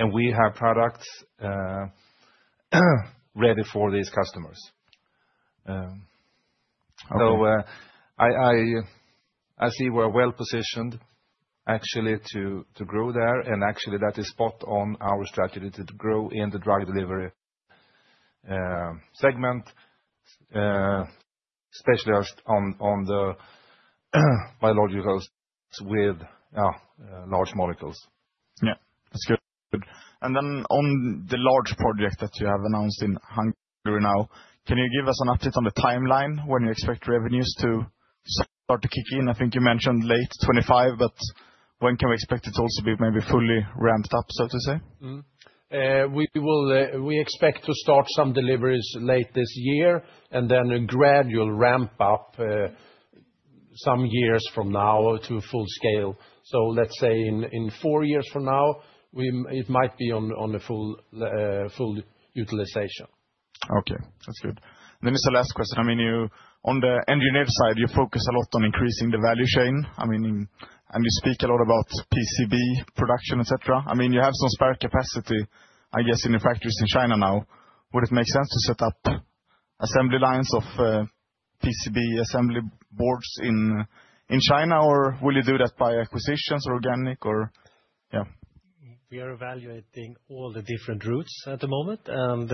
And we have products ready for these customers. So I see we're well positioned, actually, to grow there. Actually, that is spot on our strategy to grow in the drug delivery segment, especially on the biologicals with large molecules. Yeah, that's good. On the large project that you have announced in Hungary now, can you give us an update on the timeline when you expect revenues to start to kick in? I think you mentioned late 2025, but when can we expect it to also be maybe fully ramped up, so to say? We expect to start some deliveries late this year and then a gradual ramp up some years from now to full scale. Let's say in four years from now, it might be on a full utilization. Okay, that's good. It is the last question. I mean, on the engineer side, you focus a lot on increasing the value chain. I mean, and you speak a lot about PCB production, etc. I mean, you have some spare capacity, I guess, in the factories in China now. Would it make sense to set up assembly lines of PCB assembly boards in China, or will you do that by acquisitions or organic, or yeah? We are evaluating all the different routes at the moment and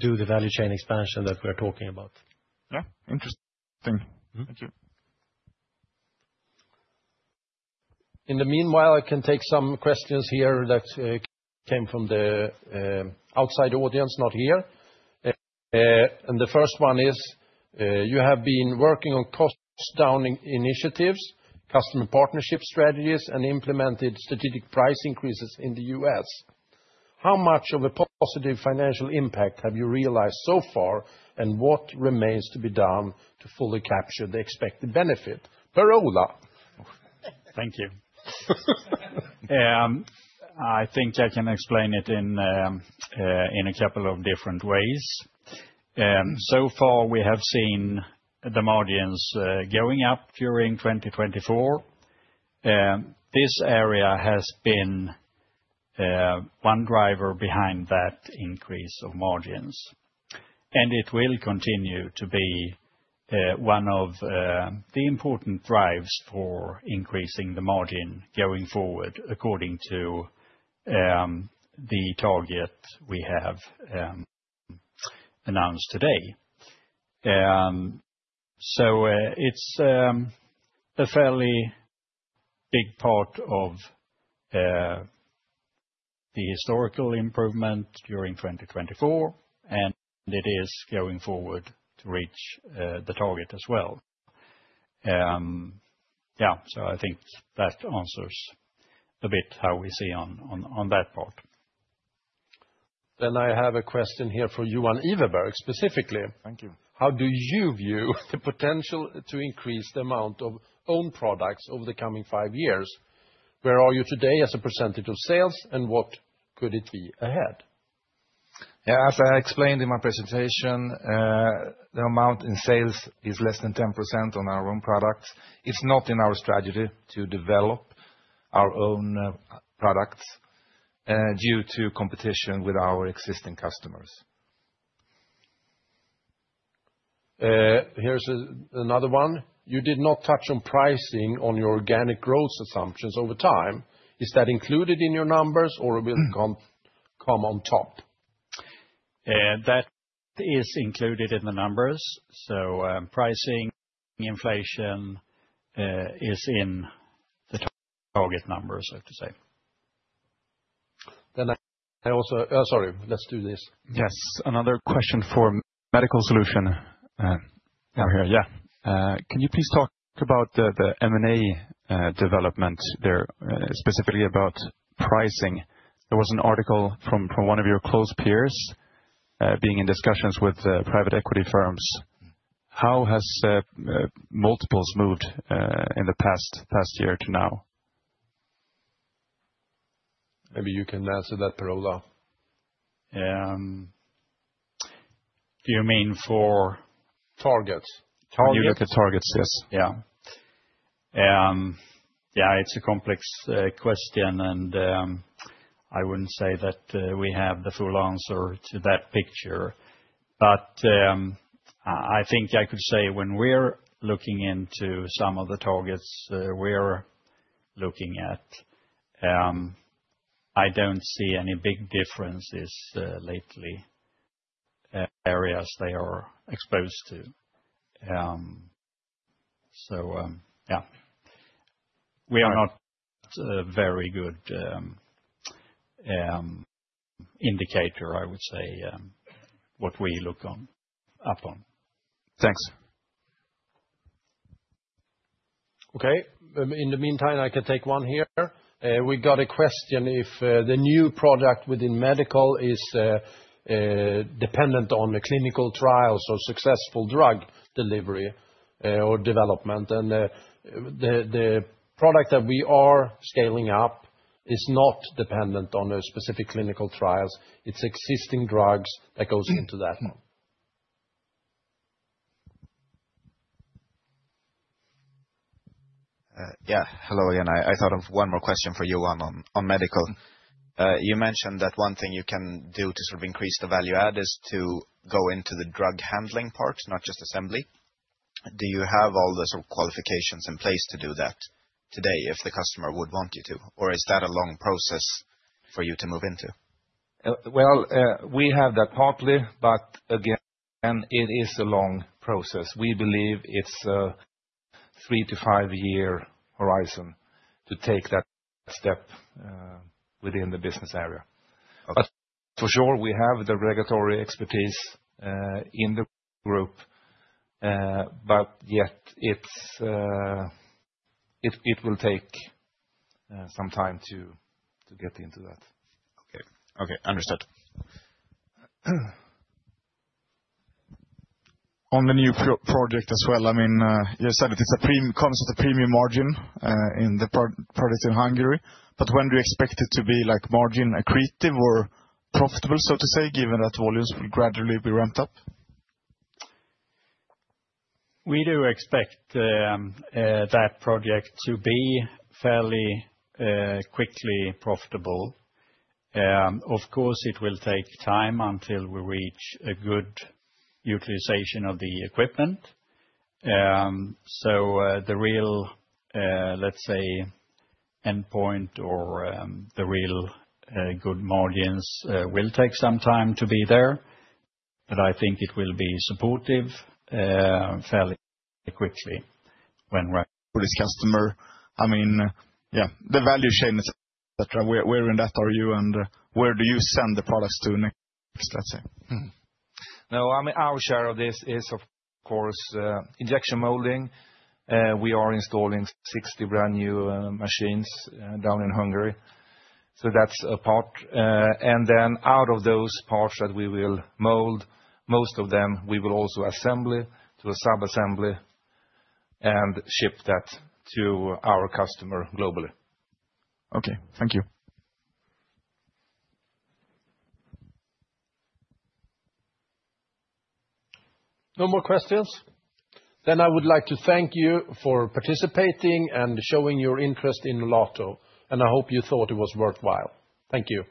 do the value chain expansion that we're talking about. Yeah, interesting. Thank you. In the meanwhile, I can take some questions here that came from the outside audience, not here. The first one is, you have been working on cost-downing initiatives, customer partnership strategies, and implemented strategic price increases in the US. How much of a positive financial impact have you realized so far, and what remains to be done to fully capture the expected benefit? Per-Ola. Thank you. I think I can explain it in a couple of different ways. So far, we have seen the margins going up during 2024. This area has been one driver behind that increase of margins. It will continue to be one of the important drives for increasing the margin going forward, according to the target we have announced today. It's a fairly big part of the historical improvement during 2024, and it is going forward to reach the target as well. Yeah, I think that answers a bit how we see on that part. I have a question here for Johan Iverberg specifically. Thank you. How do you view the potential to increase the amount of owned products over the coming five years? Where are you today as a percentage of sales, and what could it be ahead? Yeah, as I explained in my presentation, the amount in sales is less than 10% on our own products. It's not in our strategy to develop our own products due to competition with our existing customers. Here's another one. You did not touch on pricing on your organic growth assumptions over time. Is that included in your numbers, or will it come on top? That is included in the numbers. Pricing, inflation is in the target numbers, I have to say. I also—sorry, let's do this. Yes, another question for Medical Solution here. Yeah. Can you please talk about the M&A development there, specifically about pricing? There was an article from one of your close peers being in discussions with private equity firms. How have multiples moved in the past year to now? Maybe you can answer that, Per-Ola. You mean for targets? You look at targets, yes. Yeah. It's a complex question, and I wouldn't say that we have the full answer to that picture. I think I could say when we're looking into some of the targets we're looking at, I don't see any big differences lately. Areas they are exposed to. We are not a very good indicator, I would say, what we look upon. Thanks. Okay. In the meantime, I can take one here. We got a question if the new product within medical is dependent on clinical trials or successful drug delivery or development. The product that we are scaling up is not dependent on specific clinical trials. It's existing drugs that goes into that. Yeah. Hello again. I thought of one more question for you on medical. You mentioned that one thing you can do to sort of increase the value add is to go into the drug handling part, not just assembly. Do you have all the sort of qualifications in place to do that today if the customer would want you to? Or is that a long process for you to move into? We have that partly, but again, it is a long process. We believe it's a three to five-year horizon to take that step within the business area. For sure, we have the regulatory expertise in the group, but yet it will take some time to get into that. Okay. Okay, understood. On the new project as well, I mean, you said it comes with a premium margin in the project in Hungary. When do you expect it to be margin accretive or profitable, so to say, given that volumes will gradually be ramped up? We do expect that project to be fairly quickly profitable. Of course, it will take time until we reach a good utilization of the equipment. The real, let's say, endpoint or the real good margins will take some time to be there. I think it will be supportive fairly quickly when. For this customer? I mean, yeah, the value chain, etc. Where in that are you, and where do you send the products to next, let's say? No, I mean, our share of this is, of course, injection molding. We are installing 60 brand new machines down in Hungary. That is a part. Out of those parts that we will mold, most of them we will also assemble to a sub-assembly and ship that to our customer globally. Okay. Thank you. No more questions? I would like to thank you for participating and showing your interest in Nolato. I hope you thought it was worthwhile. Thank you.